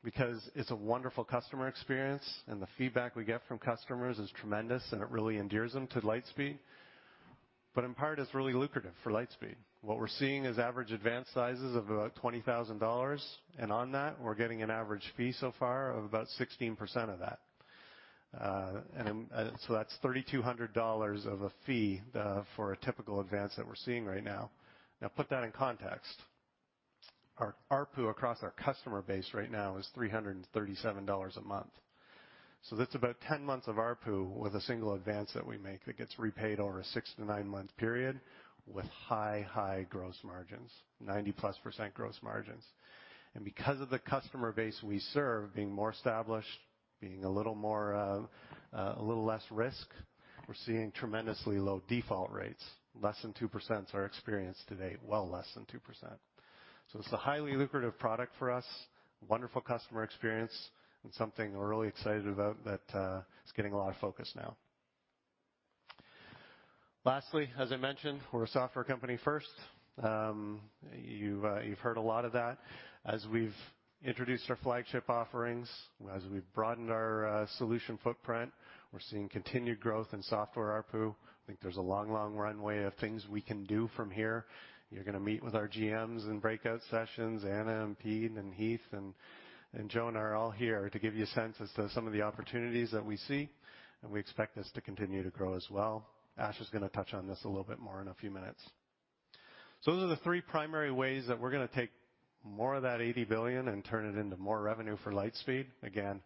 because it's a wonderful customer experience, and the feedback we get from customers is tremendous, and it really endears them to Lightspeed. In part, it's really lucrative for Lightspeed. What we're seeing is average advance sizes of about $20,000, and on that, we're getting an average fee so far of about 16% of that. So that's $3,200 of a fee for a typical advance that we're seeing right now. Now, put that in context. Our ARPU across our customer base right now is $337 a month. That's about 10 months of ARPU with a single advance that we make that gets repaid over a 6-9-month period with high gross margins, 90%+ gross margins. Because of the customer base we serve being more established, a little less risk, we're seeing tremendously low default rates. Less than 2% is our experience to date. It's a highly lucrative product for us, wonderful customer experience, and something we're really excited about that is getting a lot of focus now. Lastly, as I mentioned, we're a software company first. You've heard a lot of that. As we've introduced our flagship offerings, as we've broadened our solution footprint, we're seeing continued growth in software ARPU. I think there's a long, long runway of things we can do from here. You're going to meet with our GMs in breakout sessions. Anna and Peter and Heath and Joanne are all here to give you a sense as to some of the opportunities that we see, and we expect this to continue to grow as well. Ash is going to touch on this a little bit more in a few minutes. Those are the three primary ways that we're going to take more of that $80 billion and turn it into more revenue for Lightspeed. Again,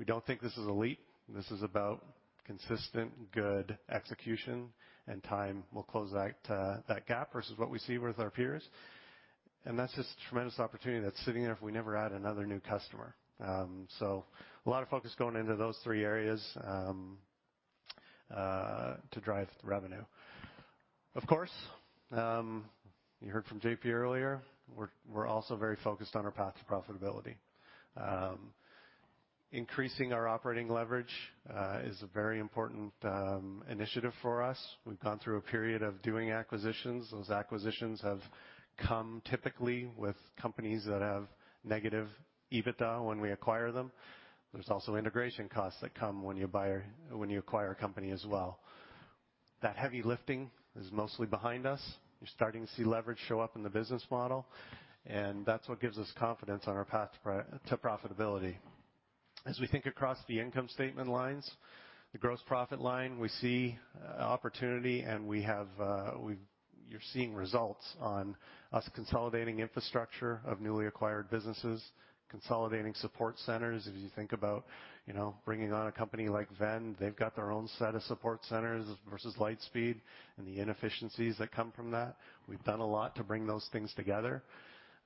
we don't think this is a leap. This is about consistent, good execution and time will close that gap versus what we see with our peers. That's just a tremendous opportunity that's sitting there if we never add another new customer. A lot of focus going into those three areas to drive revenue. Of course, you heard from JP earlier, we're also very focused on our path to profitability. Increasing our operating leverage is a very important initiative for us. We've gone through a period of doing acquisitions. Those acquisitions have come typically with companies that have negative EBITDA when we acquire them. There's also integration costs that come when you buy or when you acquire a company as well. That heavy lifting is mostly behind us. You're starting to see leverage show up in the business model, and that's what gives us confidence on our path to profitability. As we think across the income statement lines, the gross profit line, we see opportunity, and you're seeing results on us consolidating infrastructure of newly acquired businesses, consolidating support centers. If you think about bringing on a company like Vend, they've got their own set of support centers versus Lightspeed and the inefficiencies that come from that. We've done a lot to bring those things together.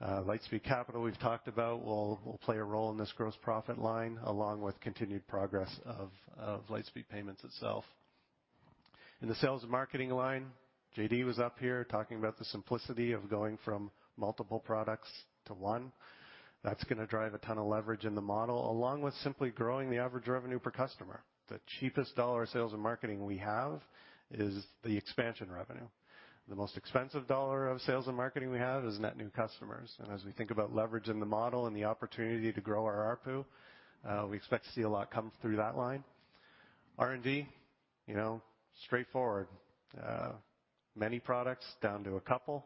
Lightspeed Capital, we've talked about, will play a role in this gross profit line along with continued progress of Lightspeed Payments itself. In the sales and marketing line, JD was up here talking about the simplicity of going from multiple products to one. That's going to drive a ton of leverage in the model, along with simply growing the average revenue per customer. The cheapest dollar of sales and marketing we have is the expansion revenue. The most expensive dollar of sales and marketing we have is net new customers. As we think about leverage in the model and the opportunity to grow our ARPU, we expect to see a lot come through that line. r&d straightforward. Many products down to a couple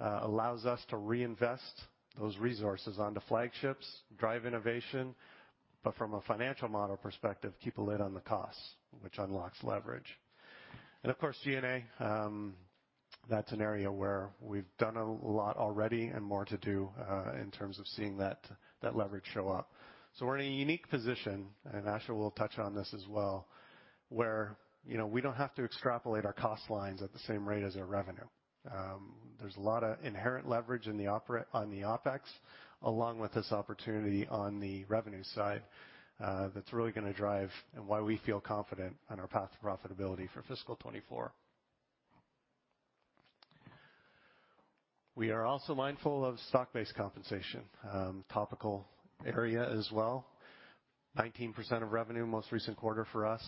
allows us to reinvest those resources onto flagships, drive innovation, but from a financial model perspective, keep a lid on the costs, which unlocks leverage. Of course, G&A, that's an area where we've done a lot already and more to do in terms of seeing that leverage show up. We're in a unique position, and Asha will touch on this as well, where we don't have to extrapolate our cost lines at the same rate as our revenue. There's a lot of inherent leverage on the OpEx along with this opportunity on the revenue side, that's really going to drive and why we feel confident on our path to profitability for fiscal 2024. We are also mindful of stock-based compensation, topical area as well. 19% of revenue most recent quarter for us.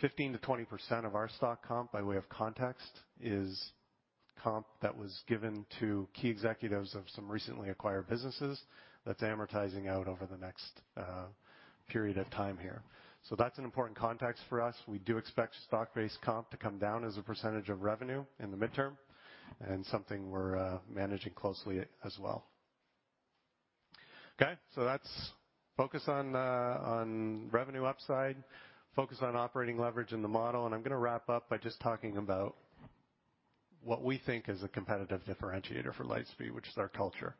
15%-20% of our stock comp by way of context is comp that was given to key executives of some recently acquired businesses that's amortizing out over the next period of time here. That's an important context for us. We do expect stock-based comp to come down as a percentage of revenue in the midterm and something we're managing closely as well. That's focus on revenue upside, focus on operating leverage in the model, and I'm going to wrap up by just talking about what we think is a competitive differentiator for Lightspeed, which is our culture.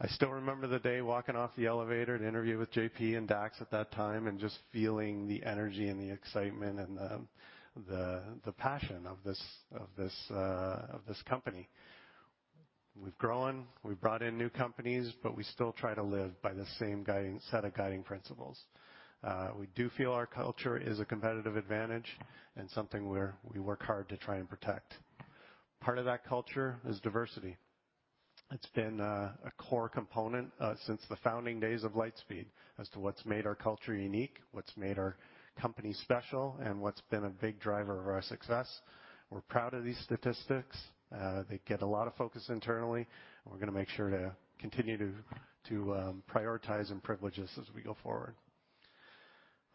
I still remember the day walking off the elevator to interview with JP and Dax at that time and just feeling the energy and the excitement and the passion of this company. We've grown, we've brought in new companies, but we still try to live by the same set of guiding principles. We do feel our culture is a competitive advantage and something we work hard to try and protect. Part of that culture is diversity. It's been a core component since the founding days of Lightspeed as to what's made our culture unique, what's made our company special, and what's been a big driver of our success. We're proud of these statistics. They get a lot of focus internally, and we're going to make sure to continue to prioritize and privilege this as we go forward.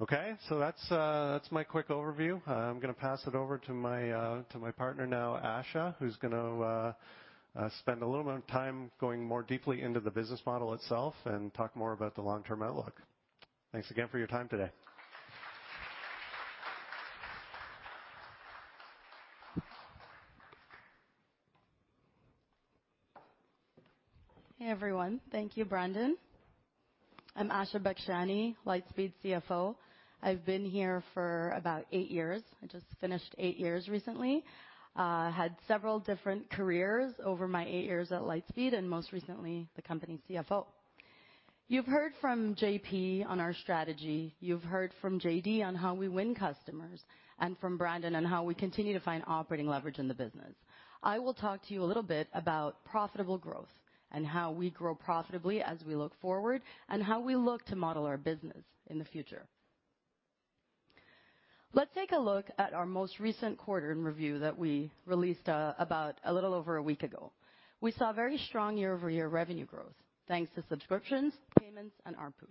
Okay, that's my quick overview. I'm going to pass it over to my partner now, Asha, who's going to spend a little bit of time going more deeply into the business model itself and talk more about the long-term outlook. Thanks again for your time today. Hey, everyone. Thank you, Brandon. I'm Asha Bakshania, Lightspeed CFO. I've been here for about eight years. I just finished eight years recently. Had several different careers over my eight years at Lightspeed and most recently, the company CFO. You've heard from JP on our strategy. You've heard from JD on how we win customers and from Brandon on how we continue to find operating leverage in the business. I will talk to youa little bit about profitable growth and how we grow profitably as we look forward and how we look to model our business in the future. Let's take a look at our most recent quarter in review that we released, about a little over a week ago. We saw very strong year-over-year revenue growth thanks to subscriptions, payments, and ARPU.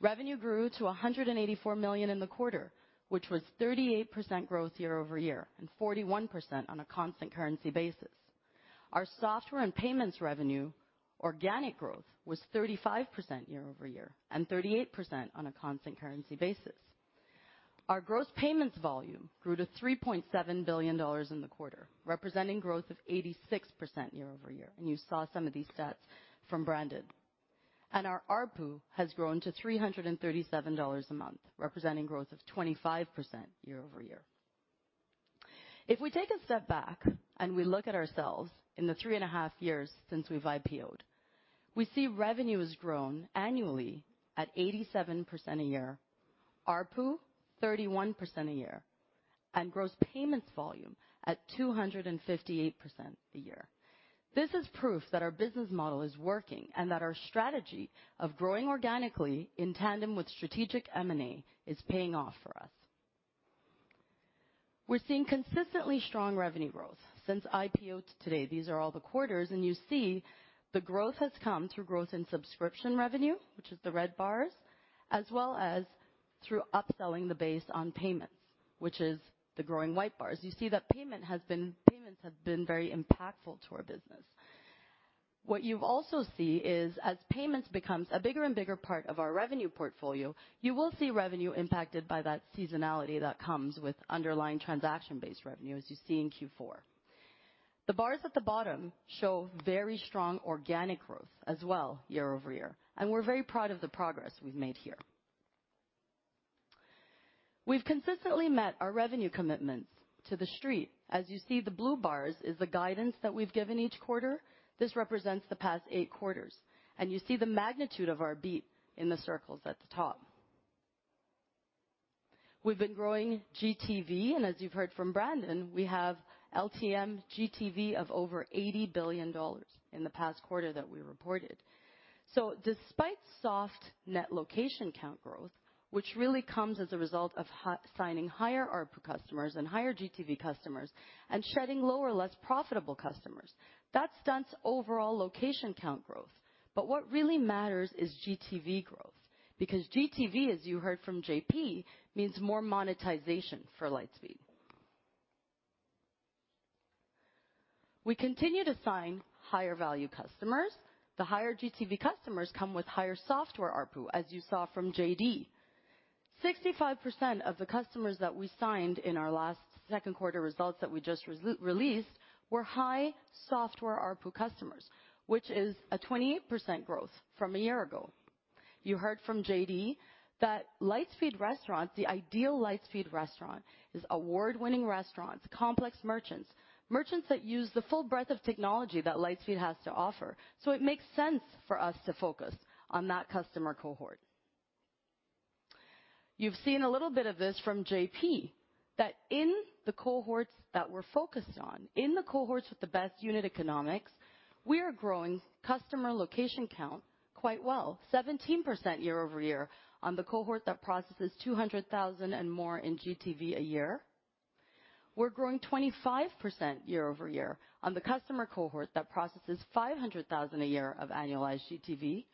Revenue grew to $184 million in the quarter, which was 38% growth year-over-year and 41% on a constant currency basis. Our software and payments revenue organic growth was 35% year-over-year and 38% on a constant currency basis. Our gross payments volume grew to $3.7 billion in the quarter, representing growth of 86% year-over-year, and you saw some of these stats from Brandon. Our ARPU has grown to $337 a month, representing growth of 25% year-over-year. If we take a step back and we look at ourselves in the 3.5 years since we've IPO'd, we see revenue has grown annually at 87% a year, ARPU 31% a year, and gross payments volume at 258% a year. This is proof that our business model is working and that our strategy of growing organically in tandem with strategic M&A is paying off for us. We're seeing consistently strong revenue growth since IPO to today. These are all the quarters, and you see the growth has come through growth in subscription revenue, which is the red bars, as well as through upselling the base on payments, which is the growing white bars. You see that payments have been very impactful to our business. What you also see is as payments becomes a bigger and bigger part of our revenue portfolio, you will see revenue impacted by that seasonality that comes with underlying transaction-based revenue, as you see in Q4. The bars at the bottom show very strong organic growth as well year over year, and we're very proud of the progress we've made here. We've consistently met our revenue commitments to the street. As you see, the blue bars is the guidance that we've given each quarter. This represents the past 8 quarters, and you see the magnitude of our beat in the circles at the top. We've been growing GTV, and as you've heard from Brandon, we have LTM GTV of over $80 billion in the past quarter that we reported. Despite soft net location count growth, which really comes as a result of signing higher ARPU customers and higher GTV customers and shedding lower, less profitable customers, that stunts overall location count growth. What really matters is GTV growth, because GTV, as you heard from JP, means more monetization for Lightspeed. We continue to sign higher value customers. The higher GTV customers come with higher software ARPU, as you saw from JD. 65% of the customers that we signed in our last Q2 results that we just released were high software ARPU customers, which is a 28% growth from a year ago. You heard from JD that Lightspeed Restaurant, the ideal Lightspeed restaurant, is award-winning restaurants, complex merchants that use the full breadth of technology that Lightspeed has to offer. It makes sense for us to focus on that customer cohort. You've seen a little bit of this from JP, that in the cohorts that we're focused on, in the cohorts with the best unit economics, we are growing customer location count quite well. 17% year-over-year on the cohort that processes 200,000 and more in GTV a year. We're growing 25% year-over-year on the customer cohort that processes 500,000 a year of annualized GTV.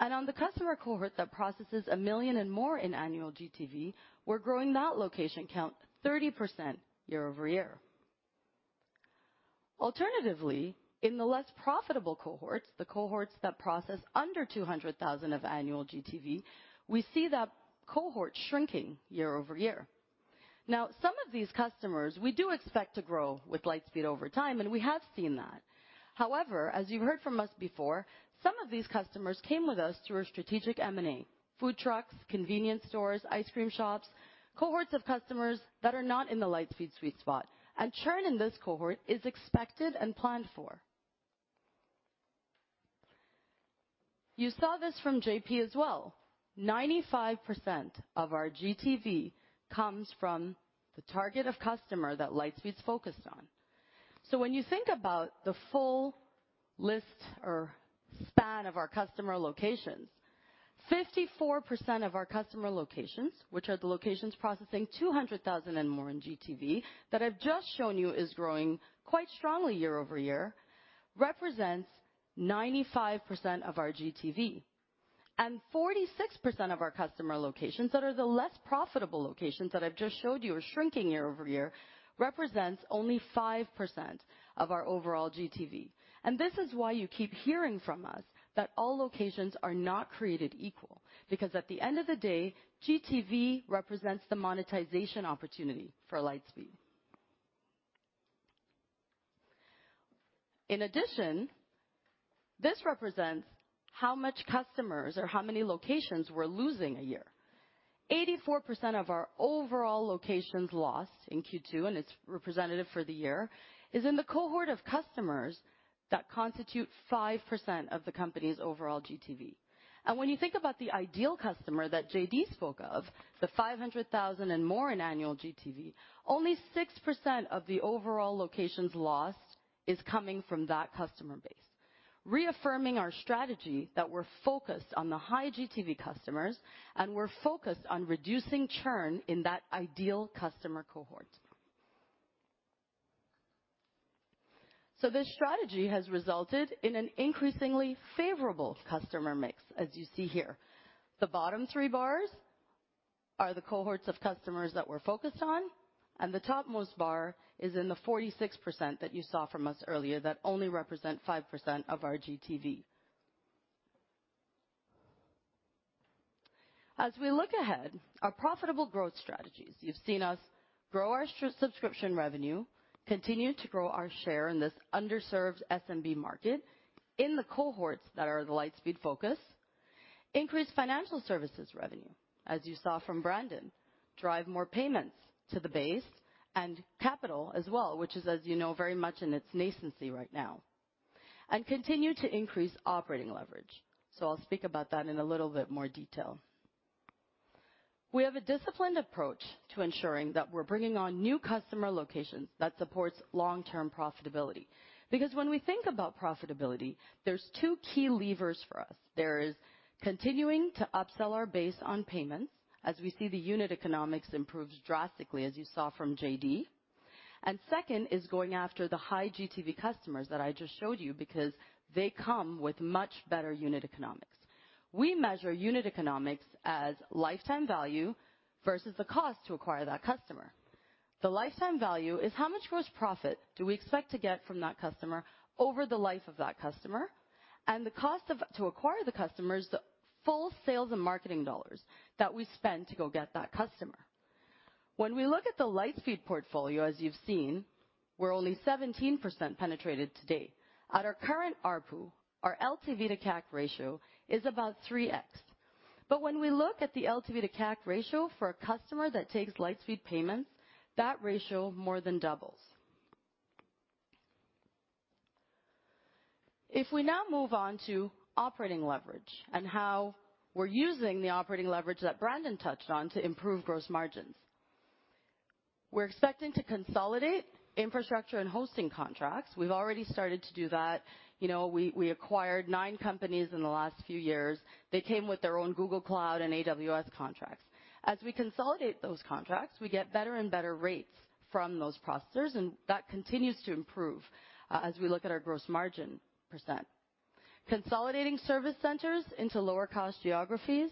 On the customer cohort that processes $1 million or more in annual GTV, we're growing that location count 30% year-over-year. Alternatively, in the less profitable cohorts, the cohorts that process under $200,000 of annual GTV, we see that cohort shrinking year-over-year. Now some of these customers, we do expect to grow with Lightspeed over time, and we have seen that. However, as you've heard from us before, some of these customers came with us through a strategic M&A. Food trucks, convenience stores, ice cream shops, cohorts of customers that are not in the Lightspeed sweet spot. Churn in this cohort is expected and planned for. You saw this from JP as well. 95% of our GTV comes from the targeted customer that Lightspeed's focused on. When you think about the full list or span of our customer locations, 54% of our customer locations, which are the locations processing 200,000 and more in GTV that I've just shown you is growing quite strongly year-over-year, represents 95% of our GTV. Forty-six percent of our customer locations that are the less profitable locations that I've just showed you are shrinking year-over-year, represents only 5% of our overall GTV. This is why you keep hearing from us that all locations are not created equal, because at the end of the day, GTV represents the monetization opportunity for Lightspeed. In addition, this represents how much customers or how many locations we're losing a year. 84% of our overall locations lost in Q2, and it's representative for the year, is in the cohort of customers that constitute 5% of the company's overall GTV. When you think about the ideal customer that JD spoke of, the 500,000 and more in annual GTV, only 6% of the overall locations lost is coming from that customer base. Reaffirming our strategy that we're focused on the high GTV customers, and we're focused on reducing churn in that ideal customer cohort. This strategy has resulted in an increasingly favorable customer mix as you see here. The bottom three bars are the cohorts of customers that we're focused on, and the topmost bar is in the 46% that you saw from us earlier that only represent 5% of our GTV. As we look ahead, our profitable growth strategies, you've seen us grow our subscription revenue, continue to grow our share in this underserved SMB market in the cohorts that are the Lightspeed focus, increase financial services revenue, as you saw from Brandon, drive more payments to the base and capital as well, which is, as very much in its nascency right now. Continue to increase operating leverage. I'll speak about that in a little bit more detail. We have a disciplined approach to ensuring that we're bringing on new customer locations that supports long-term profitability. Because when we think about profitability, there's two key levers for us. There is continuing to upsell our base on payments as we see the unit economics improves drastically, as you saw from JD. Second is going after the high GTV customers that I just showed you because they come with much better unit economics. We measure unit economics as lifetime value versus the cost to acquire that customer. The lifetime value is how much gross profit do we expect to get from that customer over the life of that customer, and the cost of to acquire the customers, the full sales and marketing dollars that we spend to go get that customer. When we look at the Lightspeed portfolio, as you've seen, we're only 17% penetrated to date. At our current ARPU, our LTV to CAC ratio is about 3x. When we look at the LTV to CAC ratio for a customer that takes Lightspeed Payments, that ratio more than doubles. If we now move on to operating leverage and how we're using the operating leverage that Brandon touched on to improve gross margins. We're expecting to consolidate infrastructure and hosting contracts. We've already started to do that. W e acquired nine companies in the last few years. They came with their own Google Cloud and AWS contracts. As we consolidate those contracts, we get better and better rates from those processors, and that continues to improve as we look at our gross margin %. Consolidating service centers into lower-cost geographies,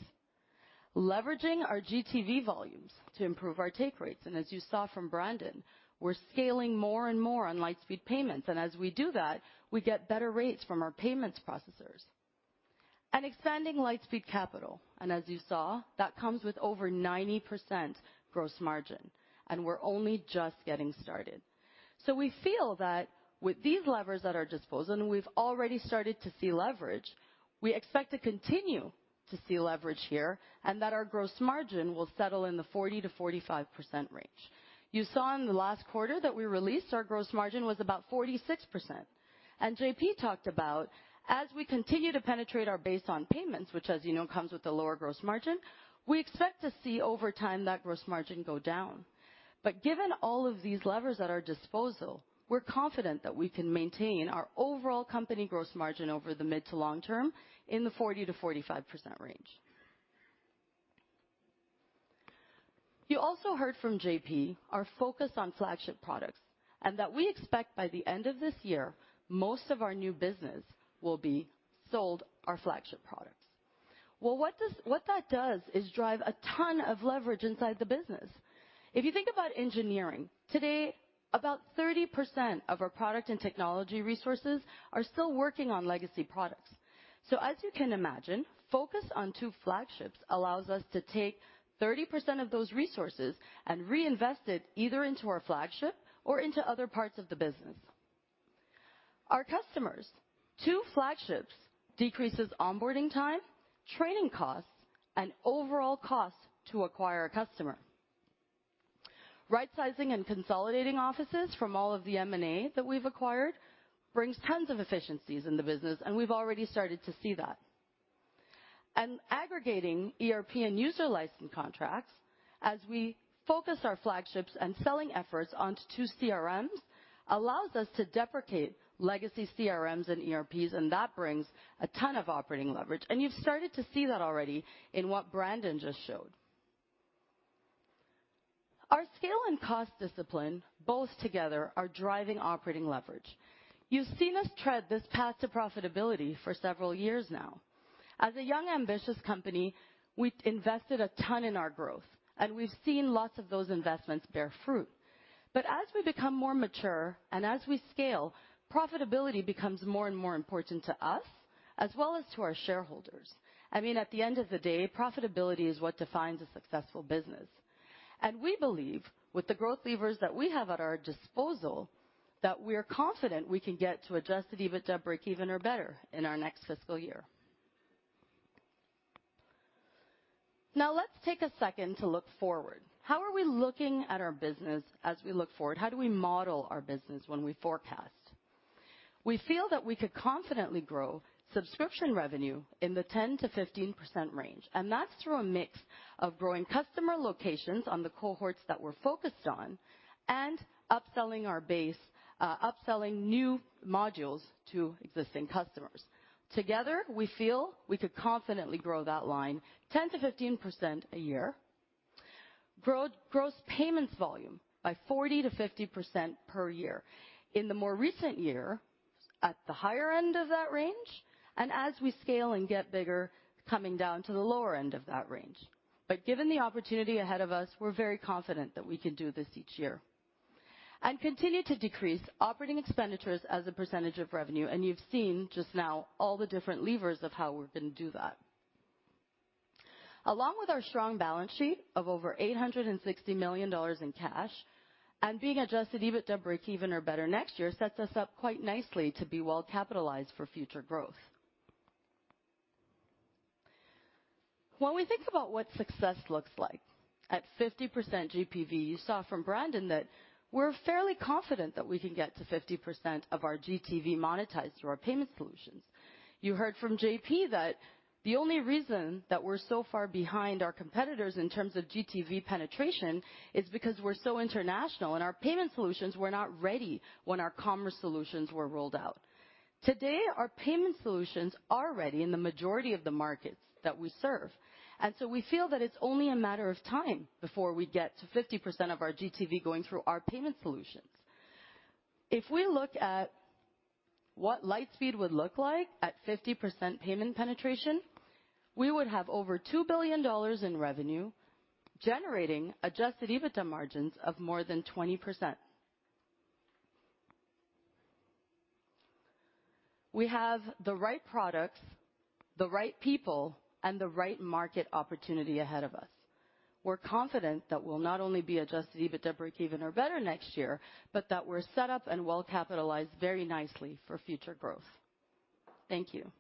leveraging our GTV volumes to improve our take rates. As you saw from Brandon, we're scaling more and more on Lightspeed Payments. As we do that, we get better rates from our payments processors. Expanding Lightspeed Capital. As you saw, that comes with over 90% gross margin, and we're only just getting started. We feel that with these levers at our disposal, and we've already started to see leverage, we expect to continue to see leverage here and that our gross margin will settle in the 40%-45% range. You saw in the last quarter that we released, our gross margin was about 46%. JP talked about as we continue to penetrate our base on payments, which, as comes with a lower gross margin, we expect to see over time that gross margin go down. Given all of these levers at our disposal, we're confident that we can maintain our overall company gross margin over the mid to long term in the 40%-45% range. You also heard from JP our focus on flagship products, and that we expect by the end of this year, most of our new business will be sold our flagship products. Well, what that does is drive a ton of leverage inside the business. If you think about engineering, today, about 30% of our product and technology resources are still working on legacy products. As you can imagine, focus on two flagships allows us to take 30% of those resources and reinvest it either into our flagship or into other parts of the business. Our customers, two flagships decreases onboarding time, training costs, and overall costs to acquire a customer. Right-sizing and consolidating offices from all of the M&A that we've acquired brings tons of efficiencies in the business, and we've already started to see that. Aggregating ERP and user license contracts as we focus our flagships and selling efforts onto two CRMs, allows us to deprecate legacy CRMs and ERPs, and that brings a ton of operating leverage. You've started to see that already in what Brandon just showed. Our scale and cost discipline, both together, are driving operating leverage. You've seen us tread this path to profitability for several years now. As a young, ambitious company, we've invested a ton in our growth, and we've seen lots of those investments bear fruit. As we become more mature and as we scale, profitability becomes more and more important to us as well as to our shareholders. I mean, at the end of the day, profitability is what defines a successful business. We believe with the growth levers that we have at our disposal, that we're confident we can get to adjusted EBITDA breakeven or better in our next fiscal year. Now let's take a second to look forward. How are we looking at our business as we look forward? How do we model our business when we forecast? We feel that we could confidently grow subscription revenue in the 10%-15% range, and that's through a mix of growing customer locations on the cohorts that we're focused on and upselling our base, upselling new modules to existing customers. Together, we feel we could confidently grow that line 10%-15% a year, grow gross payments volume by 40%-50% per year. In the more recent year, at the higher end of that range, and as we scale and get bigger, coming down to the lower end of that range. Given the opportunity ahead of us, we're very confident that we can do this each year. Continue to decrease operating expenditures as a percentage of revenue. You've seen just now all the different levers of how we're going to do that. Along with our strong balance sheet of over $860 million in cash and being Adjusted EBITDA breakeven or better next year sets us up quite nicely to be well capitalized for future growth. When we think about what success looks like at 50% GPV, you saw from Brandon that we're fairly confident that we can get to 50% of our GTV monetized through our payment solutions. You heard from JP that the only reason that we're so far behind our competitors in terms of GTV penetration is because we're so international and our payment solutions were not ready when our commerce solutions were rolled out. Today, our payment solutions are ready in the majority of the markets that we serve, and so we feel that it's only a matter of time before we get to 50% of our GTV going through our payment solutions. If we look at what Lightspeed would look like at 50% payment penetration, we would have over $2 billion in revenue, generating adjusted EBITDA margins of more than 20%. We have the right products, the right people, and the right market opportunity ahead of us. We're confident that we'll not only be adjusted EBITDA breakeven or better next year, but that we're set up and well capitalized very nicely for future growth. Thank you.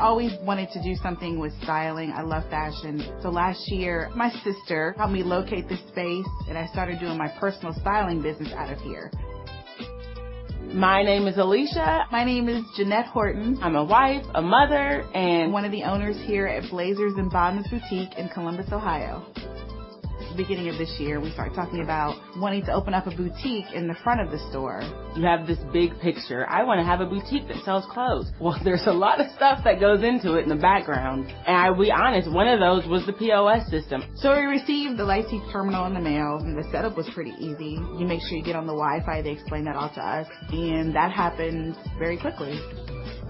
I had always wanted to do something with styling. I love fashion. Last year, my sister helped me locate this space, and I started doing my personal styling business out of here. My name is Alicia. My name is Jeanette Horton. I'm a wife, a mother, and. One of the owners here at Blazers and Bottoms Boutique in Columbus, Ohio. Beginning of this year, we started talking about wanting to open up a boutique in the front of the store. You have this big picture: I want to have a boutique that sells clothes. Well, there's a lot of stuff that goes into it in the background, and I'll be honest, one of those was the POS system. We received the Lightspeed terminal in the mail, and the setup was pretty easy. You make sure you get on the Wi-Fi. They explained that all to us, and that happened very quickly.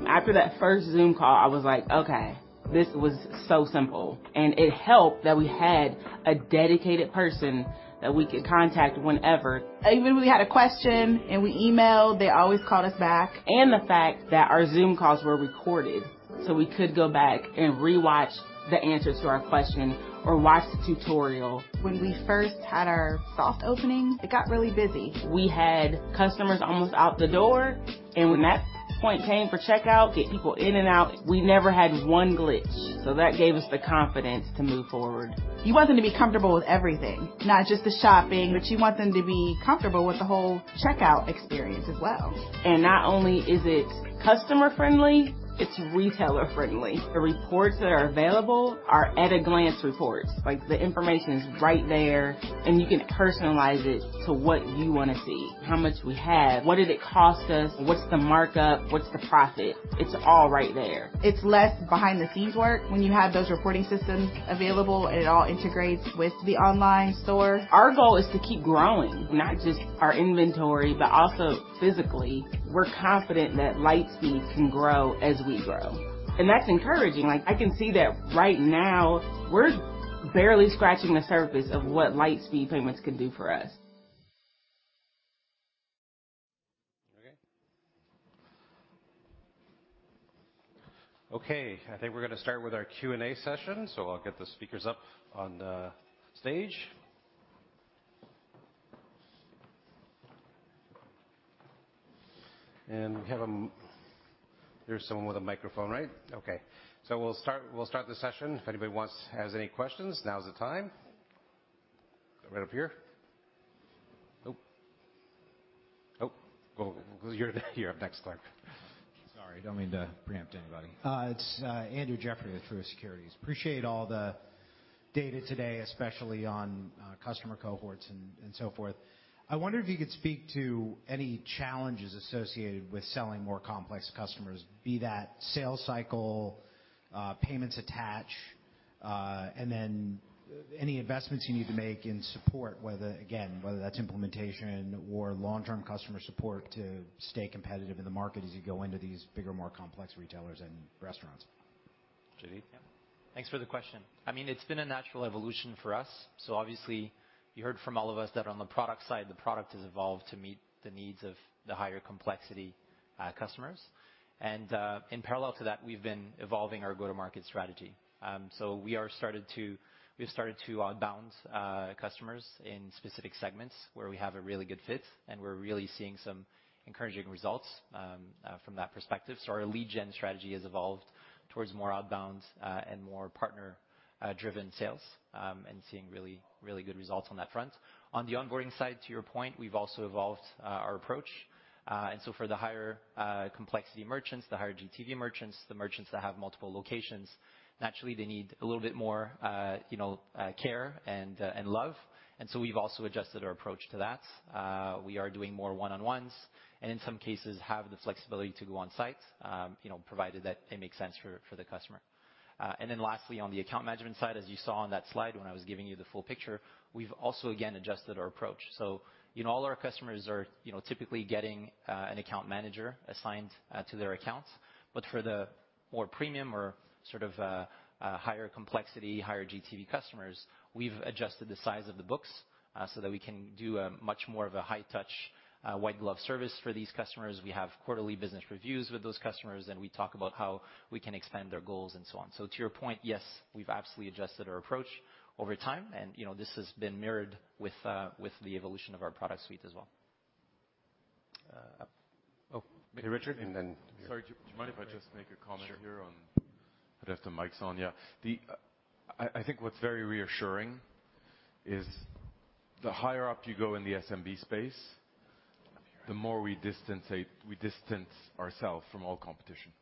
After that first Zoom call, I was like, "Okay, this was so simple." It helped that we had a dedicated person that we could contact whenever. Even when we had a question, and we emailed, they always called us back. The fact that our Zoom calls were recorded, so we could go back and rewatch the answer to our question or watch the tutorial. When we first had our soft opening, it got really busy. We had customers almost out the door, and when that point came for checkout, get people in and out. We never had one glitch. That gave us the confidence to move forward. You want them to be comfortable with everything, not just the shopping, but you want them to be comfortable with the whole checkout experience as well. Not only is it customer-friendly, it's retailer-friendly. The reports that are available are at-a-glance reports. Like, the information is right there, and you can personalize it to what you want to see. How much we have, what did it cost us? What's the markup? What's the profit? It's all right there. It's less behind-the-scenes work when you have those reporting systems available, and it all integrates with the online store. Our goal is to keep growing, not just our inventory, but also physically. We're confident that Lightspeed can grow as we grow. That's encouraging. Like, I can see that right now we're barely scratching the surface of what Lightspeed Payments can do for us. Okay. Okay, I think we're going to start with our Q&A session. I'll get the speakers up on the stage. There's someone with a microphone, right? Okay. We'll start the session. If anybody has any questions, now is the time. Right up here. Well, you're up next, Clarke. Sorry, don't mean to preempt anybody. It's Andrew Jeffrey with Truist Securities. Appreciate all the data today, especially on customer cohorts and so forth. I wonder if you could speak to any challenges associated with selling more complex customers, be that sales cycle, payments attach, and then any investments you need to make in support, whether that's implementation or long-term customer support to stay competitive in the market as you go into these bigger, more complex retailers and restaurants. JD? Yeah. Thanks for the question. I mean, it's been a natural evolution for us. Obviously, you heard from all of us that on the product side, the product has evolved to meet the needs of the higher complexity customers. In parallel to that, we've been evolving our go-to-market strategy. We've started to outbound customers in specific segments where we have a really good fit, and we're really seeing some encouraging results from that perspective. Our lead gen strategy has evolved towards more outbound and more partner-driven sales, and seeing really, really good results on that front. On the onboarding side, to your point, we've also evolved our approach. For the higher complexity merchants, the higher GTV merchants, the merchants that have multiple locations, naturally, they need a little bit more care and love. We've also adjusted our approach to that. We are doing more one-on-ones, and in some cases have the flexibility to go on site provided that it makes sense for the customer. Lastly, on the account management side, as you saw on that slide when I was giving you the full picture, we've also again adjusted our approach. All our customers are typically getting an account manager assigned to their accounts, but for the more premium or sort of higher complexity, higher GTV customers, we've adjusted the size of the books so that we can do a much more of a high touch white glove service for these customers. We have quarterly business reviews with those customers, and we talk about how we can expand their goals and so on. To your point, yes, we've absolutely adjusted our approach over time, and this has been mirrored with with the evolution of our product suite as well. Hey, Richard. Sorry. Do you mind if I just make a comment here on Sure. I'd have the mics on, yeah. I think what's very reassuring is the higher up you go in the SMB space, the more we distance ourselves from all competition.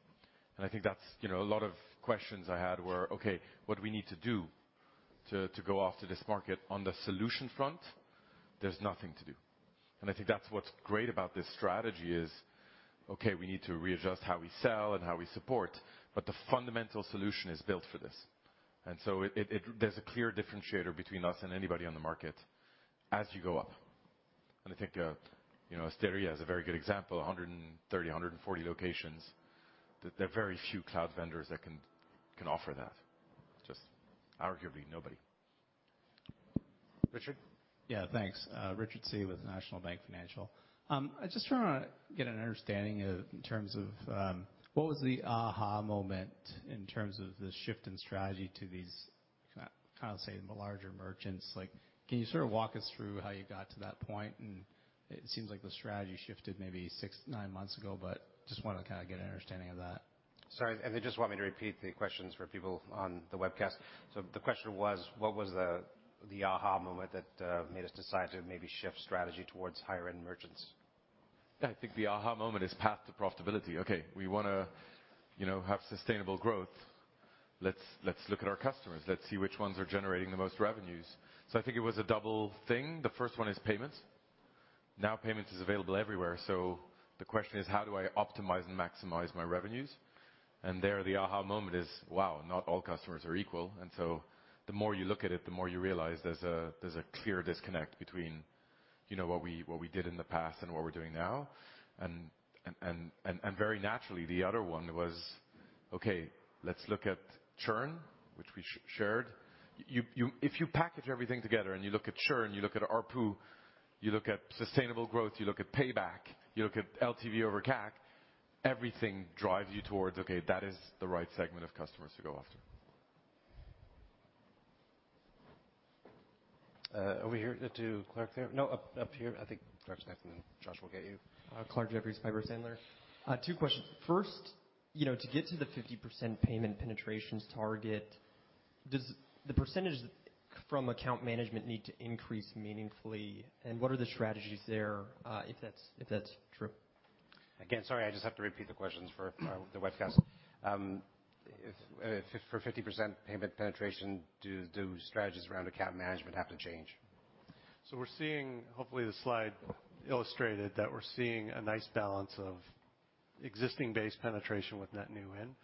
I think that's a lot of questions I had were, "Okay, what do we need to do to go after this market on the solution front?" There's nothing to do. I think that's what's great about this strategy is, okay, we need to readjust how we sell and how we support, but the fundamental solution is built for this. It there's a clear differentiator between us and anybody on the market as you go up. I think L'Osteria is a very good example, 130-140 locations. There are very few cloud vendors that can offer that. Just arguably nobody. Richard? Yeah, thanks. Richard Tse with National Bank Financial. I just want to get an understanding of in terms of what was the aha moment in terms of the shift in strategy to these kind of say the larger merchants. Like, can you sort of walk us through how you got to that point? It seems like the strategy shifted maybe 6, 9 months ago, but just wanted to kind of get an understanding of that. Sorry, they just want me to repeat the questions for people on the webcast. The question was, what was the aha moment that made us decide to maybe shift strategy towards higher end merchants? I think the aha moment is path to profitability. Okay, we want to have sustainable growth. Let's look at our customers. Let's see which ones are generating the most revenues. I think it was a double thing. The first one is payments. Now payments is available everywhere, so the question is, how do I optimize and maximize my revenues? There, the aha moment is, wow, not all customers are equal. The more you look at it, the more you realize there's a clear disconnect between what we did in the past and what we're doing now. Very naturally, the other one was, okay, let's look at churn, which we shared. You... If you package everything together and you look at churn, you look at ARPU, you look at sustainable growth, you look at payback, you look at LTV over CAC, everything drives you towards, okay, that is the right segment of customers to go after. Over here. To Clarke there. No, up here. I think Clarke Jeffries, and then Josh, we'll get you. Clarke Jeffries, Piper Sandler. Two questions. first to get to the 50% payment penetration target, does the percentage from account management need to increase meaningfully, and what are the strategies there, if that's true? Again, sorry, I just have to repeat the questions for the webcast. If for 50% payment penetration, do strategies around account management have to change? We're seeing hopefully, the slide illustrated that we're seeing a nice balance of existing base penetration with net new in.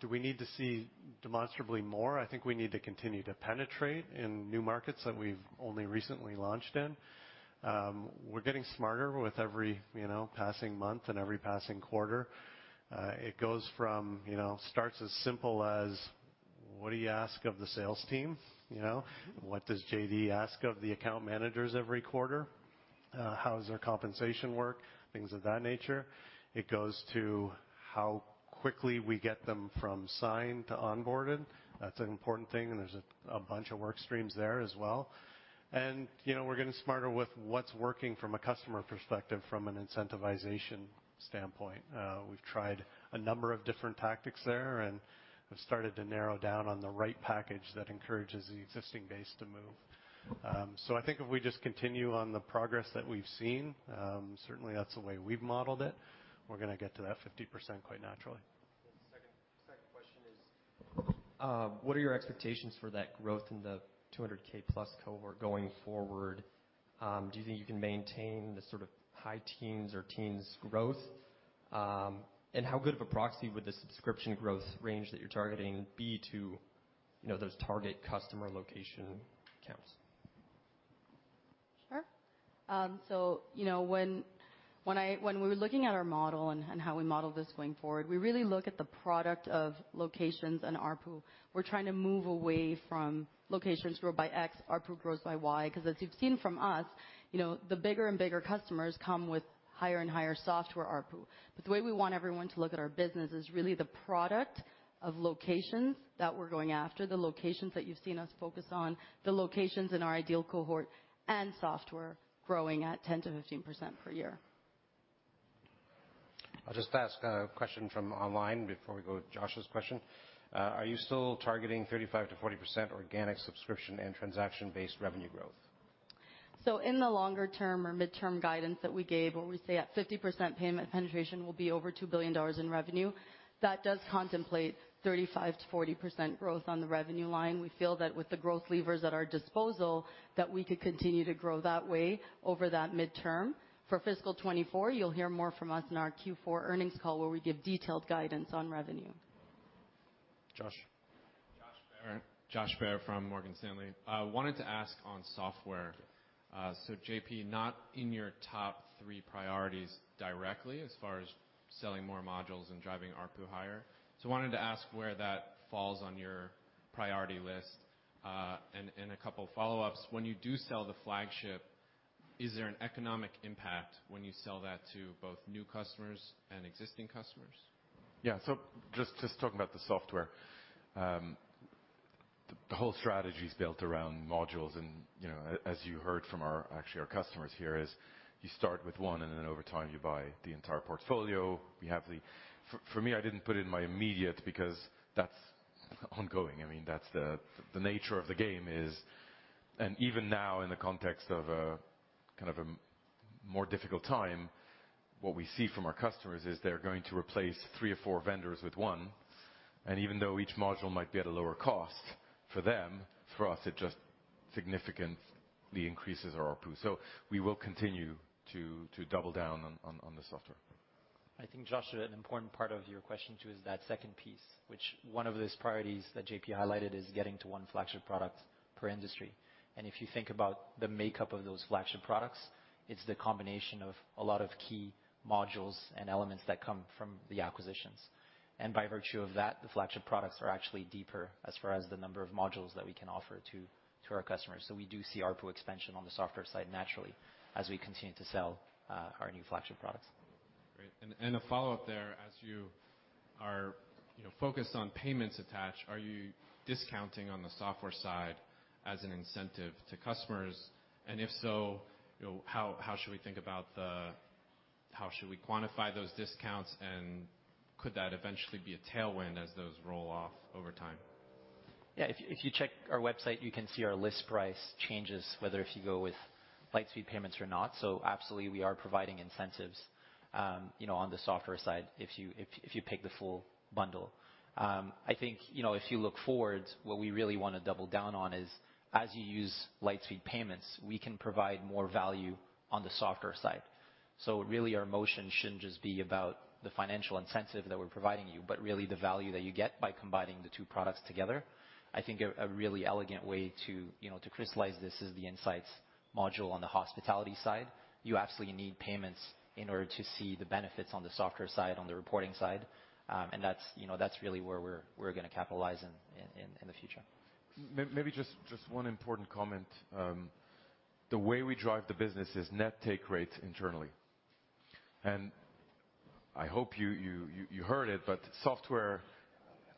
Do we need to see demonstrably more? I think we need to continue to penetrate in new markets that we've only recently launched in. We're getting smarter with every passing month and every passing quarter. It goes from starts as simple as what do you ask of the sales team. What does JD ask of the account managers every quarter? How does their compensation work? Things of that nature. It goes to how quickly we get them from signed to onboarded. That's an important thing, and there's a bunch of work streams there as well. We're getting smarter with what's working from a customer perspective from an incentivization standpoint. We've tried a number of different tactics there, and we've started to narrow down on the right package that encourages the existing base to move. I think if we just continue on the progress that we've seen, certainly that's the way we've modeled it, we're going to get to that 50% quite naturally. The second question is, what are your expectations for that growth in the 200K-plus cohort going forward? Do you think you can maintain the sort of high teens or teens growth? How good of a proxy would the subscription growth range that you're targeting be to those target customer location counts? Sure. so when we're looking at our model and how we model this going forward, we really look at the product of locations and ARPU. We're trying to move away from locations grow by X, ARPU grows by Y, 'cause as you've seen from us the bigger and bigger customers come with higher and higher software ARPU. The way we want everyone to look at our business is really the product of locations that we're going after, the locations that you've seen us focus on, the locations in our ideal cohort and software growing at 10%-15% per year. I'll just ask a question from online before we go to Josh's question. Are you still targeting 35%-40% organic subscription and transaction-based revenue growth? In the longer term or midterm guidance that we gave, where we say at 50% payment penetration will be over $2 billion in revenue, that does contemplate 35%-40% growth on the revenue line. We feel that with the growth levers at our disposal, that we could continue to grow that way over that midterm. For fiscal 2024, you'll hear more from us in our Q4 earnings call, where we give detailed guidance on revenue. Josh. Josh Baer from Morgan Stanley. I wanted to ask on software, so JP, not in your top three priorities directly as far as selling more modules and driving ARPU higher. I wanted to ask where that falls on your priority list. And a couple of follow-ups. When you do sell the flagship, is there an economic impact when you sell that to both new customers and existing customers? Yeah. Just talking about the software. The whole strategy is built around modules and as you heard from our, actually our customers here is you start with one, and then over time, you buy the entire portfolio. For me, I didn't put in my immediate because that's ongoing. I mean, that's the nature of the game is. Even now in the context of a kind of a more difficult time, what we see from our customers is they're going to replace three or four vendors with one. Even though each module might be at a lower cost for them, for us, it just significantly increases our ARPU. We will continue to double down on the software. I think, Josh, an important part of your question, too, is that second piece, which one of those priorities that JP highlighted is getting to one flagship product per industry. If you think about the makeup of those flagship products, it's the combination of a lot of key modules and elements that come from the acquisitions. By virtue of that, the flagship products are actually deeper as far as the number of modules that we can offer to our customers. We do see ARPU expansion on the software side naturally as we continue to sell our new flagship products. Great. A follow-up there, as you are focused on payments attached, are you discounting on the software side as an incentive to customers? If so how should we quantify those discounts, and could that eventually be a tailwind as those roll off over time? Yeah. If you check our website, you can see our list price changes, whether you go with Lightspeed Payments or not. Absolutely, we are providing incentives on the software side, if you pick the full bundle. I think if you look forward, what we really want to double down on is as you use Lightspeed Payments, we can provide more value on the software side. Really, our motion shouldn't just be about the financial incentive that we're providing you, but really the value that you get by combining the two products together. I think a really elegant way to to crystallize this is the Insights module on the hospitality side. You absolutely need payments in order to see the benefits on the software side, on the reporting side. that's that's really where we're going to capitalize in the future. Just one important comment. The way we drive the business is net take rates internally. I hope you heard it, but software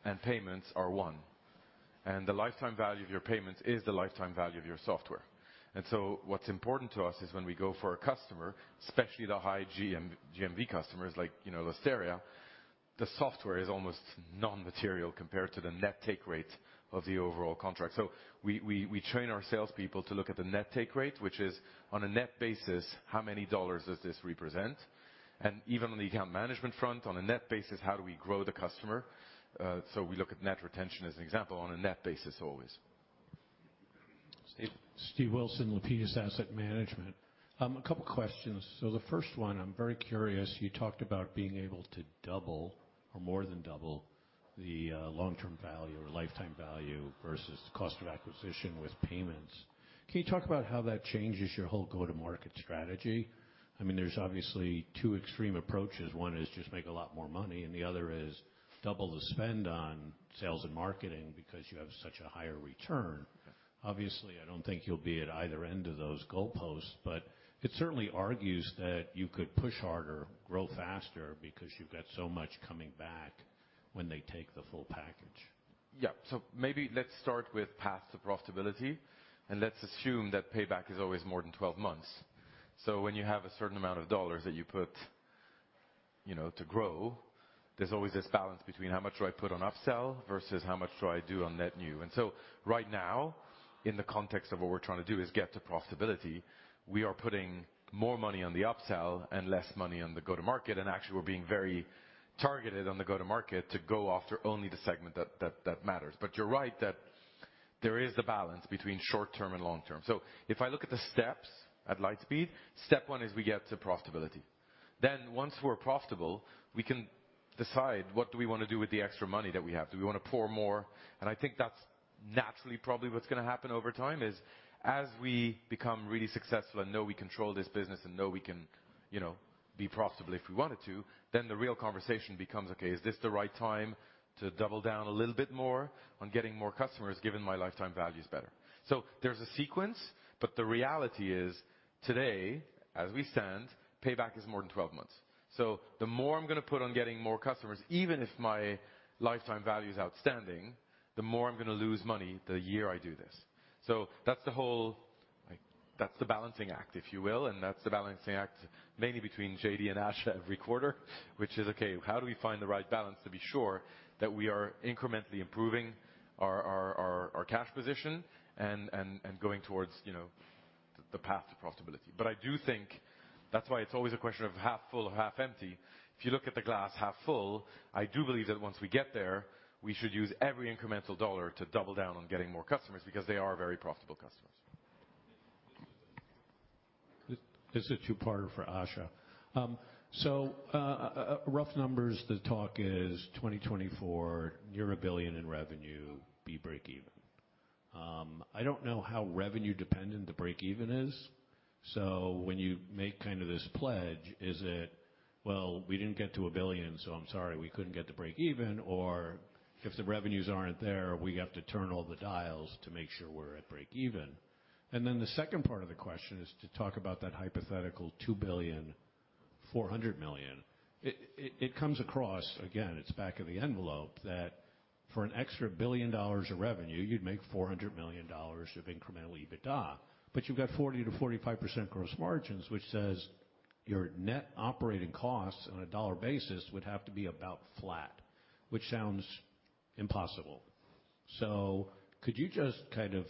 and payments are one, and the lifetime value of your payments is the lifetime value of your software. What's important to us is when we go for a customer, especially the high GMV customers like L'Osteria, the software is almost non-material compared to the net take rate of the overall contract. We train our salespeople to look at the net take rate, which is on a net basis, how many dollars does this represent? Even on the account management front, on a net basis, how do we grow the customer? We look at net retention as an example on a net basis always. Steve. Steve Wilson, Lepidus Asset Management. A couple questions. The first one, I'm very curious, you talked about being able to double or more than double the long-term value or lifetime value versus the cost of acquisition with payments. Can you talk about how that changes your whole go-to-market strategy? I mean, there's obviously two extreme approaches. One is just make a lot more money, and the other is double the spend on sales and marketing because you have such a higher return. Obviously, I don't think you'll be at either end of those goalposts, but it certainly argues that you could push harder, grow faster because you've got so much coming back when they take the full package. Yeah. Maybe let's start with path to profitability, and let's assume that payback is always more than 12 months. When you have a certain amount of dollars that you put to grow, there's always this balance between how much do I put on upsell versus how much do I do on net new. Right now, in the context of what we're trying to do is get to profitability, we are putting more money on the upsell and less money on the go to market. Actually, we're being very targeted on the go to market to go after only the segment that matters. You're right that there is the balance between short-term and long-term. If I look at the steps at Lightspeed, step one is we get to profitability. Once we're profitable, we can decide what do we want to do with the extra money that we have. Do we want to pour more? I think that's naturally probably what's going to happen over time as we become really successful and know we control this business and know we can be profitable if we wanted to, then the real conversation becomes, okay, is this the right time to double down a little bit more on getting more customers given my lifetime value is better. There's a sequence, but the reality is, today, as we stand, payback is more than 12 months. The more I'm going to put on getting more customers, even if my lifetime value is outstanding, the more I'm going to lose money the year I do this. That's the balancing act, if you will, and that's the balancing act mainly between JD and Asha every quarter, which is, okay, how do we find the right balance to be sure that we are incrementally improving our cash position and going towards the path to profitability. I do think that's why it's always a question of half full or half empty. If you look at the glass half full, I do believe that once we get there, we should use every incremental dollar to double down on getting more customers, because they are very profitable customers. This is a two-parter for Asha. Rough numbers, the target for 2024, you're $1 billion in revenue, we'll break even. I don't know how revenue-dependent the break-even is. When you make kind of this pledge, is it, "Well, we didn't get to a billion, so I'm sorry, we couldn't get to break-even," or if the revenues aren't there, we have to turn all the dials to make sure we're at break-even. Then the second part of the question is to talk about that hypothetical $2.4 billion. It comes across, again, it's back-of-the-envelope, that for an extra $1 billion of revenue, you'd make $400 million of incremental EBITDA. You've got 40%-45% gross margins, which says your net operating costs on a dollar basis would have to be about flat, which sounds impossible. Could you just kind of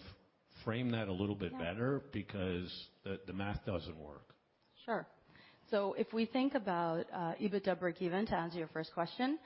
frame that a little bit better? Yeah. Because the math doesn't work. Sure. If we think about EBITDA break even, to answer your first question,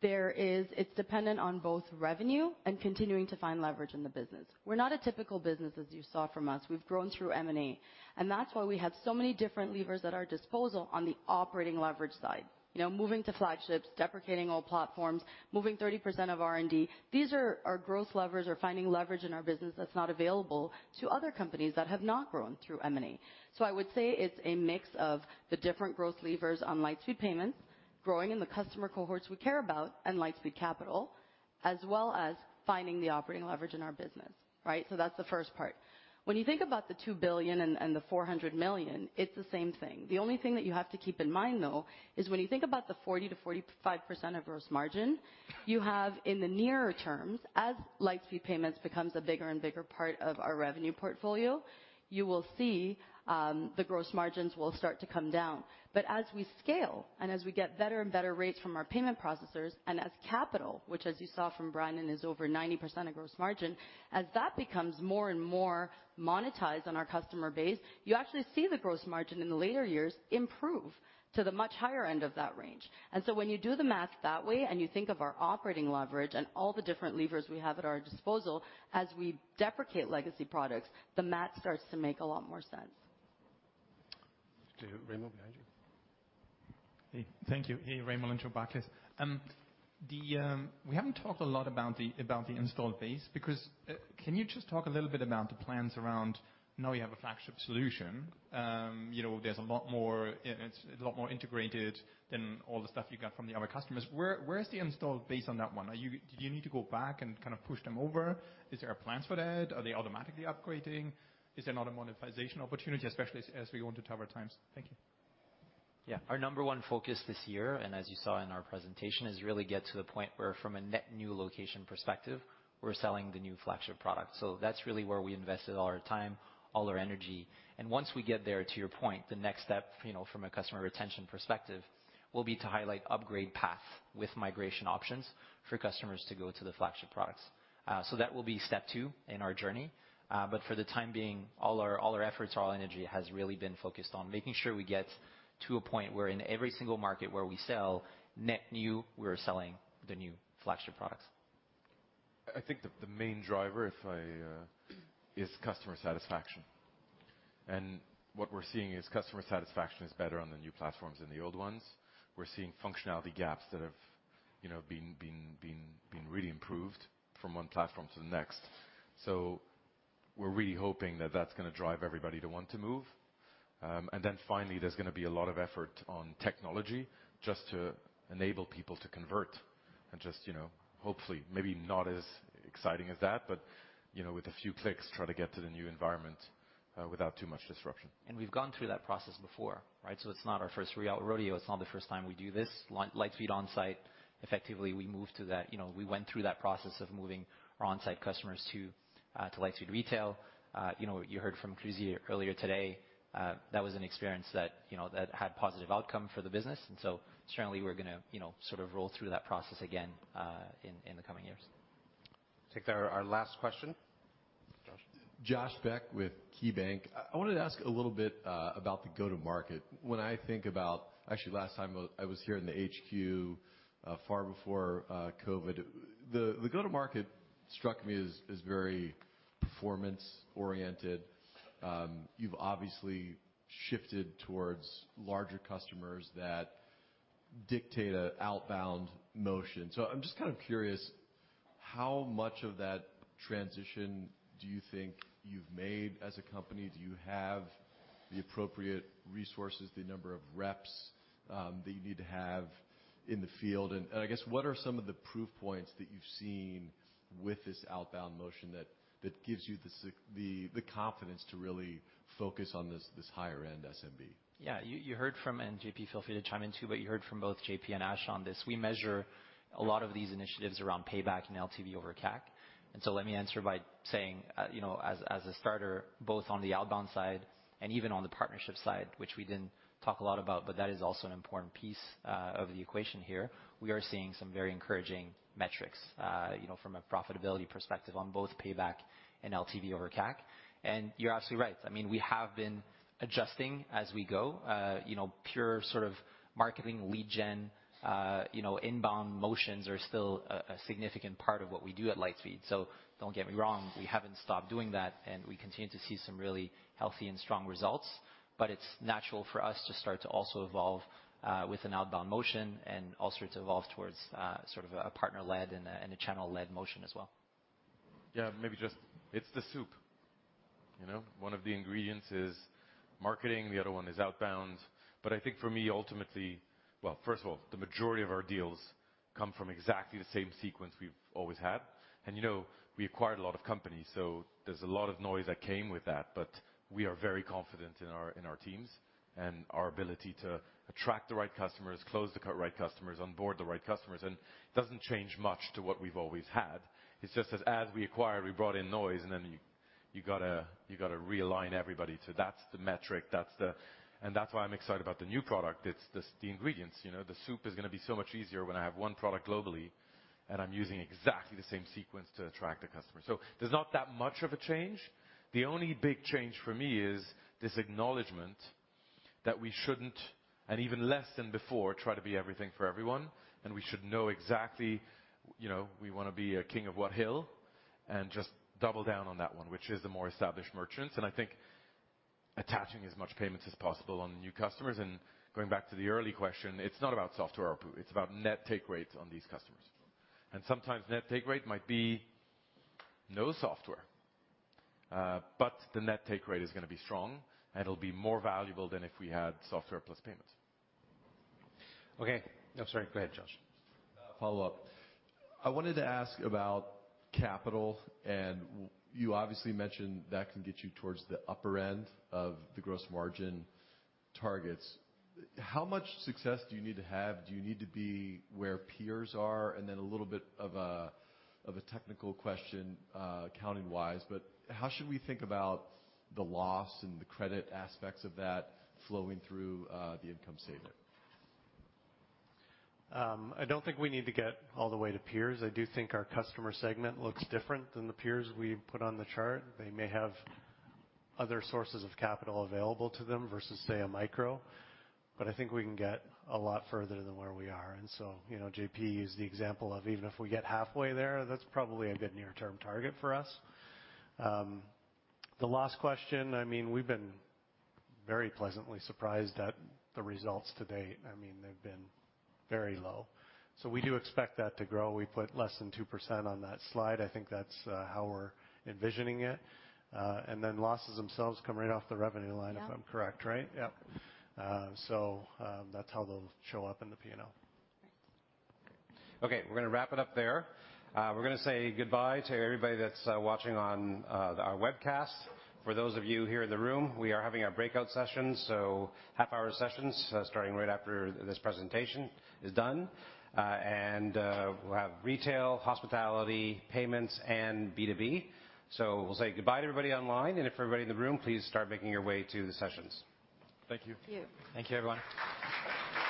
it's dependent on both revenue and continuing to find leverage in the business. We're not a typical business as you saw from us. We've grown through M&A, and that's why we have so many different levers at our disposal on the operating leverage side. Moving to flagships, deprecating old platforms, moving 30% of R&D. These are our growth levers or finding leverage in our business that's not available to other companies that have not grown through M&A. I would say it's a mix of the different growth levers on Lightspeed Payments, growing in the customer cohorts we care about and Lightspeed Capital, as well as finding the operating leverage in our business, right? That's the first part. When you think about the $2 billion and the $400 million, it's the same thing. The only thing that you have to keep in mind, though, is when you think about the 40%-45% of gross margin you have in the near term, as Lightspeed Payments becomes a bigger and bigger part of our revenue portfolio, you will see the gross margins will start to come down. As we scale and as we get better and better rates from our payment processors and as Lightspeed Capital, which as you saw from Brandon Nussey, is over 90% of gross margin, as that becomes more and more monetized on our customer base, you actually see the gross margin in the later years improve to the much higher end of that range. when you do the math that way, and you think of our operating leverage and all the different levers we have at our disposal, as we deprecate legacy products, the math starts to make a lot more sense. Okay. Raymond behind you. Thank you. Hey, Ramsey El-Assal from Barclays. We haven't talked a lot about the installed base, because can you just talk a little bit about the plans around now you have a flagship solution. There's a lot more. It's a lot more integrated than all the stuff you got from the other customers. Where is the installed base on that one? Do you need to go back and kind of push them over? Is there plans for that? Are they automatically upgrading? Is there not a monetization opportunity, especially as we go into tougher times? Thank you. Yeah. Our number one focus this year, and as you saw in our presentation, is really get to the point where from a net new location perspective, we're selling the new flagship product. That's really where we invested all our time, all our energy. Once we get there, to your point, the next step from a customer retention perspective, will be to highlight upgrade path with migration options for customers to go to the flagship products. That will be step two in our journey. For the time being, all our efforts, all our energy has really been focused on making sure we get to a point where in every single market where we sell net new, we're selling the new flagship products. I think the main driver is customer satisfaction. What we're seeing is customer satisfaction is better on the new platforms than the old ones. We're seeing functionality gaps that have been really improved from one platform to the next. We're really hoping that that's going to drive everybody to want to move. Then finally, there's going to be a lot of effort on technology just to enable people to convert and just hopefully, maybe not as exciting as that, but with a few clicks, try to get to the new environment without too much disruption. We've gone through that process before, right? It's not our first rodeo. It's not the first time we do this. Lightspeed Onsite, effectively, we moved to that. We went through that process of moving our onsite customers to Lightspeed Retail. You heard from Chrissie earlier today, that was an experience that that had positive outcome for the business. Certainly, we're going to sort of roll through that process again, in the coming years. Take our last question. Josh. Josh Beck with KeyBank. I wanted to ask a little bit about the go-to-market. When I think about actually, last time I was here in the HQ far before COVID, the go-to-market struck me as very performance-oriented. You've obviously shifted towards larger customers that dictate an outbound motion. I'm just kind of curious, how much of that transition do you think you've made as a company? Do you have the appropriate resources, the number of reps that you need to have in the field? I guess, what are some of the proof points that you've seen with this outbound motion that gives you the confidence to really Focus on this higher end SMB. Yeah. You heard from, and JP feel free to chime in too, but you heard from both JP and Ash on this. We measure a lot of these initiatives around payback and LTV over CAC. Let me answer by saying as a starter, both on the outbound side and even on the partnership side, which we didn't talk a lot about, but that is also an important piece of the equation here. We are seeing some very encouraging metrics from a profitability perspective on both payback and LTV over CAC. You're absolutely right. I mean, we have been adjusting as we go pure sort of marketing lead gen inbound motions are still a significant part of what we do at Lightspeed. Don't get me wrong, we haven't stopped doing that, and we continue to see some really healthy and strong results. It's natural for us to start to also evolve with an outbound motion and also to evolve towards sort of a partner-led and a channel-led motion as well. Yeah. Maybe just it's the soup,? One of the ingredients is marketing, the other one is outbound. I think for me, ultimately. Well, first of all, the majority of our deals come from exactly the same sequence we've always had.. We acquired a lot of companies, so there's a lot of noise that came with that. We are very confident in our teams and our ability to attract the right customers, close the right customers, onboard the right customers, and doesn't change much to what we've always had. It's just as we acquire, we brought in noise and then you gotta realign everybody to that's the metric, that's the. That's why I'm excited about the new product. It's the ingredients the soup is going to be so much easier when I have one product globally and I'm using exactly the same sequence to attract a customer. There's not that much of a change. The only big change for me is this acknowledgement that we shouldn't, and even less than before, try to be everything for everyone, and we should know exactly we want to be a king of the hill and just double down on that one, which is the more established merchants. I think attaching as much payments as possible on the new customers and going back to the early question, it's not about software or POS, it's about net take rates on these customers. Sometimes net take rate might be no software, but the net take rate is going to be strong, and it'll be more valuable than if we had software plus payments. Okay. I'm sorry. Go ahead, Josh. Follow-up. I wanted to ask about capital, and you obviously mentioned that can get you towards the upper end of the gross margin targets. How much success do you need to have? Do you need to be where peers are? A little bit of a technical question, accounting-wise, but how should we think about the loss and the credit aspects of that flowing through the income statement? I don't think we need to get all the way to peers. I do think our customer segment looks different than the peers we've put on the chart. They may have other sources of capital available to them versus, say, a micro. But I think we can get a lot further than where we are. JP used the example of even if we get halfway there, that's probably a good near-term target for us. The last question, I mean, we've been very pleasantly surprised at the results to date. I mean, they've been very low. So we do expect that to grow. We put less than 2% on that slide. I think that's how we're envisioning it. And then losses themselves come right off the revenue line. Yeah. If I'm correct, right? Yes. That's how they'll show up in the P&L. Right. Okay. We're going to wrap it up there. We're going to say goodbye to everybody that's watching on our webcast. For those of you here in the room, we are having our breakout sessions, so half-hour sessions, starting right after this presentation is done. We'll have retail, hospitality, payments, and B2B. We'll say goodbye to everybody online, and if everybody in the room, please start making your way to the sessions. Thank you. Thank you. Thank you, everyone.